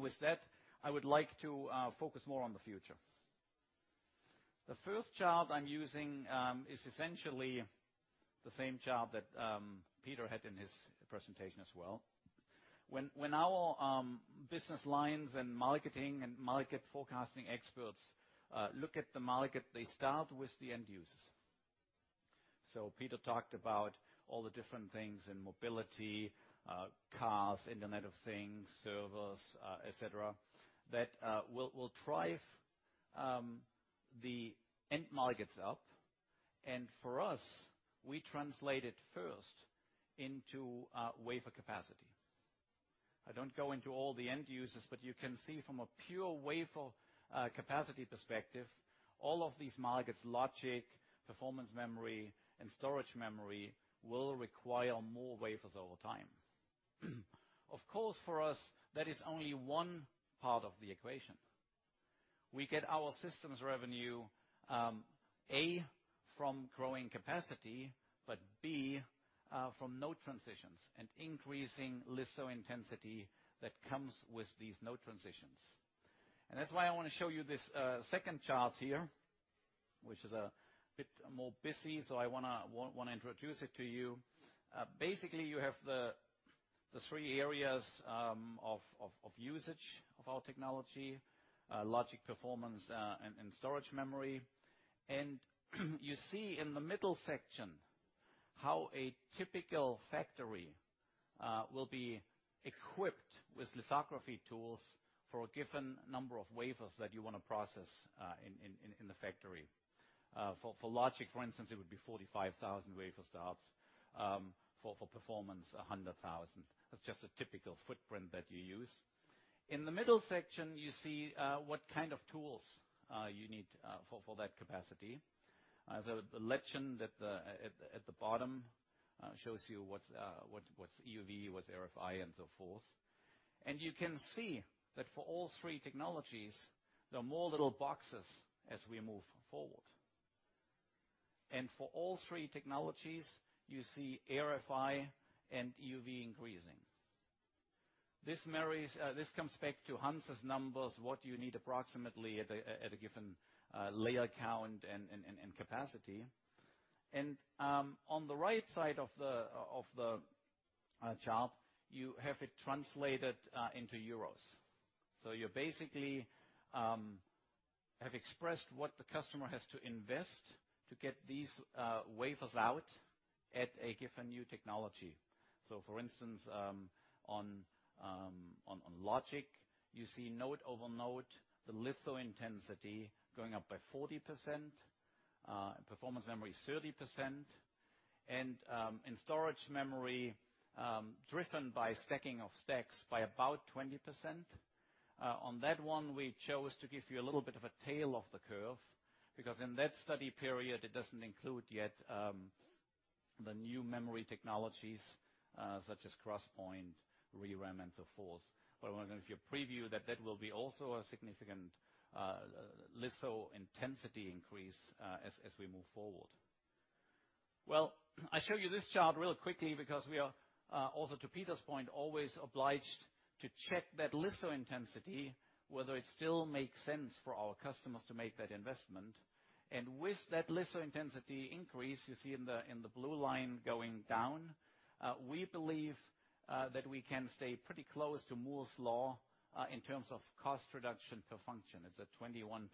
With that, I would like to focus more on the future. The first chart I'm using is essentially the same chart that Peter had in his presentation as well. When our business lines and marketing and market forecasting experts look at the market, they start with the end users. Peter talked about all the different things in mobility, cars, Internet of Things, servers, et cetera, that will drive the end markets up. For us, we translate it first into wafer capacity. I don't go into all the end users, but you can see from a pure wafer capacity perspective, all of these markets, logic, performance memory, and storage memory, will require more wafers over time. Of course, for us, that is only one part of the equation. We get our systems revenue, A, from growing capacity, but B, from node transitions and increasing litho intensity that comes with these node transitions. That's why I want to show you this second chart here, which is a bit more busy, so I want to introduce it to you. Basically, you have The three areas of usage of our technology, logic performance and storage memory. You see in the middle section how a typical factory will be equipped with lithography tools for a given number of wafers that you want to process in the factory. For logic, for instance, it would be 45,000 wafer starts. For performance, 100,000. That's just a typical footprint that you use. In the middle section, you see what kind of tools you need for that capacity. The legend at the bottom shows you what's EUV, what's ArFi and so forth. You can see that for all three technologies, there are more little boxes as we move forward. For all three technologies, you see ArFi and EUV increasing. This comes back to Hans' numbers, what you need approximately at a given layer count and capacity. On the right side of the chart, you have it translated into EUR. You basically have expressed what the customer has to invest to get these wafers out at a given new technology. For instance, on logic, you see node over node, the litho intensity going up by 40%, performance memory 30%, and in storage memory, driven by stacking of stacks by about 20%. On that one, we chose to give you a little bit of a tail of the curve, because in that study period, it doesn't include yet the new memory technologies such as 3D XPoint, ReRAM, and so forth. I want to give you a preview that will be also a significant litho intensity increase as we move forward. Well, I show you this chart really quickly because we are, also to Peter's point, always obliged to check that litho intensity, whether it still makes sense for our customers to make that investment. With that litho intensity increase you see in the blue line going down, we believe that we can stay pretty close to Moore's Law in terms of cost reduction per function. It's at 21%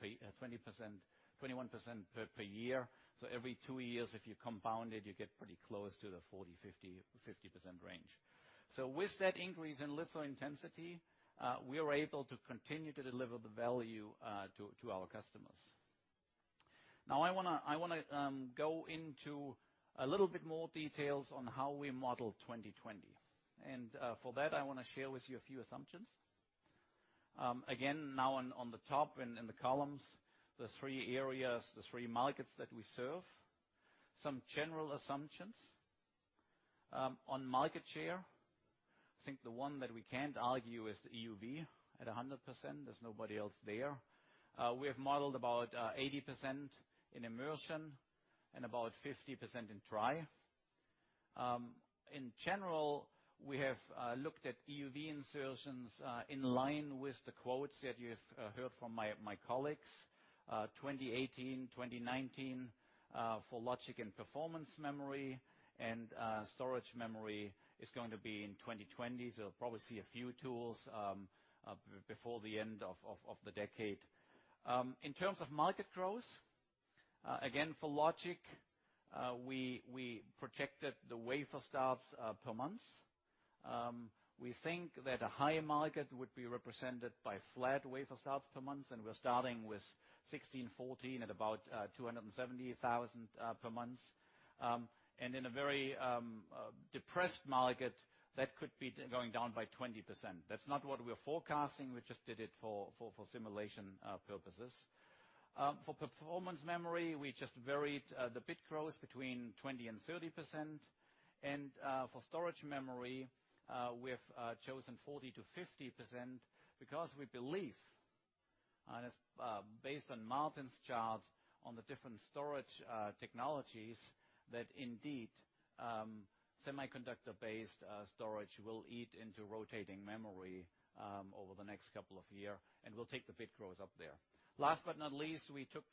per year. Every two years, if you compound it, you get pretty close to the 40%-50% range. With that increase in litho intensity, we are able to continue to deliver the value to our customers. Now I want to go into a little bit more details on how we model 2020. For that, I want to share with you a few assumptions. Again, now on the top in the columns, the three areas, the three markets that we serve. Some general assumptions. On market share, I think the one that we can't argue is EUV at 100%. There's nobody else there. We have modeled about 80% in immersion and about 50% in dry. In general, we have looked at EUV insertions in line with the quotes that you have heard from my colleagues. 2018, 2019 for logic and performance memory, and storage memory is going to be in 2020, so you'll probably see a few tools before the end of the decade. In terms of market growth, again, for logic, we projected the wafer starts per month. We think that a higher market would be represented by flat wafer starts per month, we're starting with 1,614 at about 270,000 per month. In a very depressed market, that could be going down by 20%. That's not what we're forecasting. We just did it for simulation purposes. For performance memory, we just varied the bit growth between 20%-30%. For storage memory, we have chosen 40%-50% because we believe, based on Martin's chart on the different storage technologies, that indeed, semiconductor-based storage will eat into rotating memory over the next couple of year, and will take the bit growth up there. Last but not least, we took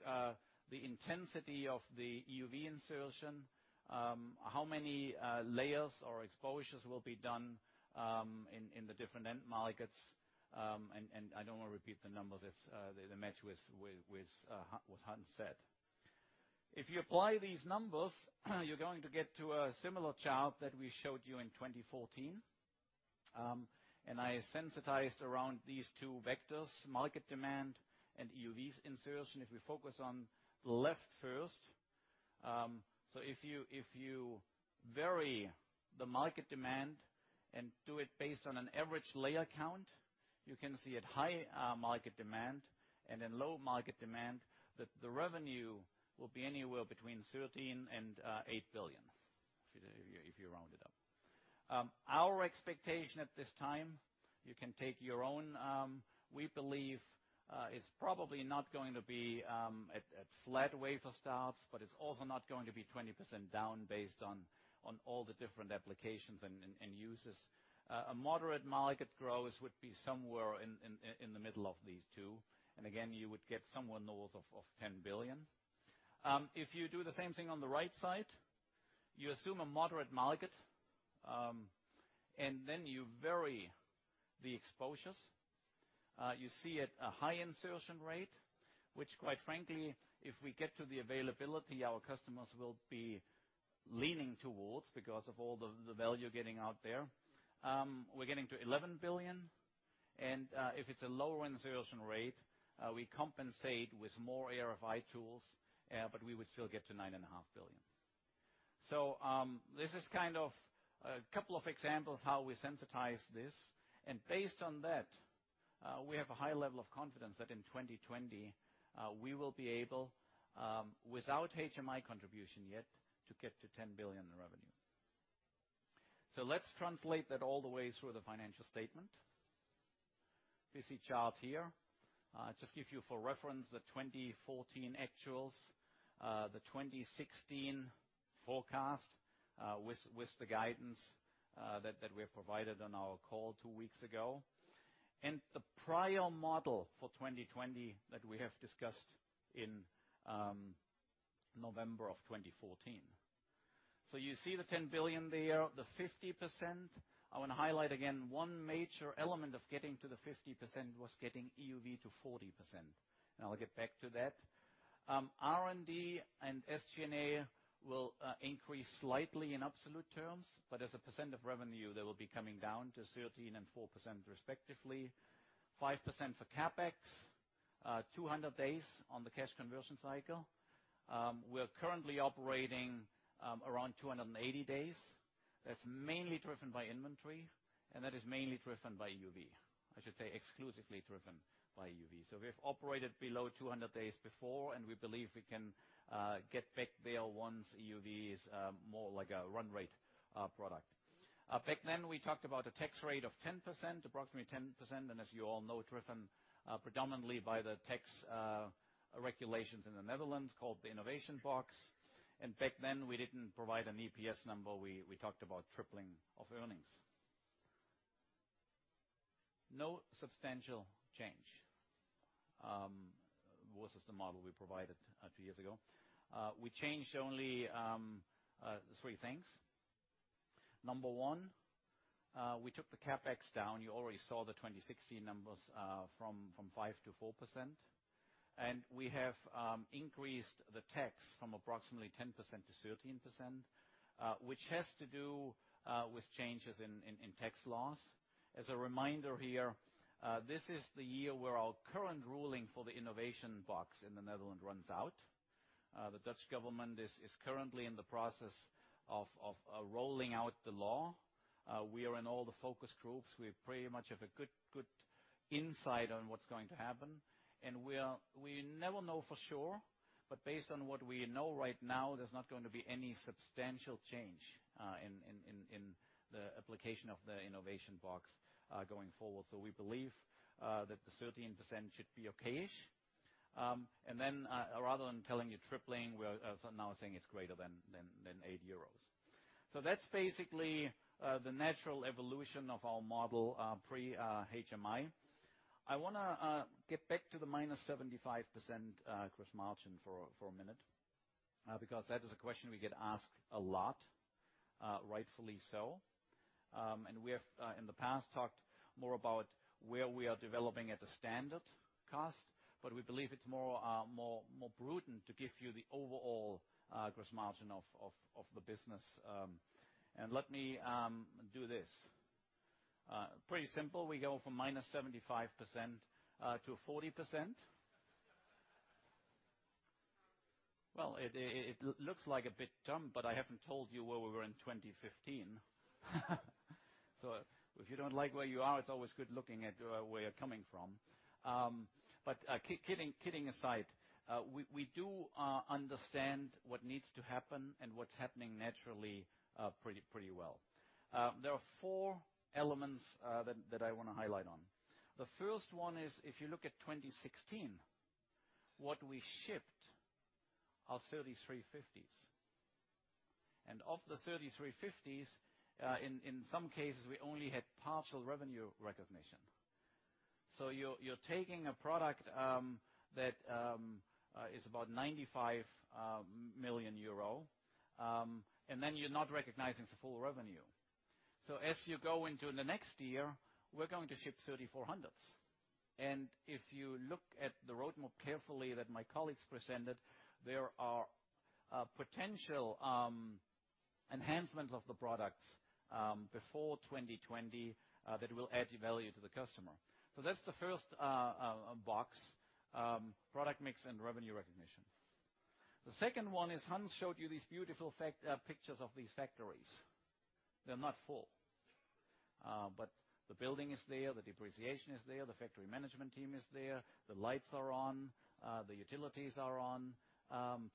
the intensity of the EUV insertion, how many layers or exposures will be done in the different end markets. I don't want to repeat the numbers. They match with what Hans said. If you apply these numbers, you're going to get to a similar chart that we showed you in 2014. I sensitized around these two vectors, market demand and EUV insertion, if we focus on left first. If you vary the market demand and do it based on an average layer count, you can see at high market demand and in low market demand that the revenue will be anywhere between 13 billion and 8 billion, if you round it up. Our expectation at this time, you can take your own, we believe is probably not going to be at flat wafer starts, but it's also not going to be 20% down based on all the different applications and uses. A moderate market growth would be somewhere in the middle of these two. Again, you would get somewhere north of 10 billion. If you do the same thing on the right side, you assume a moderate market, then you vary the exposures. You see at a high insertion rate, which quite frankly, if we get to the availability, our customers will be leaning towards because of all the value getting out there. We're getting to 11 billion, and if it's a lower insertion rate, we compensate with more ArFi tools, but we would still get to 9.5 billion. This is a couple of examples how we sensitize this. Based on that, we have a high level of confidence that in 2020, we will be able, without HMI contribution yet, to get to 10 billion in revenue. Let's translate that all the way through the financial statement. Busy chart here. Just give you for reference the 2014 actuals, the 2016 forecast with the guidance that we have provided on our call two weeks ago, and the prior model for 2020 that we have discussed in November of 2014. You see the 10 billion there, the 50%. I want to highlight again, one major element of getting to the 50% was getting EUV to 40%, and I'll get back to that. R&D and SG&A will increase slightly in absolute terms, but as a % of revenue, they will be coming down to 13 and 4% respectively. 5% for CapEx. 200 days on the cash conversion cycle. We are currently operating around 280 days. That's mainly driven by inventory, and that is mainly driven by DUV. I should say, exclusively driven by DUV. We have operated below 200 days before, and we believe we can get back there once EUV is more like a run rate product. Back then, we talked about a tax rate of 10%, approximately 10%, and as you all know, driven predominantly by the tax regulations in the Netherlands called the Innovation Box. Back then, we didn't provide an EPS number. We talked about tripling of earnings. No substantial change versus the model we provided a few years ago. We changed only three things. Number one, we took the CapEx down. You already saw the 2016 numbers from 5% to 4%. We have increased the tax from approximately 10% to 13%, which has to do with changes in tax laws. As a reminder here, this is the year where our current ruling for the Innovation Box in the Netherlands runs out. The Dutch government is currently in the process of rolling out the law. We are in all the focus groups. We pretty much have a good insight on what's going to happen. We never know for sure, but based on what we know right now, there's not going to be any substantial change in the application of the Innovation Box going forward. We believe that the 13% should be okay-ish. Rather than telling you tripling, we're now saying it's greater than 8 euros. That's basically the natural evolution of our model pre-HMI. I want to get back to the -75% gross margin for a minute because that is a question we get asked a lot, rightfully so. We have, in the past, talked more about where we are developing at a standard cost, but we believe it's more prudent to give you the overall gross margin of the business. Let me do this. Pretty simple. We go from -75% to 40%. Well, it looks like a bit dumb, but I haven't told you where we were in 2015. If you don't like where you are, it's always good looking at where you're coming from. Kidding aside, we do understand what needs to happen and what's happening naturally pretty well. There are four elements that I want to highlight on. The first one is if you look at 2016, what we shipped are 3350s. Of the 3350s, in some cases, we only had partial revenue recognition. You're taking a product that is about 95 million euro, then you're not recognizing the full revenue. As you go into the next year, we're going to ship 3400s. If you look at the roadmap carefully that my colleagues presented, there are potential enhancements of the products before 2020 that will add value to the customer. That's the first box, product mix and revenue recognition. The second one is Hans showed you these beautiful pictures of these factories. They're not full. The building is there, the depreciation is there, the factory management team is there, the lights are on, the utilities are on,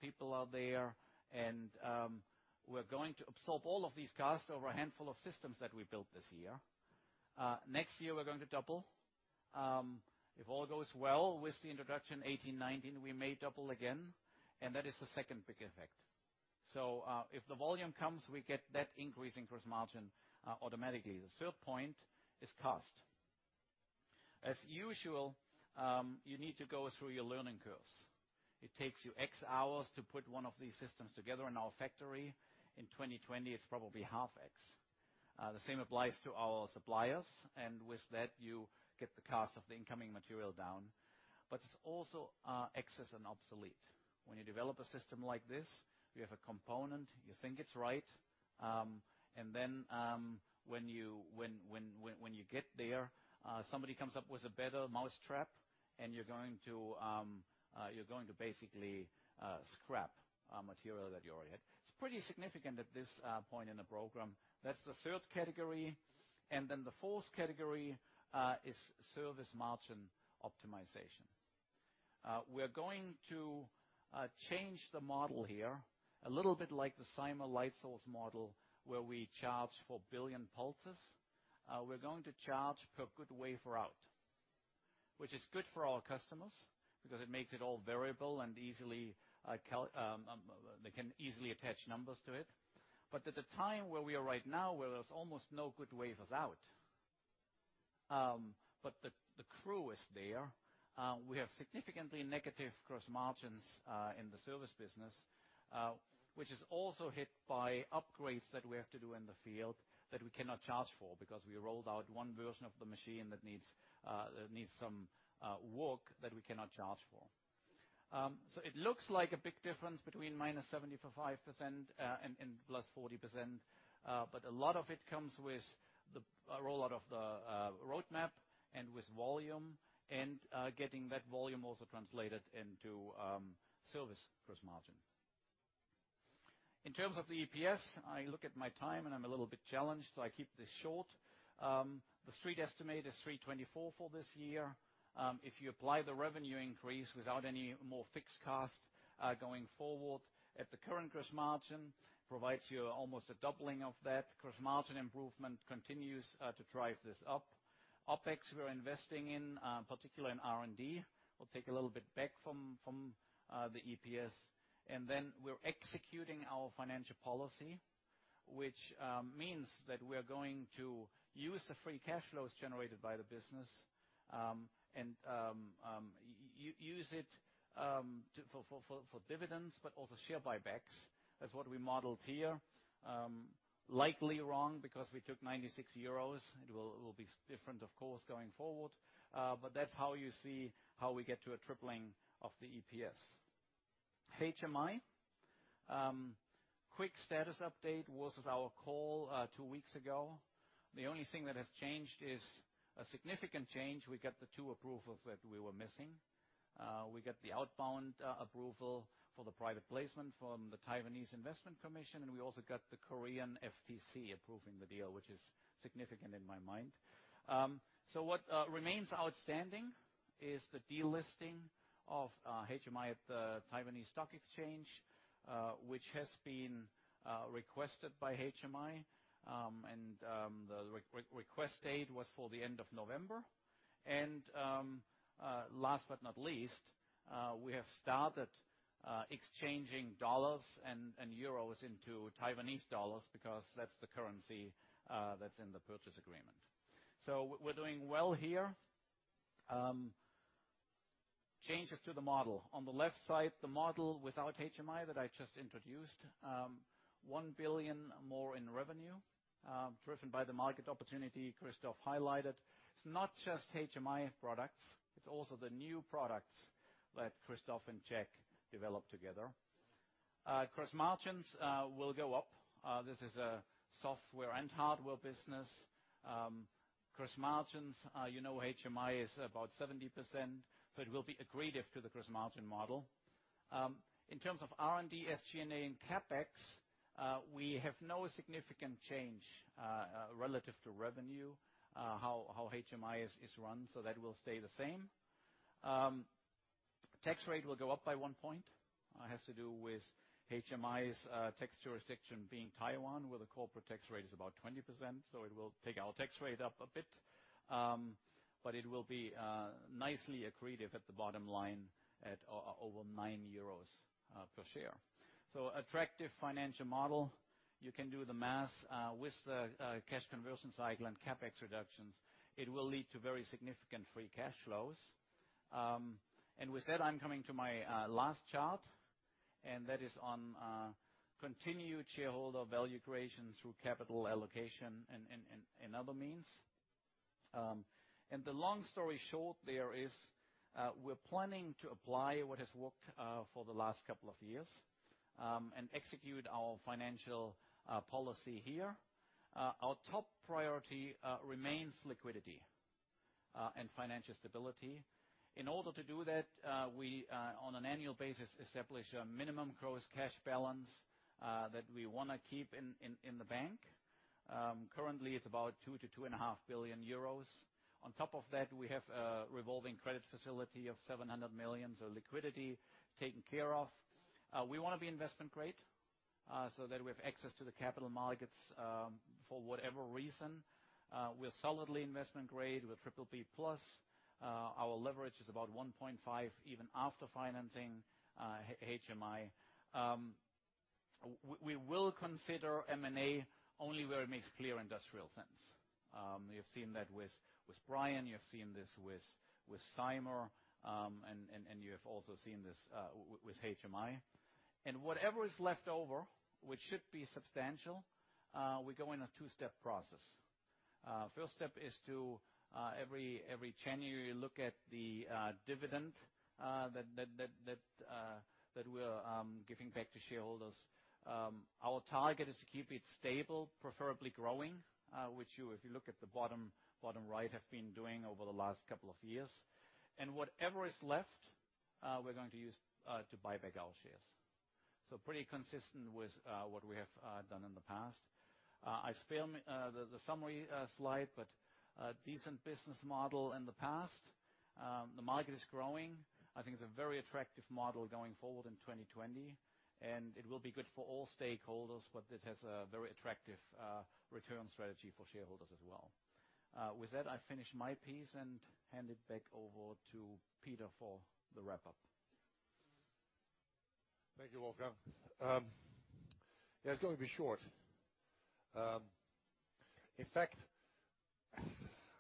people are there. We're going to absorb all of these costs over a handful of systems that we built this year. Next year, we're going to double. If all goes well with the introduction 2018, 2019, we may double again, that is the second big effect. If the volume comes, we get that increase in gross margin automatically. The third point is cost. As usual, you need to go through your learning curves. It takes you X hours to put one of these systems together in our factory. In 2020, it's probably half X. The same applies to our suppliers, with that, you get the cost of the incoming material down. It's also X is an obsolete. When you develop a system like this, you have a component, you think it's right, when you get there, somebody comes up with a better mousetrap you're going to basically scrap material that you already had. It's pretty significant at this point in the program. That's the third category, the fourth category is service margin optimization. We're going to change the model here a little bit like the Cymer light source model, where we charge for billion pulses. We're going to charge per good wafer out, which is good for our customers because it makes it all variable and they can easily attach numbers to it. At the time where we are right now, where there's almost no good wafers out, the crew is there, we have significantly negative gross margins in the service business, which is also hit by upgrades that we have to do in the field that we cannot charge for because we rolled out one version of the machine that needs some work that we cannot charge for. It looks like a big difference between -75% and plus 40%, a lot of it comes with the rollout of the roadmap and with volume and getting that volume also translated into service gross margin. In terms of the EPS, I look at my time and I'm a little bit challenged, so I keep this short. The street estimate is 3.24 for this year. If you apply the revenue increase without any more fixed cost going forward at the current gross margin provides you almost a doubling of that gross margin improvement continues to drive this up. OpEx, we're investing in, particular in R&D, will take a little bit back from the EPS. We're executing our financial policy, which means that we are going to use the free cash flows generated by the business, use it for dividends, but also share buybacks as what we modeled here. Likely wrong because we took €96. It will be different, of course, going forward. That's how you see how we get to a tripling of the EPS. HMI. Quick status update versus our call two weeks ago. The only thing that has changed is a significant change. We got the two approvals that we were missing. We got the outbound approval for the private placement from the Taiwanese Investment Commission. We also got the Korean FTC approving the deal, which is significant in my mind. What remains outstanding is the delisting of HMI at the Taiwan Stock Exchange, which has been requested by HMI. The request date was for the end of November. Last but not least, we have started exchanging dollars and euros into Taiwanese dollars because that's the currency that's in the purchase agreement. We're doing well here. Changes to the model. On the left side, the model without HMI that I just introduced. 1 billion more in revenue, driven by the market opportunity Christophe highlighted. It's not just HMI products, it's also the new products that Christophe and Jack developed together. Gross margins will go up. This is a software and hardware business. Gross margins, you know HMI is about 70%, so it will be accretive to the gross margin model. In terms of R&D, SG&A, and CapEx, we have no significant change relative to revenue, how HMI is run, so that will stay the same. Tax rate will go up by one point. It has to do with HMI's tax jurisdiction being Taiwan, where the corporate tax rate is about 20%, so it will take our tax rate up a bit. It will be nicely accretive at the bottom line at over €9 per share. Attractive financial model. You can do the math with the cash conversion cycle and CapEx reductions. It will lead to very significant free cash flows. With that, I'm coming to my last chart, and that is on continued shareholder value creation through capital allocation and other means. The long story short there is, we're planning to apply what has worked for the last couple of years, execute our financial policy here. Our top priority remains liquidity and financial stability. In order to do that, we, on an annual basis, establish a minimum gross cash balance that we want to keep in the bank. Currently, it's about 2 billion-2.5 billion euros. On top of that, we have a revolving credit facility of 700 million, so liquidity taken care of. Currently, it's about 2 billion-2.5 billion euros. On top of that, we have a revolving credit facility of 700 million, so liquidity taken care of. We want to be investment grade so that we have access to the capital markets, for whatever reason. We're solidly investment grade with BBB+. Our leverage is about 1.5 even after financing HMI. We will consider M&A only where it makes clear industrial sense. You have seen that with Brion, you have seen this with Cymer, and you have also seen this with HMI. Whatever is left over, which should be substantial, we go in a two-step process. First step is to, every January, look at the dividend that we're giving back to shareholders. Our target is to keep it stable, preferably growing, which if you look at the bottom right, have been doing over the last couple of years. Whatever is left, we're going to use to buy back our shares. Pretty consistent with what we have done in the past. I spare the summary slide, but decent business model in the past. The market is growing. I think it's a very attractive model going forward in 2020, and it will be good for all stakeholders, but it has a very attractive return strategy for shareholders as well. With that, I finish my piece and hand it back over to Peter for the wrap-up. Thank you, Wolfgang. Yeah, it's going to be short. In fact,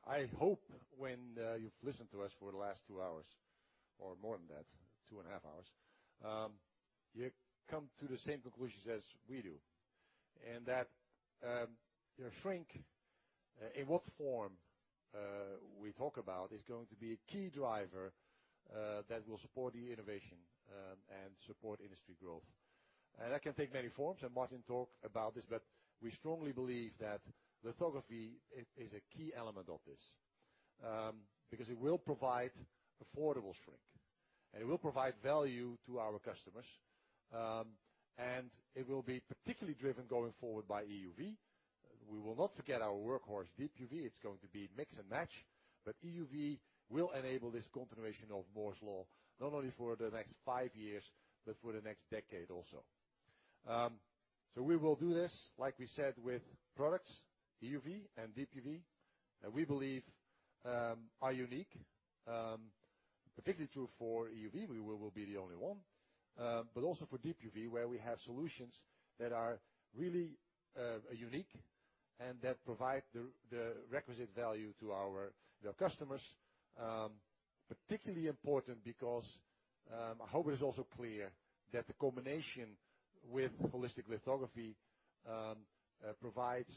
I hope when you've listened to us for the last two hours, or more than that, two and a half hours, you come to the same conclusions as we do. That shrink, in what form we talk about, is going to be a key driver that will support the innovation and support industry growth. That can take many forms, and Martin talked about this, but we strongly believe that lithography is a key element of this. Because it will provide affordable shrink, and it will provide value to our customers, and it will be particularly driven going forward by EUV. We will not forget our workhorse, Deep UV. It's going to be mix and match. EUV will enable this continuation of Moore's Law, not only for the next five years, but for the next decade also. We will do this, like we said, with products, EUV and Deep UV, that we believe are unique. Particularly true for EUV, we will be the only one. Also for Deep UV, where we have solutions that are really unique and that provide the requisite value to our customers. Particularly important because, I hope it is also clear that the combination with holistic lithography provides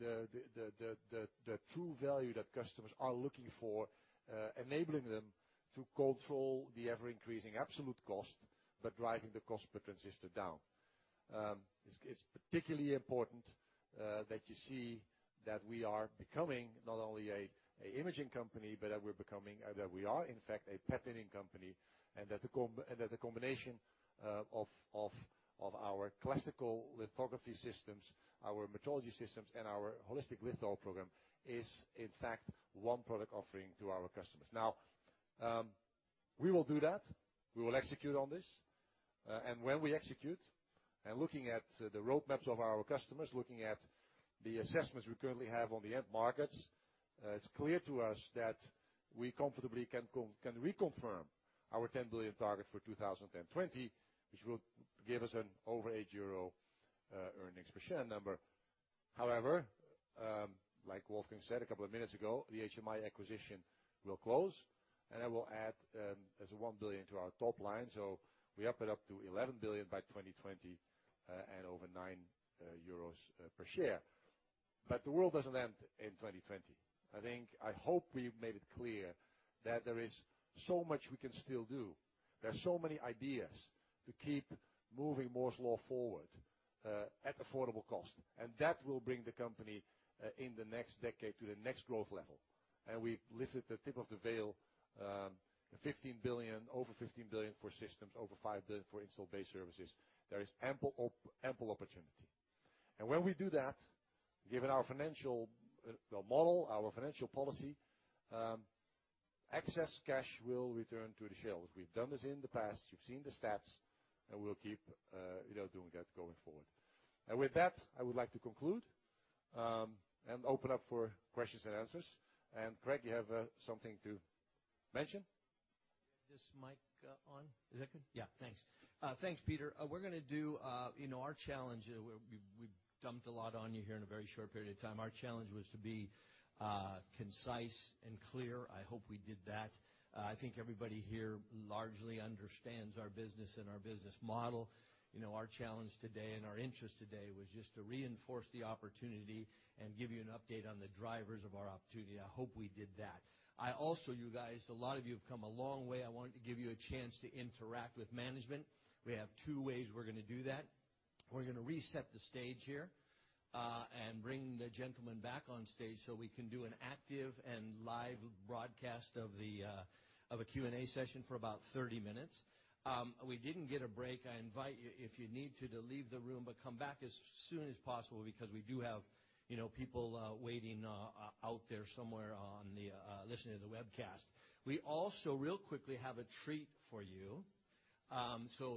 the true value that customers are looking for, enabling them to control the ever-increasing absolute cost, but driving the cost per transistor down. It's particularly important that you see that we are becoming not only an imaging company, but that we are in fact a patterning company, and that the combination of our classical lithography systems, our metrology systems, and our holistic litho program is in fact one product offering to our customers. Now, we will do that. We will execute on this. When we execute, and looking at the roadmaps of our customers, looking at the assessments we currently have on the end markets, it's clear to us that we comfortably can reconfirm our 10 billion target for 2020, which will give us an over 8 euro earnings per share number. However, like Wolfgang said a couple of minutes ago, the HMI acquisition will close, and that will add as a 1 billion to our top line. We up it up to 11 billion by 2020, and over 9 euros per share. The world doesn't end in 2020. I think, I hope we've made it clear that there is so much we can still do. There are so many ideas to keep moving Moore's Law forward at affordable cost. That will bring the company in the next decade to the next growth level. We've lifted the tip of the veil, over 15 billion for systems, over 5 billion for install base services. There is ample opportunity. When we do that, given our financial model, our financial policy, excess cash will return to the shareholders. We've done this in the past, you've seen the stats, and we'll keep doing that going forward. With that, I would like to conclude, and open up for questions and answers. Craig, you have something to mention? Is this mic on? Is that good? Yeah, thanks. Thanks, Peter. Our challenge, we've dumped a lot on you here in a very short period of time. Our challenge was to be concise and clear. I hope we did that. I think everybody here largely understands our business and our business model. Our challenge today and our interest today was just to reinforce the opportunity and give you an update on the drivers of our opportunity. I hope we did that. I also, you guys, a lot of you have come a long way. I wanted to give you a chance to interact with management. We have two ways we're going to do that. We're going to reset the stage here, and bring the gentlemen back on stage so we can do an active and live broadcast of a Q&A session for about 30 minutes. We didn't get a break. I invite you, if you need to leave the room, but come back as soon as possible because we do have people waiting out there somewhere listening to the webcast. We also, real quickly, have a treat for you.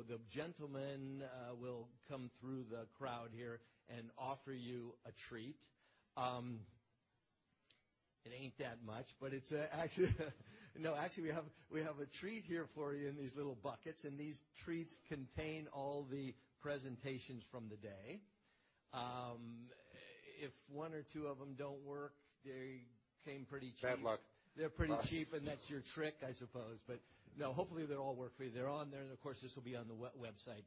The gentlemen will come through the crowd here and offer you a treat. It ain't that much. No, actually, we have a treat here for you in these little buckets, and these treats contain all the presentations from the day. If one or two of them don't work, they came pretty cheap. Bad luck. They're pretty cheap, and that's your trick, I suppose. No, hopefully they'll all work for you. They're on there, and of course, this will be on the website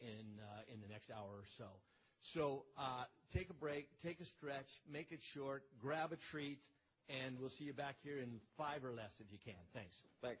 in the next hour or so. Take a break, take a stretch, make it short, grab a treat, and we'll see you back here in five or less if you can. Thanks. Thanks.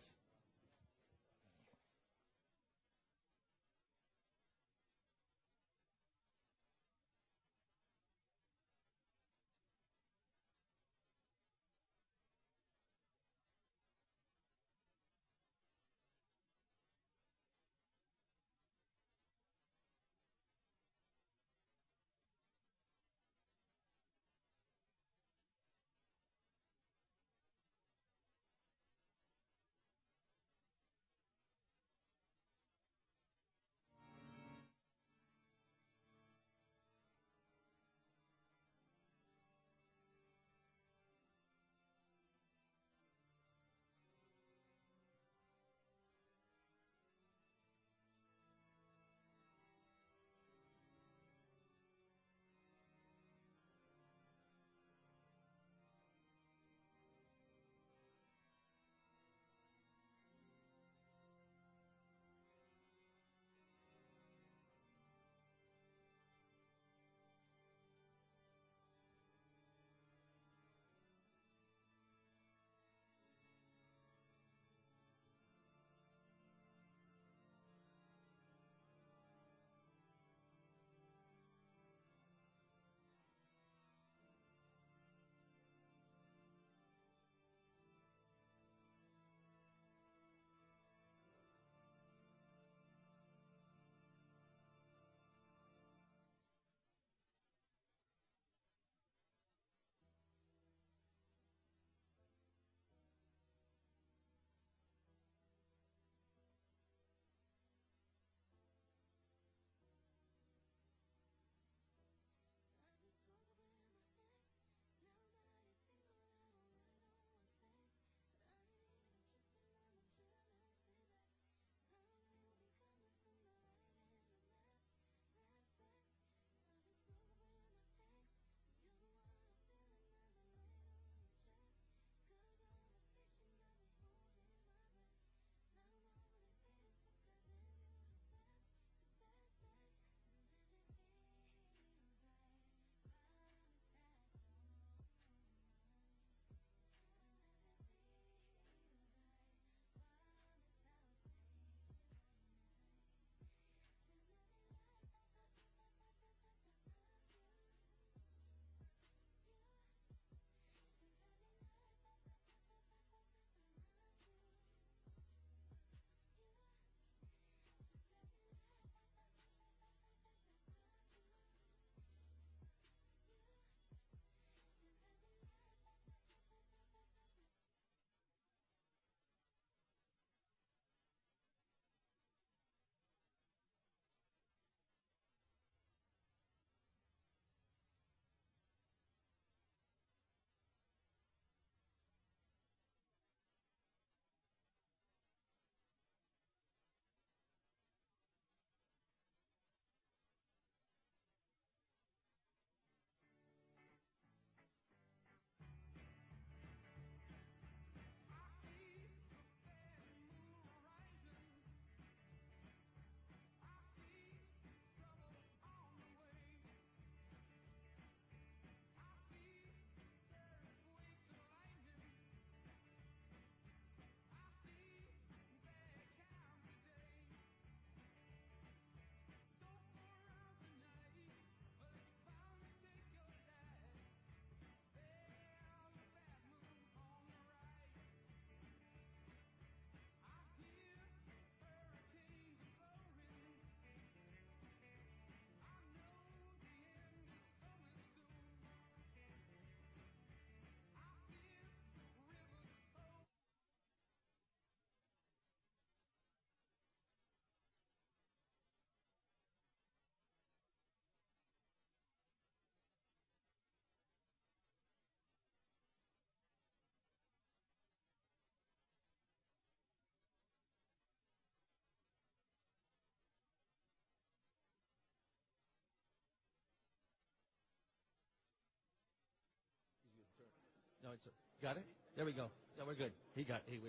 Got it? There we go. Yeah, we're good. He got it.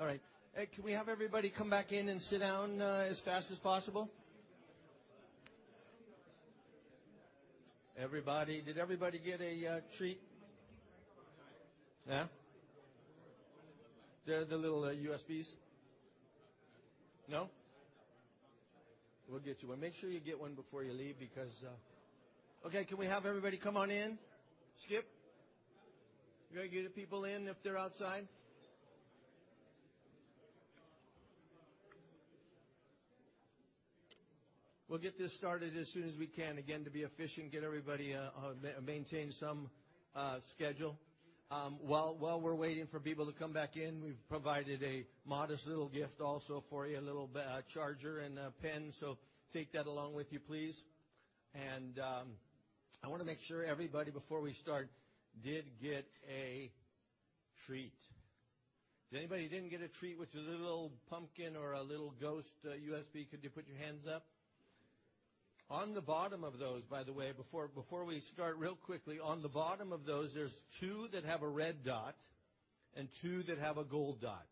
All right. Hey, can we have everybody come back in and sit down as fast as possible? Everybody, did everybody get a treat? Yeah? The little USBs. No? We'll get you one. Make sure you get one before you leave. Can we have everybody come on in? Skip? You going to get the people in if they're outside? We'll get this started as soon as we can. Again, to be efficient, get everybody maintain some schedule. While we're waiting for people to come back in, we've provided a modest little gift also for you, a little charger and a pen. Take that along with you, please. I want to make sure everybody, before we start, did get a treat. If anybody didn't get a treat, which is a little pumpkin or a little ghost USB, could you put your hands up? On the bottom of those, by the way, before we start, real quickly, on the bottom of those, there's two that have a red dot and two that have a gold dot.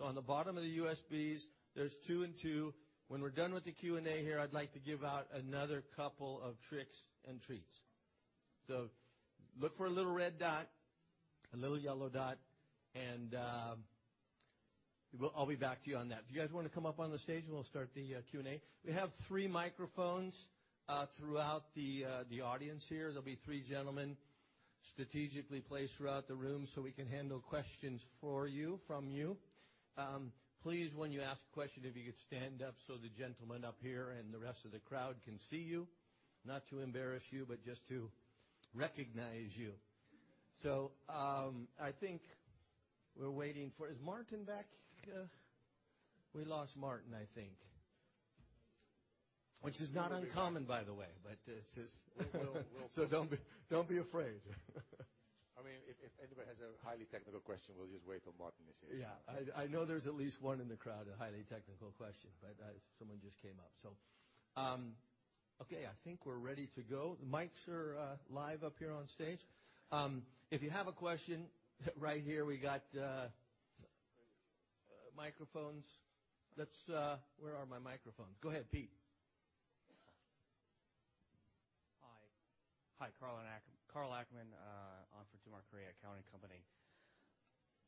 On the bottom of the USBs, there's two and two. When we're done with the Q&A here, I'd like to give out another couple of tricks and treats. Look for a little red dot, a little yellow dot, and I'll be back to you on that. Do you guys want to come up on the stage, and we'll start the Q&A? We have three microphones throughout the audience here. There'll be three gentlemen strategically placed throughout the room so we can handle questions for you, from you. Please, when you ask a question, if you could stand up so the gentleman up here and the rest of the crowd can see you. Not to embarrass you, but just to recognize you. I think we're waiting for-- Is Martin back? We lost Martin, I think. Which is not uncommon, by the way, but it is. Don't be afraid. If anybody has a highly technical question, we'll just wait till Martin is here. Yeah. I know there's at least one in the crowd, a highly technical question, someone just came up. Okay, I think we're ready to go. The mics are live up here on stage. If you have a question, right here we got microphones. Where are my microphones? Go ahead, Pete. Hi, Carl Ackman on for Tamarac, [accounting] company.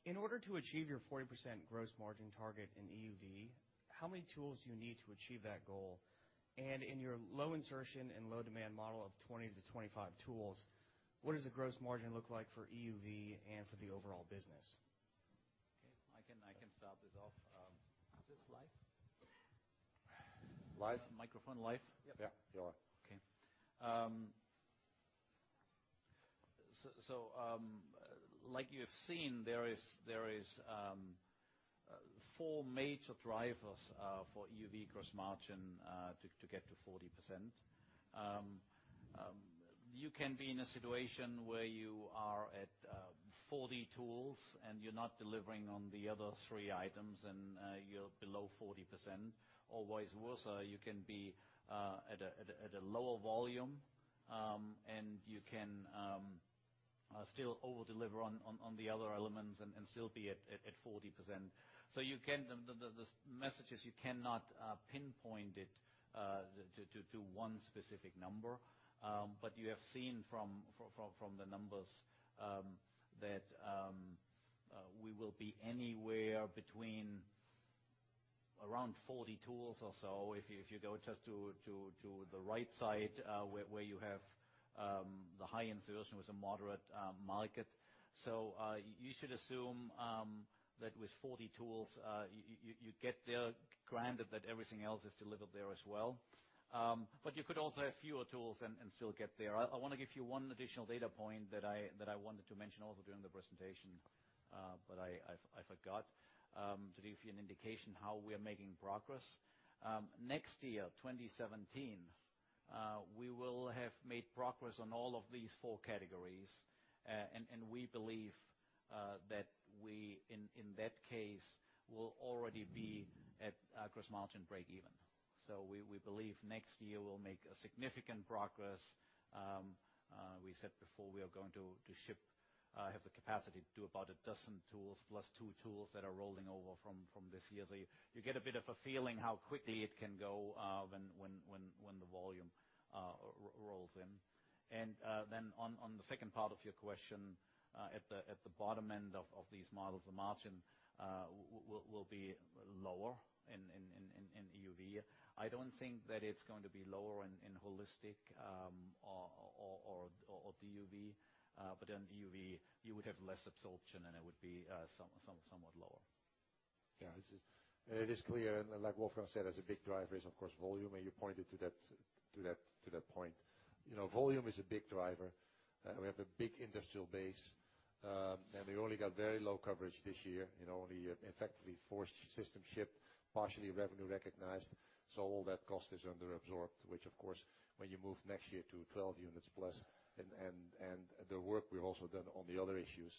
In order to achieve your 40% gross margin target in EUV, how many tools do you need to achieve that goal? In your low insertion and low demand model of 20-25 tools, what does the gross margin look like for EUV and for the overall business? Okay. I can start this off. Is this live? Live? Microphone live? Yeah, you're on. Like you have seen, there is four major drivers for EUV gross margin to get to 40%. You can be in a situation where you are at 40 tools, and you're not delivering on the other three items, and you're below 40%. Vice versa, you can be at a lower volume, and you can still over-deliver on the other elements and still be at 40%. The message is you cannot pinpoint it to one specific number. You have seen from the numbers that we will be anywhere between around 40 tools or so, if you go just to the right side, where you have the high insertion with a moderate market. You should assume that with 40 tools, you get there, granted that everything else is delivered there as well. You could also have fewer tools and still get there. I want to give you one additional data point that I wanted to mention also during the presentation, but I forgot, to give you an indication how we are making progress. Next year, 2017, we will have made progress on all of these four categories. We believe that we, in that case, will already be at gross margin breakeven. We believe next year we'll make a significant progress. We said before we are going to ship, have the capacity to do about a dozen tools, plus two tools that are rolling over from this year. You get a bit of a feeling how quickly it can go when the volume rolls in. On the second part of your question, at the bottom end of these models, the margin will be lower in EUV. I don't think that it's going to be lower in holistic or DUV. In EUV, you would have less absorption, and it would be somewhat lower. Yeah. It is clear, like Wolfgang said, as a big driver is, of course, volume, and you pointed to that point. Volume is a big driver. We have a big industrial base. We only got very low coverage this year, only effectively four system shipped, partially revenue recognized. All that cost is under-absorbed, which of course, when you move next year to 12 units plus, and the work we've also done on the other issues,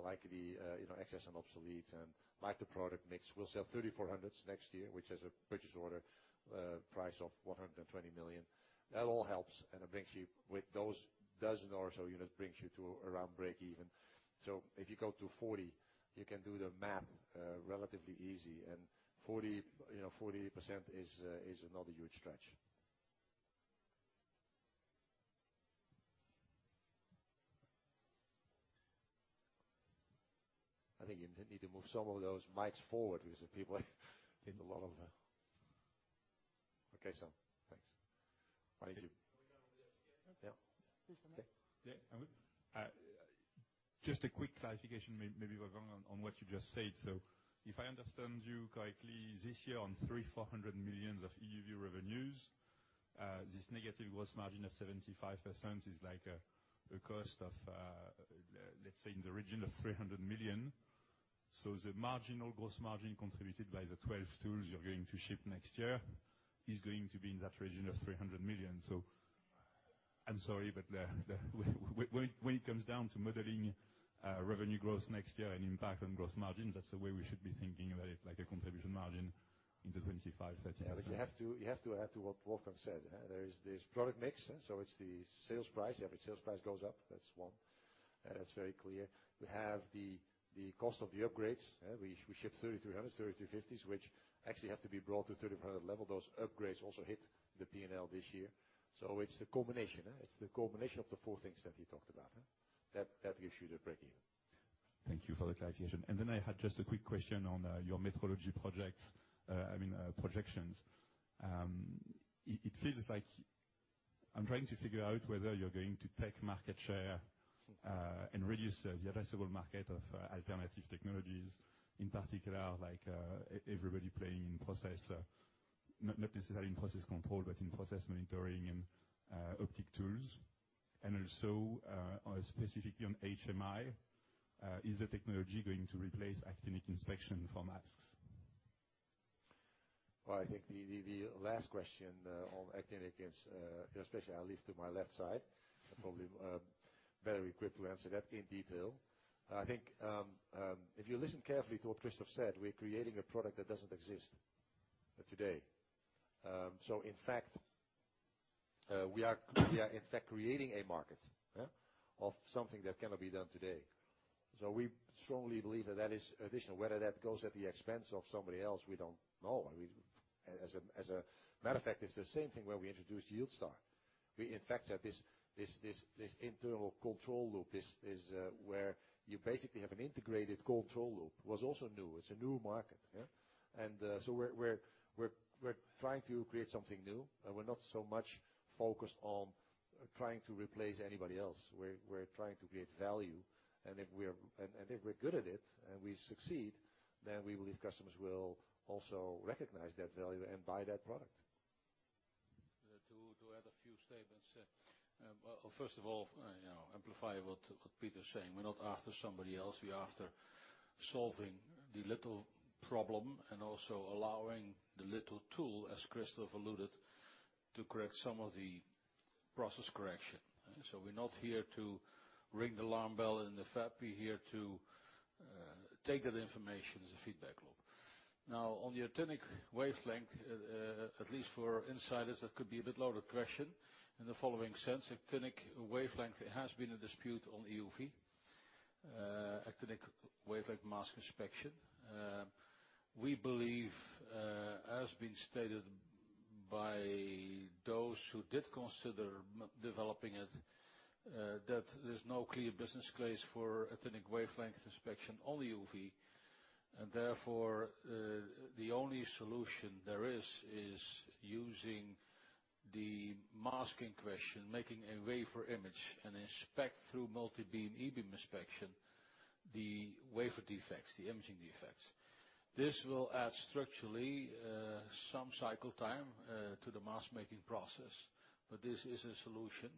like the excess and obsolete and like the product mix. We'll sell 3,400s next year, which has a purchase order price of 120 million. That all helps, and it brings you, with those dozen or so units, brings you to around breakeven. If you go to 40, you can do the math relatively easy. 40% is not a huge stretch. I think you need to move some of those mics forward because the people I think a lot of. Okay, thanks. Why don't you- Are we done with the questions? Yeah. Yeah. Please come here. Okay. Yeah. Just a quick clarification, maybe, Wolfgang, on what you just said. If I understand you correctly, this year, on 300 million, 400 million of EUV revenues, this negative gross margin of 75% is like the cost of, let's say in the region of 300 million. The marginal gross margin contributed by the 12 tools you're going to ship next year is going to be in that region of 300 million. I'm sorry, when it comes down to modeling revenue growth next year and impact on gross margin, that's the way we should be thinking about it, like a contribution margin into 25, 30. You have to add to what Wolfgang said. There is this product mix, it's the sales price. Every sales price goes up. That's one. That's very clear. We have the cost of the upgrades. We ship 3300s, 3350s, which actually have to be brought to 3500 level. Those upgrades also hit the P&L this year. It's the combination. It's the combination of the four things that we talked about. That gives you the break-even. Thank you for the clarification. Then I had just a quick question on your metrology projects, I mean projections. It feels like I'm trying to figure out whether you're going to take market share and reduce the addressable market of alternative technologies, in particular, like everybody playing in process, not necessarily in process control, but in process monitoring and optic tools. Also, specifically on HMI, is the technology going to replace actinic inspection for masks? Well, I think the last question on actinic inspection, I leave to my left side, probably better equipped to answer that in detail. I think if you listen carefully to what Christophe said, we're creating a product that doesn't exist today. In fact, we are in fact creating a market of something that cannot be done today. We strongly believe that is additional. Whether that goes at the expense of somebody else, we don't know. As a matter of fact, it's the same thing when we introduced YieldStar. We in fact had this internal control loop, where you basically have an integrated control loop, was also new. It's a new market. We're trying to create something new, and we're not so much focused on trying to replace anybody else. We're trying to create value. If we're good at it and we succeed, we believe customers will also recognize that value and buy that product. To add a few statements. First of all, amplify what Peter is saying. We're not after somebody else. We're after solving the little problem and also allowing the little tool, as Christophe alluded, to correct some of the process correction. We're not here to ring the alarm bell in the fab. We're here to take that information as a feedback loop. On the actinic wavelength, at least for insiders, that could be a bit loaded question in the following sense. Actinic wavelength has been a dispute on EUV, actinic wavelength mask inspection. We believe, as been stated by those who did consider developing it, that there's no clear business case for actinic wavelength inspection on EUV, and therefore, the only solution there is using the mask inspection, making a wafer image, and inspect through multibeam E-beam inspection, the wafer defects, the imaging defects. This will add structurally some cycle time to the mask making process, this is a solution.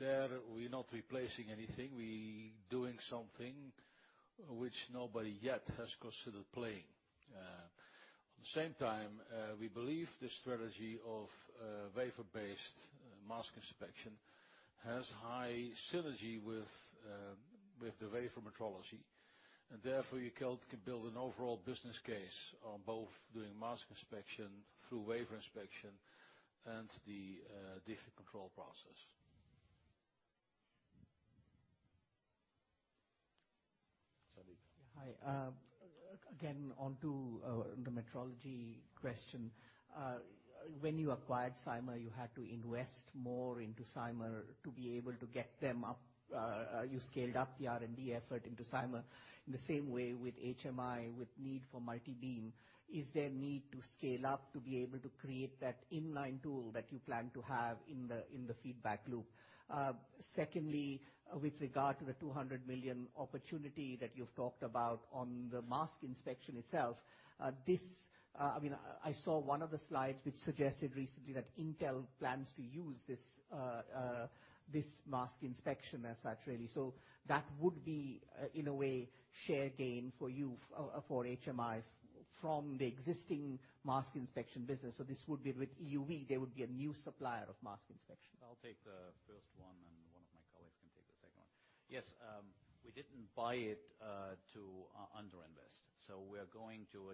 There, we're not replacing anything. We doing something which nobody yet has considered playing. At the same time, we believe the strategy of wafer-based mask inspection has high synergy with the wafer metrology, therefore, you can build an overall business case on both doing mask inspection through wafer inspection and the defect control process. Sandeep. Hi. On to the metrology question. When you acquired Cymer, you had to invest more into Cymer to be able to get them up. You scaled up the R&D effort into Cymer. In the same way with HMI, with need for multibeam, is there need to scale up to be able to create that inline tool that you plan to have in the feedback loop? Secondly, with regard to the 200 million opportunity that you've talked about on the mask inspection itself, I saw one of the slides which suggested recently that Intel plans to use this mask inspection as such, really. That would be, in a way, share gain for you, for HMI from the existing mask inspection business. This would be with EUV. They would be a new supplier of mask inspection. I'll take the first one of my colleagues can take the second one. Yes.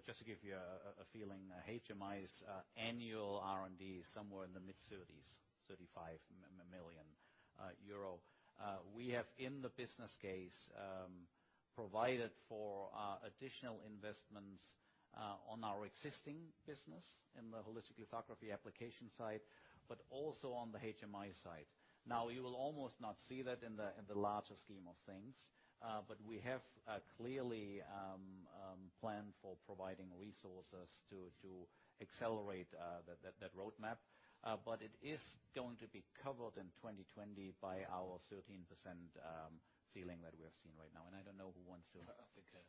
Just to give you a feeling, HMI's annual R&D is somewhere in the mid-30s, 35 million euro. We have in the business case, provided for additional investments on our existing business in the holistic lithography application side, also on the HMI side. You will almost not see that in the larger scheme of things. We have clearly planned for providing resources to accelerate that roadmap. It is going to be covered in 2020 by our 13% ceiling that we have seen right now.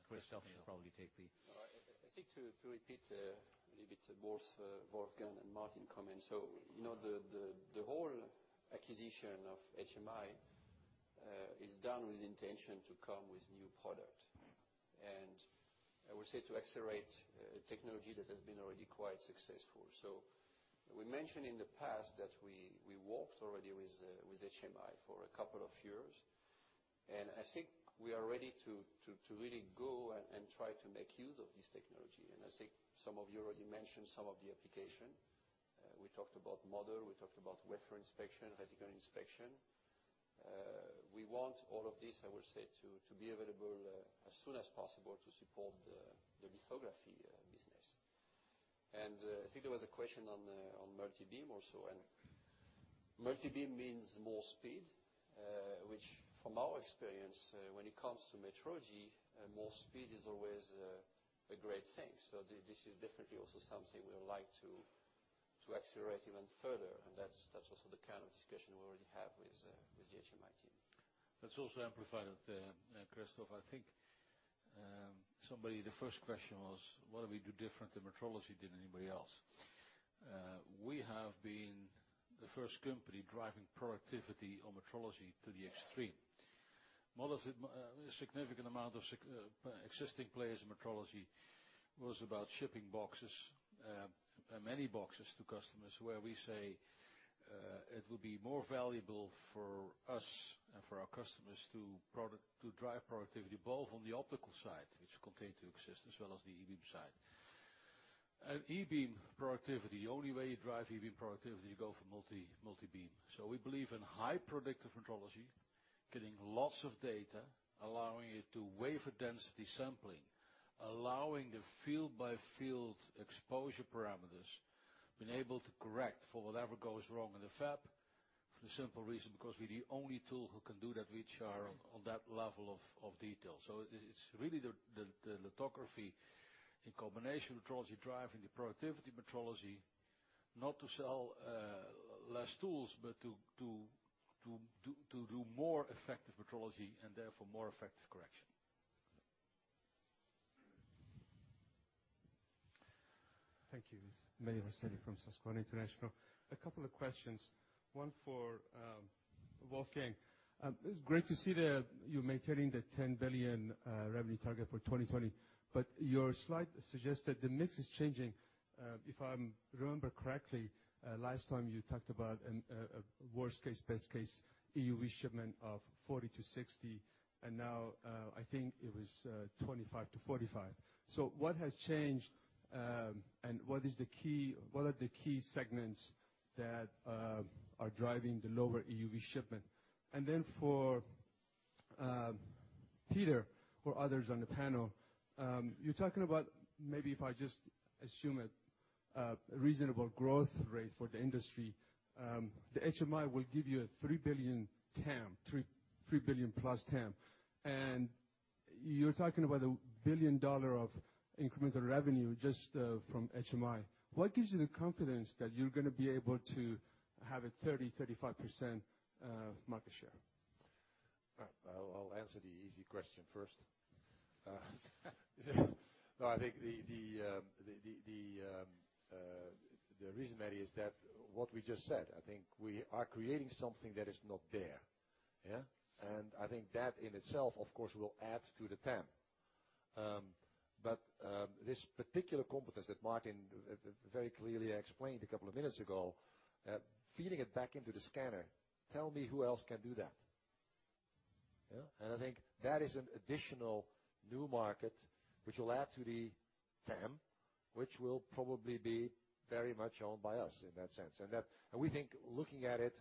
Christophe can probably. I think to repeat a little bit both Wolfgang and Martin comments. The whole acquisition of HMI is done with intention to come with new product. I would say to accelerate technology that has been already quite successful. We mentioned in the past that we worked already with HMI for a couple of years, and I think we are ready to really go and try to make use of this technology. I think some of you already mentioned some of the application. We talked about model, we talked about wafer inspection, reticle inspection. We want all of this, I would say, to be available, as soon as possible to support the lithography business. I think there was a question on multi-beam also. Multi-beam means more speed, which from our experience, when it comes to metrology, more speed is always a great thing. This is definitely also something we would like to accelerate even further. That's also the kind of discussion we already have with the HMI team. Let's also amplify that, Christophe. I think, somebody, the first question was, what do we do different in metrology than anybody else? We have been the first company driving productivity on metrology to the extreme. Significant amount of existing players in metrology was about shipping boxes, many boxes to customers, where we say, it would be more valuable for us and for our customers to drive productivity both on the optical side, which continue to exist, as well as the e-beam side. E-beam productivity, the only way you drive e-beam productivity, you go for multi-beam. We believe in high productive metrology, getting lots of data, allowing it to wafer density sampling, allowing the field-by-field exposure parameters, being able to correct for whatever goes wrong in the fab, for the simple reason, because we're the only tool who can do that, which are on that level of detail. It's really the lithography in combination metrology driving the productivity metrology, not to sell less tools, but to do more effective metrology and therefore more effective correction. Thank you. It's Mehdi Mostafavi from Susquehanna International. A couple of questions. One for Wolfgang. It's great to see that you're maintaining the 10 billion revenue target for 2020. Your slide suggests that the mix is changing. If I remember correctly, last time you talked about worst case, best case EUV shipment of 40-60, and now, I think it was, 25-45. What has changed, and what are the key segments that are driving the lower EUV shipment? For Peter or others on the panel, you're talking about, maybe if I just assume it, reasonable growth rate for the industry. The HMI will give you a 3 billion TAM, 3 billion plus TAM. You're talking about a EUR 1 billion of incremental revenue just from HMI. What gives you the confidence that you're going to be able to have a 30%-35% market share? I'll answer the easy question first. No, I think the reason, Mehdi, is that what we just said. I think we are creating something that is not there. Yeah? I think that in itself, of course, will add to the TAM. This particular competence that Martin very clearly explained a couple of minutes ago, feeding it back into the scanner, tell me who else can do that. Yeah? I think that is an additional new market which will add to the TAM, which will probably be very much owned by us in that sense. We think, looking at it,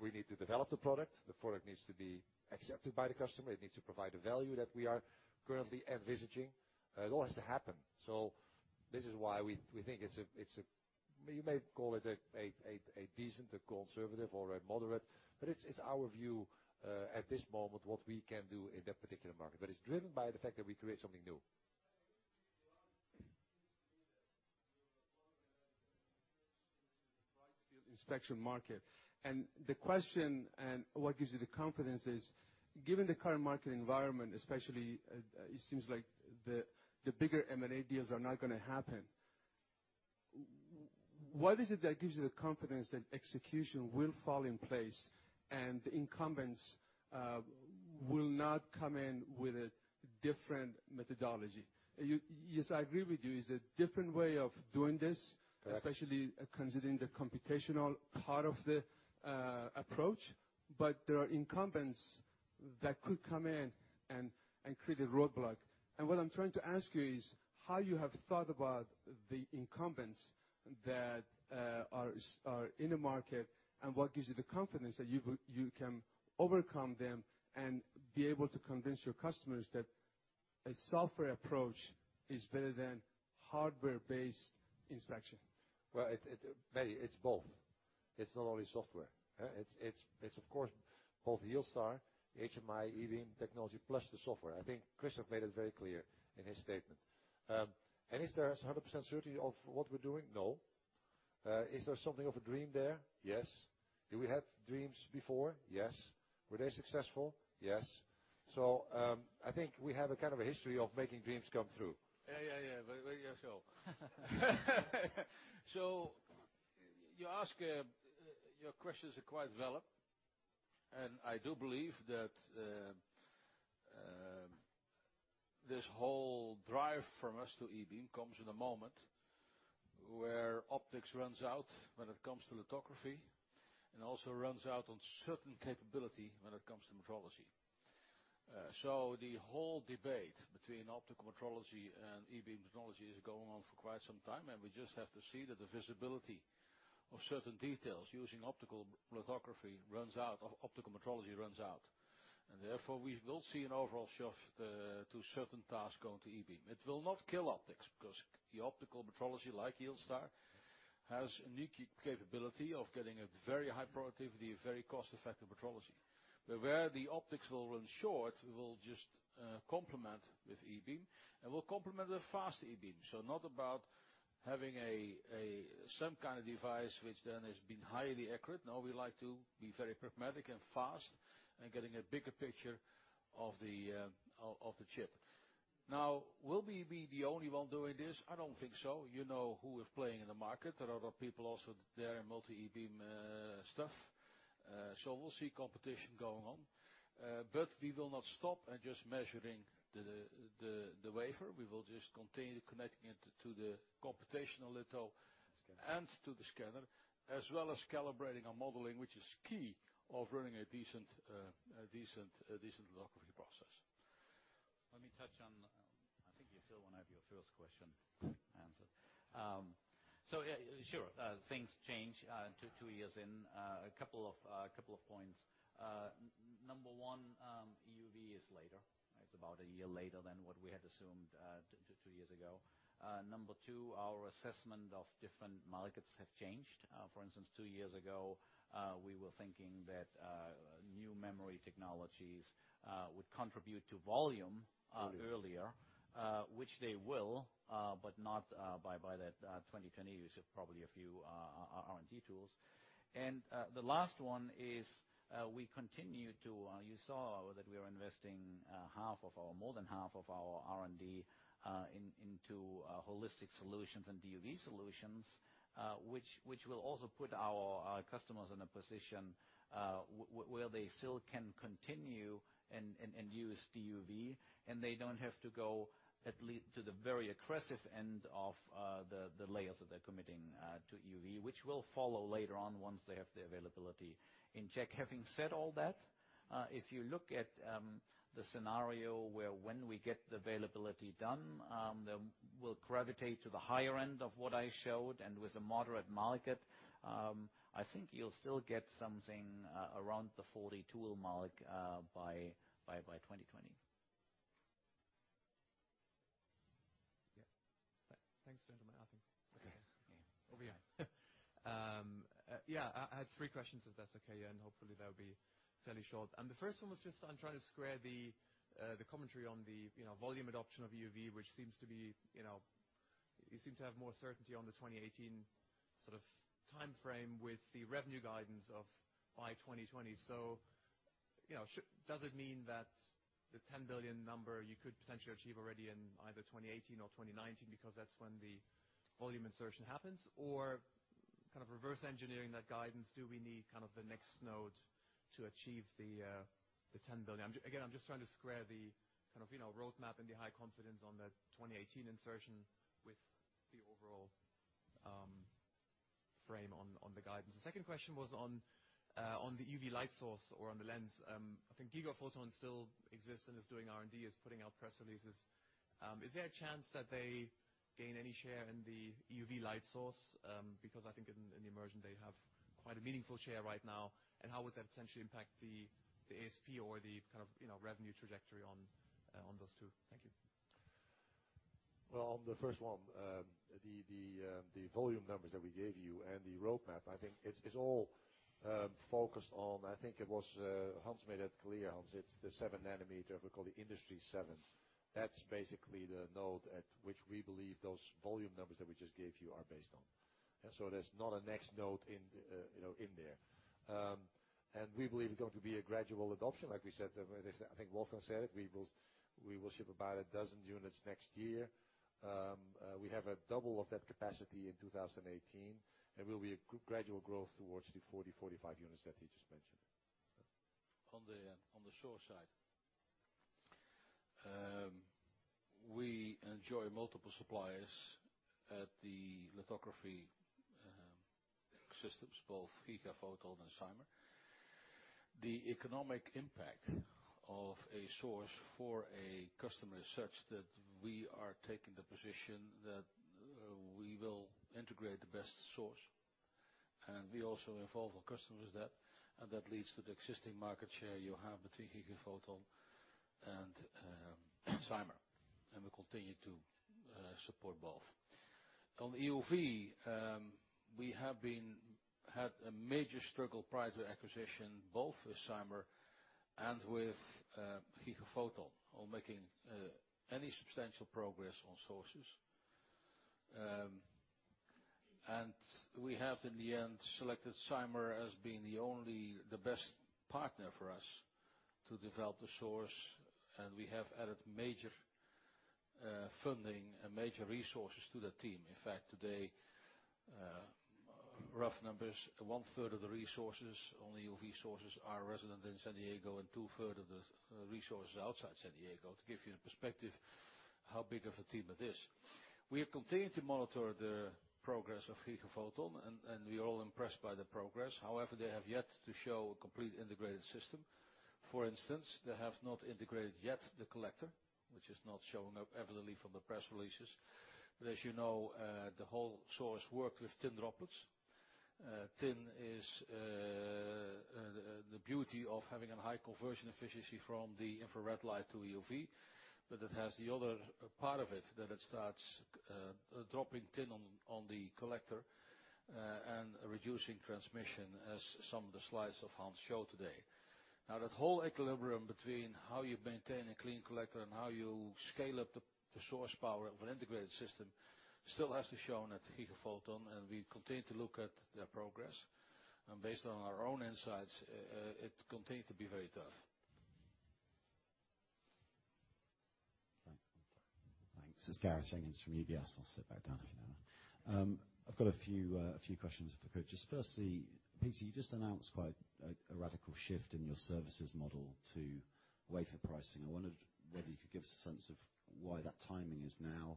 we need to develop the product. The product needs to be accepted by the customer. It needs to provide a value that we are currently envisaging. A lot has to happen. This is why we think it's a, you may call it a decent, a conservative or a moderate, but it's our view, at this moment, what we can do in that particular market. It's driven by the fact that we create something new. inspection market. The question and what gives you the confidence is, given the current market environment, especially, it seems like the bigger M&A deals are not going to happen. What is it that gives you the confidence that execution will fall in place and incumbents will not come in with a different methodology? Yes, I agree with you. It's a different way of doing this. Correct especially considering the computational part of the approach. There are incumbents that could come in and create a roadblock. What I'm trying to ask you is, how you have thought about the incumbents that are in the market, and what gives you the confidence that you can overcome them and be able to convince your customers that a software approach is better than hardware-based inspection? Well, Mehdi, it's both. It's not only software. It's of course both YieldStar, HMI, e-beam technology, plus the software. I think Christophe made it very clear in his statement. Is there 100% certainty of what we're doing? No. Is there something of a dream there? Yes. Do we have dreams before? Yes. Were they successful? Yes. I think we have a kind of a history of making dreams come true. Yeah. Very much so. Your questions are quite well up, and I do believe that this whole drive from us to e-beam comes in a moment where optics runs out, when it comes to lithography and also runs out on certain capability when it comes to metrology. The whole debate between optical metrology and e-beam technology is going on for quite some time, and we just have to see that the visibility of certain details using optical lithography runs out, of optical metrology runs out, and therefore we will see an overall shift to certain tasks going to e-beam. It will not kill optics because the optical metrology like YieldStar has a unique capability of getting a very high productivity, very cost-effective metrology. Where the optics will run short, we will just complement with e-beam and we'll complement the fast e-beam. Not about having some kind of device which then has been highly accurate. No, we like to be very pragmatic and fast in getting a bigger picture of the chip. Now, will we be the only one doing this? I don't think so. You know who is playing in the market. There are other people also there in multibeam stuff. We'll see competition going on. We will not stop at just measuring the wafer. We will just continue connecting it to the computational litho and to the scanner, as well as calibrating our modeling, which is key of running a decent lithography process. Let me touch on I think you still want to have your first question answered. Yeah, sure. Things change two years in. A couple of points. Number 1, EUV is later. It's about a year later than what we had assumed two years ago. Number 2, our assessment of different markets have changed. For instance, two years ago, we were thinking that new memory technologies would contribute to volume earlier, which they will but not by that 2020. You said probably a few R&D tools. The last one is, you saw that we are investing more than half of our R&D into holistic solutions and DUV solutions, which will also put our customers in a position where they still can continue and use DUV, and they don't have to go to the very aggressive end of the layers that they're committing to EUV, which will follow later on once they have the availability in check. Having said all that, if you look at the scenario where when we get the availability done, then we'll gravitate to the higher end of what I showed and with a moderate market, I think you'll still get something around the 40 tool mark by 2020. Thanks, gentlemen. I think over here. I had three questions, if that's okay, and hopefully they'll be fairly short. The first one was just on trying to square the commentary on the volume adoption of EUV, which you seem to have more certainty on the 2018 sort of time frame with the revenue guidance of by 2020. Does it mean that the 10 billion number you could potentially achieve already in either 2018 or 2019 because that's when the volume insertion happens? Kind of reverse engineering that guidance, do we need kind of the next node to achieve the 10 billion? Again, I'm just trying to square the kind of roadmap and the high confidence on the 2018 insertion with the overall frame on the guidance. The second question was on the EUV light source or on the lens. I think Gigaphoton still exists and is doing R&D, is putting out press releases. Is there a chance that they gain any share in the EUV light source? Because I think in immersion, they have quite a meaningful share right now, and how would that potentially impact the ASP or the kind of revenue trajectory on those two? Thank you. Well, on the first one, the volume numbers that we gave you and the roadmap, I think it's all focused on, I think it was Hans made that clear. Hans, it's the seven nanometer, we call the industry seven. That's basically the node at which we believe those volume numbers that we just gave you are based on. There's not a next node in there. We believe it's going to be a gradual adoption, like we said, I think Wolfgang said it, we will ship about a dozen units next year. We have a double of that capacity in 2018. There will be a gradual growth towards the 40, 45 units that he just mentioned. On the source side. We enjoy multiple suppliers at the lithography systems, both Gigaphoton and Cymer. The economic impact of a source for a customer is such that we are taking the position that we will integrate the best source, and we also involve our customers there. That leads to the existing market share you have between Gigaphoton and Cymer. We continue to support both. On EUV, we had a major struggle prior to acquisition, both with Cymer and with Gigaphoton on making any substantial progress on sources. We have in the end, selected Cymer as being the best partner for us to develop the source, and we have added major funding and major resources to the team. In fact, today, rough numbers, one third of the resources, only EUV resources are resident in San Diego and two third of the resources outside San Diego, to give you a perspective how big of a team it is. We have continued to monitor the progress of Gigaphoton, and we are all impressed by the progress. However, they have yet to show a complete integrated system. For instance, they have not integrated yet the collector, which is not showing up evidently from the press releases. As you know, the whole source work with tin droplets. Tin is the beauty of having a high conversion efficiency from the infrared light to EUV, but it has the other part of it, that it starts dropping tin on the collector, and reducing transmission as some of the slides of Hans show today. That whole equilibrium between how you maintain a clean collector and how you scale up the source power of an integrated system still has to show at Gigaphoton, and we continue to look at their progress. Based on our own insights, it continued to be very tough. Thanks. This is Gareth Jenkins from UBS. I'll sit back down if you don't mind. I've got a few questions for both. Just firstly, Peter, you just announced quite a radical shift in your services model to wafer pricing. I wondered whether you could give us a sense of why that timing is now.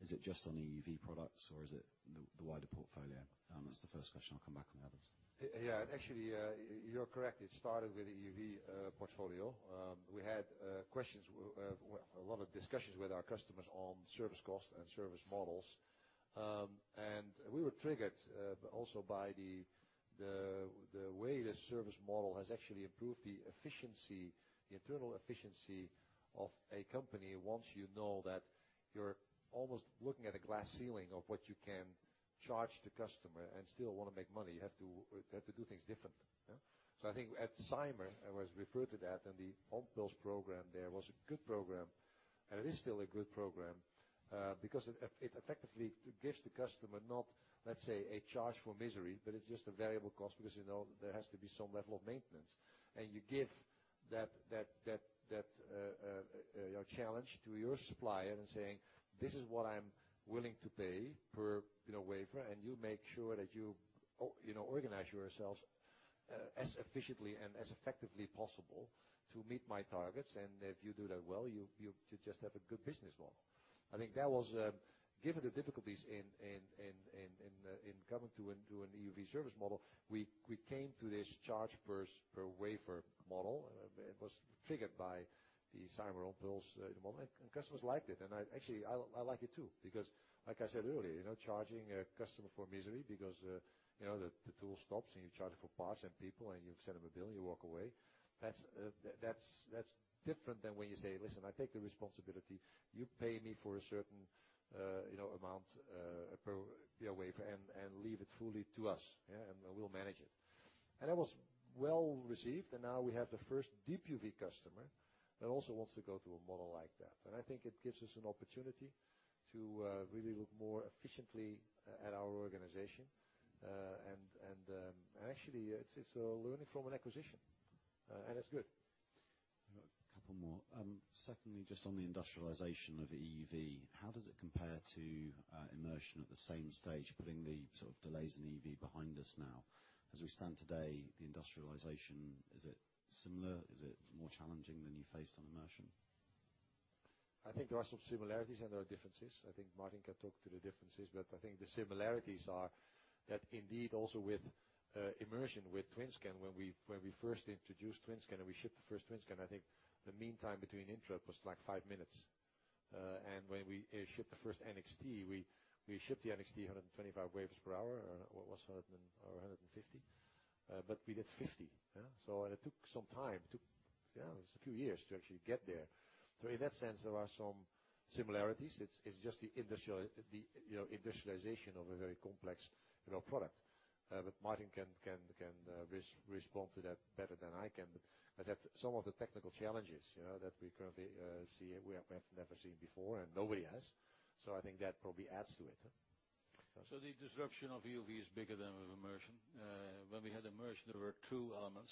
Is it just on EUV products or is it the wider portfolio? That's the first question. I'll come back on the others. Yeah. Actually, you're correct. It started with EUV portfolio. We had a lot of discussions with our customers on service cost and service models. We were triggered, but also by the way the service model has actually improved the internal efficiency of a company, once you know that you're almost looking at a glass ceiling of what you can charge the customer and still want to make money, you have to do things different. I think at Cymer, it was referred to that, and the OMPLs program there was a good program, and it is still a good program, because it effectively gives the customer not, let's say, a charge for misery, but it's just a variable cost because there has to be some level of maintenance. You give that challenge to your supplier and saying, "This is what I'm willing to pay per wafer, and you make sure that you organize yourselves as efficiently and as effectively possible to meet my targets." If you do that well, you just have a good business model. I think that was, given the difficulties in coming to an EUV service model, we came to this charge per wafer model. It was triggered by the Cymer OMPLs model, and customers liked it. Actually, I like it too, because like I said earlier, charging a customer for misery because the tool stops and you charge her for parts and people and you send them a bill, you walk away. That's different than when you say, "Listen, I take the responsibility. You pay me for a certain amount per wafer and leave it fully to us. Yeah. We'll manage it." That was well-received. Now we have the first deep EUV customer that also wants to go to a model like that. I think it gives us an opportunity to really look more efficiently at our organization. Actually, it's learning from an acquisition. It's good. I've got a couple more. Secondly, just on the industrialization of EUV, how does it compare to immersion at the same stage, putting the sort of delays in EUV behind us now? As we stand today, the industrialization, is it similar? Is it more challenging than you faced on immersion? I think there are some similarities and there are differences. I think Martin can talk to the differences, I think the similarities are that indeed also with immersion, with TWINSCAN, when we first introduced TWINSCAN and we shipped the first TWINSCAN, I think the meantime between interrupts was like five minutes. When we shipped the first NXT, we shipped the NXT 125 wafers per hour, or it was 150. We did 50. Yeah. It took some time. It took, yeah, it was a few years to actually get there. In that sense, there are some similarities. It's just the industrialization of a very complex product. Martin can respond to that better than I can. As at some of the technical challenges that we currently see, we have never seen before, and nobody has. I think that probably adds to it. The disruption of EUV is bigger than with immersion. When we had immersion, there were two elements,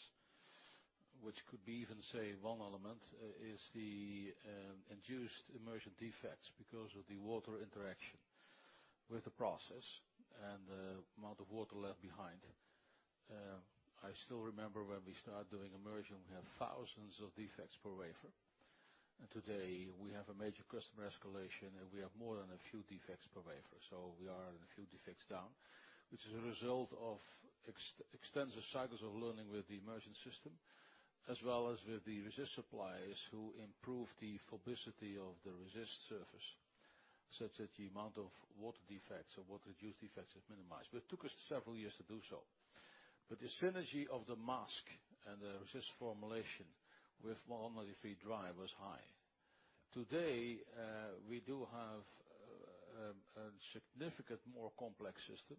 which could be even, say one element, is the induced immersion defects because of the water interaction with the process and the amount of water left behind. I still remember when we started doing immersion, we had thousands of defects per wafer. Today, we have a major customer escalation, and we have more than a few defects per wafer. We are a few defects down, which is a result of extensive cycles of learning with the immersion system, as well as with the resist suppliers who improved the phobicity of the resist surface, such that the amount of water defects or water-induced defects have minimized. It took us several years to do so. The synergy of the mask and the resist formulation with water-free dry was high. Today, we do have a significant more complex system.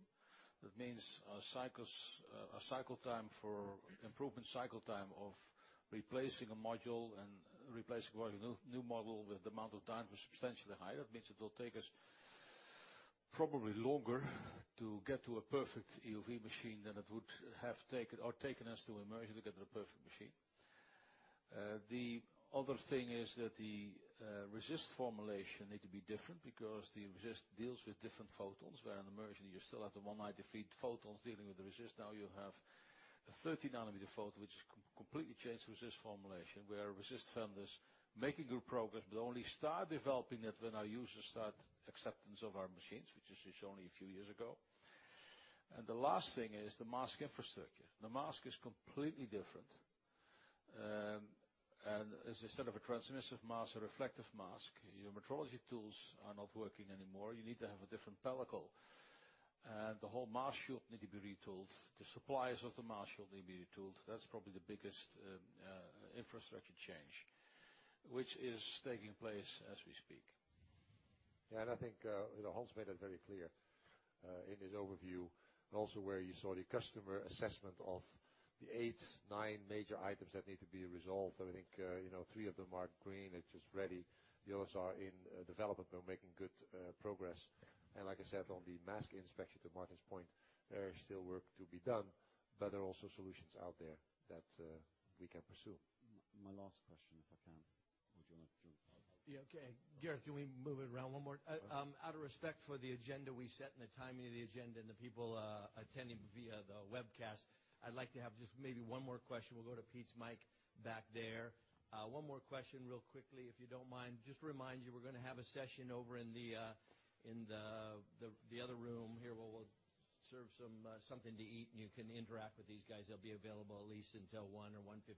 Our cycle time for improvement, cycle time of replacing a module and replacing a new module with the amount of time was substantially higher. It will take us probably longer to get to a perfect EUV machine than it would have taken us to immersion to get to the perfect machine. The other thing is that the resist formulation need to be different because the resist deals with different photons, where in immersion you still have the 193 photons dealing with the resist. Now you have a 30 nanometer photons, which has completely changed the resist formulation, where resist vendors making good progress but only start developing it when our users start acceptance of our machines, which is only a few years ago. The last thing is the mask infrastructure. The mask is completely different. Is instead of a transmissive mask, a reflective mask. Your metrology tools are not working anymore. You need to have a different pellicle. The whole mask should need to be retooled. The suppliers of the mask should need to be retooled. That's probably the biggest infrastructure change, which is taking place as we speak. I think Hans made that very clear, in his overview. Also where you saw the customer assessment of the 8, 9 major items that need to be resolved. I think 3 of them are green. They're just ready. The others are in development, but we're making good progress. Like I said, on the mask inspection, to Martin's point, there is still work to be done, but there are also solutions out there that we can pursue. My last question, if I can. Would you like to jump? Yeah, okay. Gareth, can we move it around one more? Okay. Out of respect for the agenda we set and the timing of the agenda and the people attending via the webcast, I'd like to have just maybe one more question. We'll go to Pete's mic back there. One more question real quickly, if you don't mind. Just remind you, we're going to have a session over in the other room here, where we'll serve something to eat, and you can interact with these guys. They'll be available at least until 1:00 P.M. or 1:15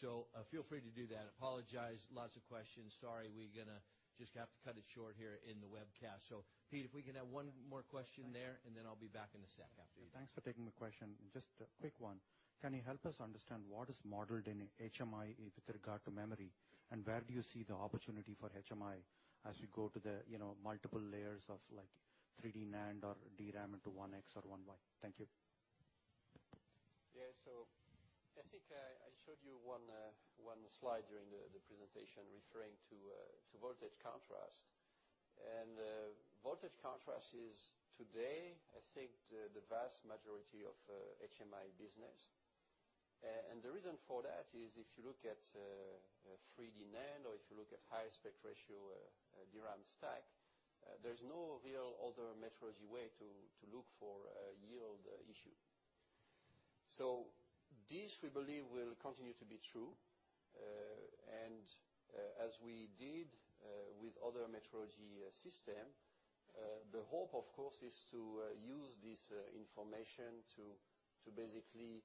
P.M. Feel free to do that. Apologize. Lots of questions. Sorry, we're going to just have to cut it short here in the webcast. Pete, if we can have one more question there, and then I'll be back in a sec after you. Thanks for taking the question. Just a quick one. Can you help us understand what is modeled in HMI with regard to memory, and where do you see the opportunity for HMI as we go to the multiple layers of 3D NAND or DRAM into 1X or 1Y? Thank you. Yeah. I think I showed you one slide during the presentation referring to voltage contrast. Voltage contrast is today, I think, the vast majority of HMI business. The reason for that is if you look at 3D NAND or if you look at high aspect ratio DRAM stack, there's no real other metrology way to look for yield issue. This, we believe, will continue to be true. As we did with other metrology system, the hope of course is to use this information to basically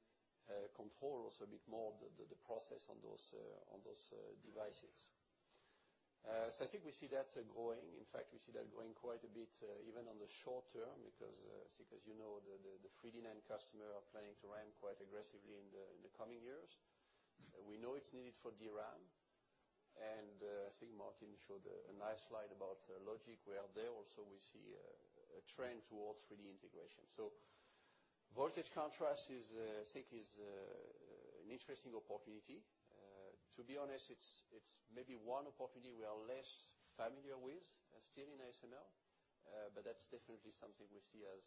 control also a bit more the process on those devices. I think we see that growing. In fact, we see that growing quite a bit, even on the short term, because I think as you know, the 3D NAND customer are planning to ramp quite aggressively in the coming years. We know it's needed for DRAM. I think Martin showed a nice slide about logic, where there also we see a trend towards 3D integration. Voltage contrast I think is an interesting opportunity. To be honest, it's maybe one opportunity we are less familiar with still in ASML. That's definitely something we see as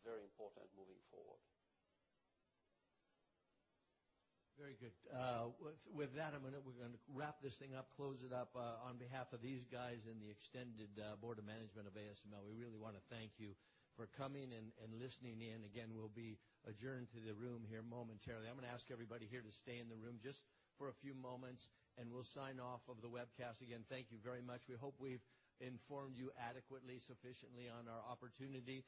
very important moving forward. Very good. With that, we're going to wrap this thing up, close it up. On behalf of these guys and the extended Board of Management of ASML, we really want to thank you for coming and listening in. Again, we'll be adjourning to the room here momentarily. I'm going to ask everybody here to stay in the room just for a few moments, and we'll sign off of the webcast. Again, thank you very much. We hope we've informed you adequately, sufficiently on our opportunity.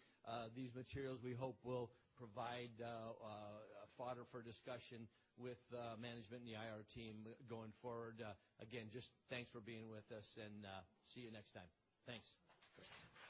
These materials, we hope, will provide fodder for discussion with management and the IR team going forward. Again, just thanks for being with us and see you next time. Thanks. Great.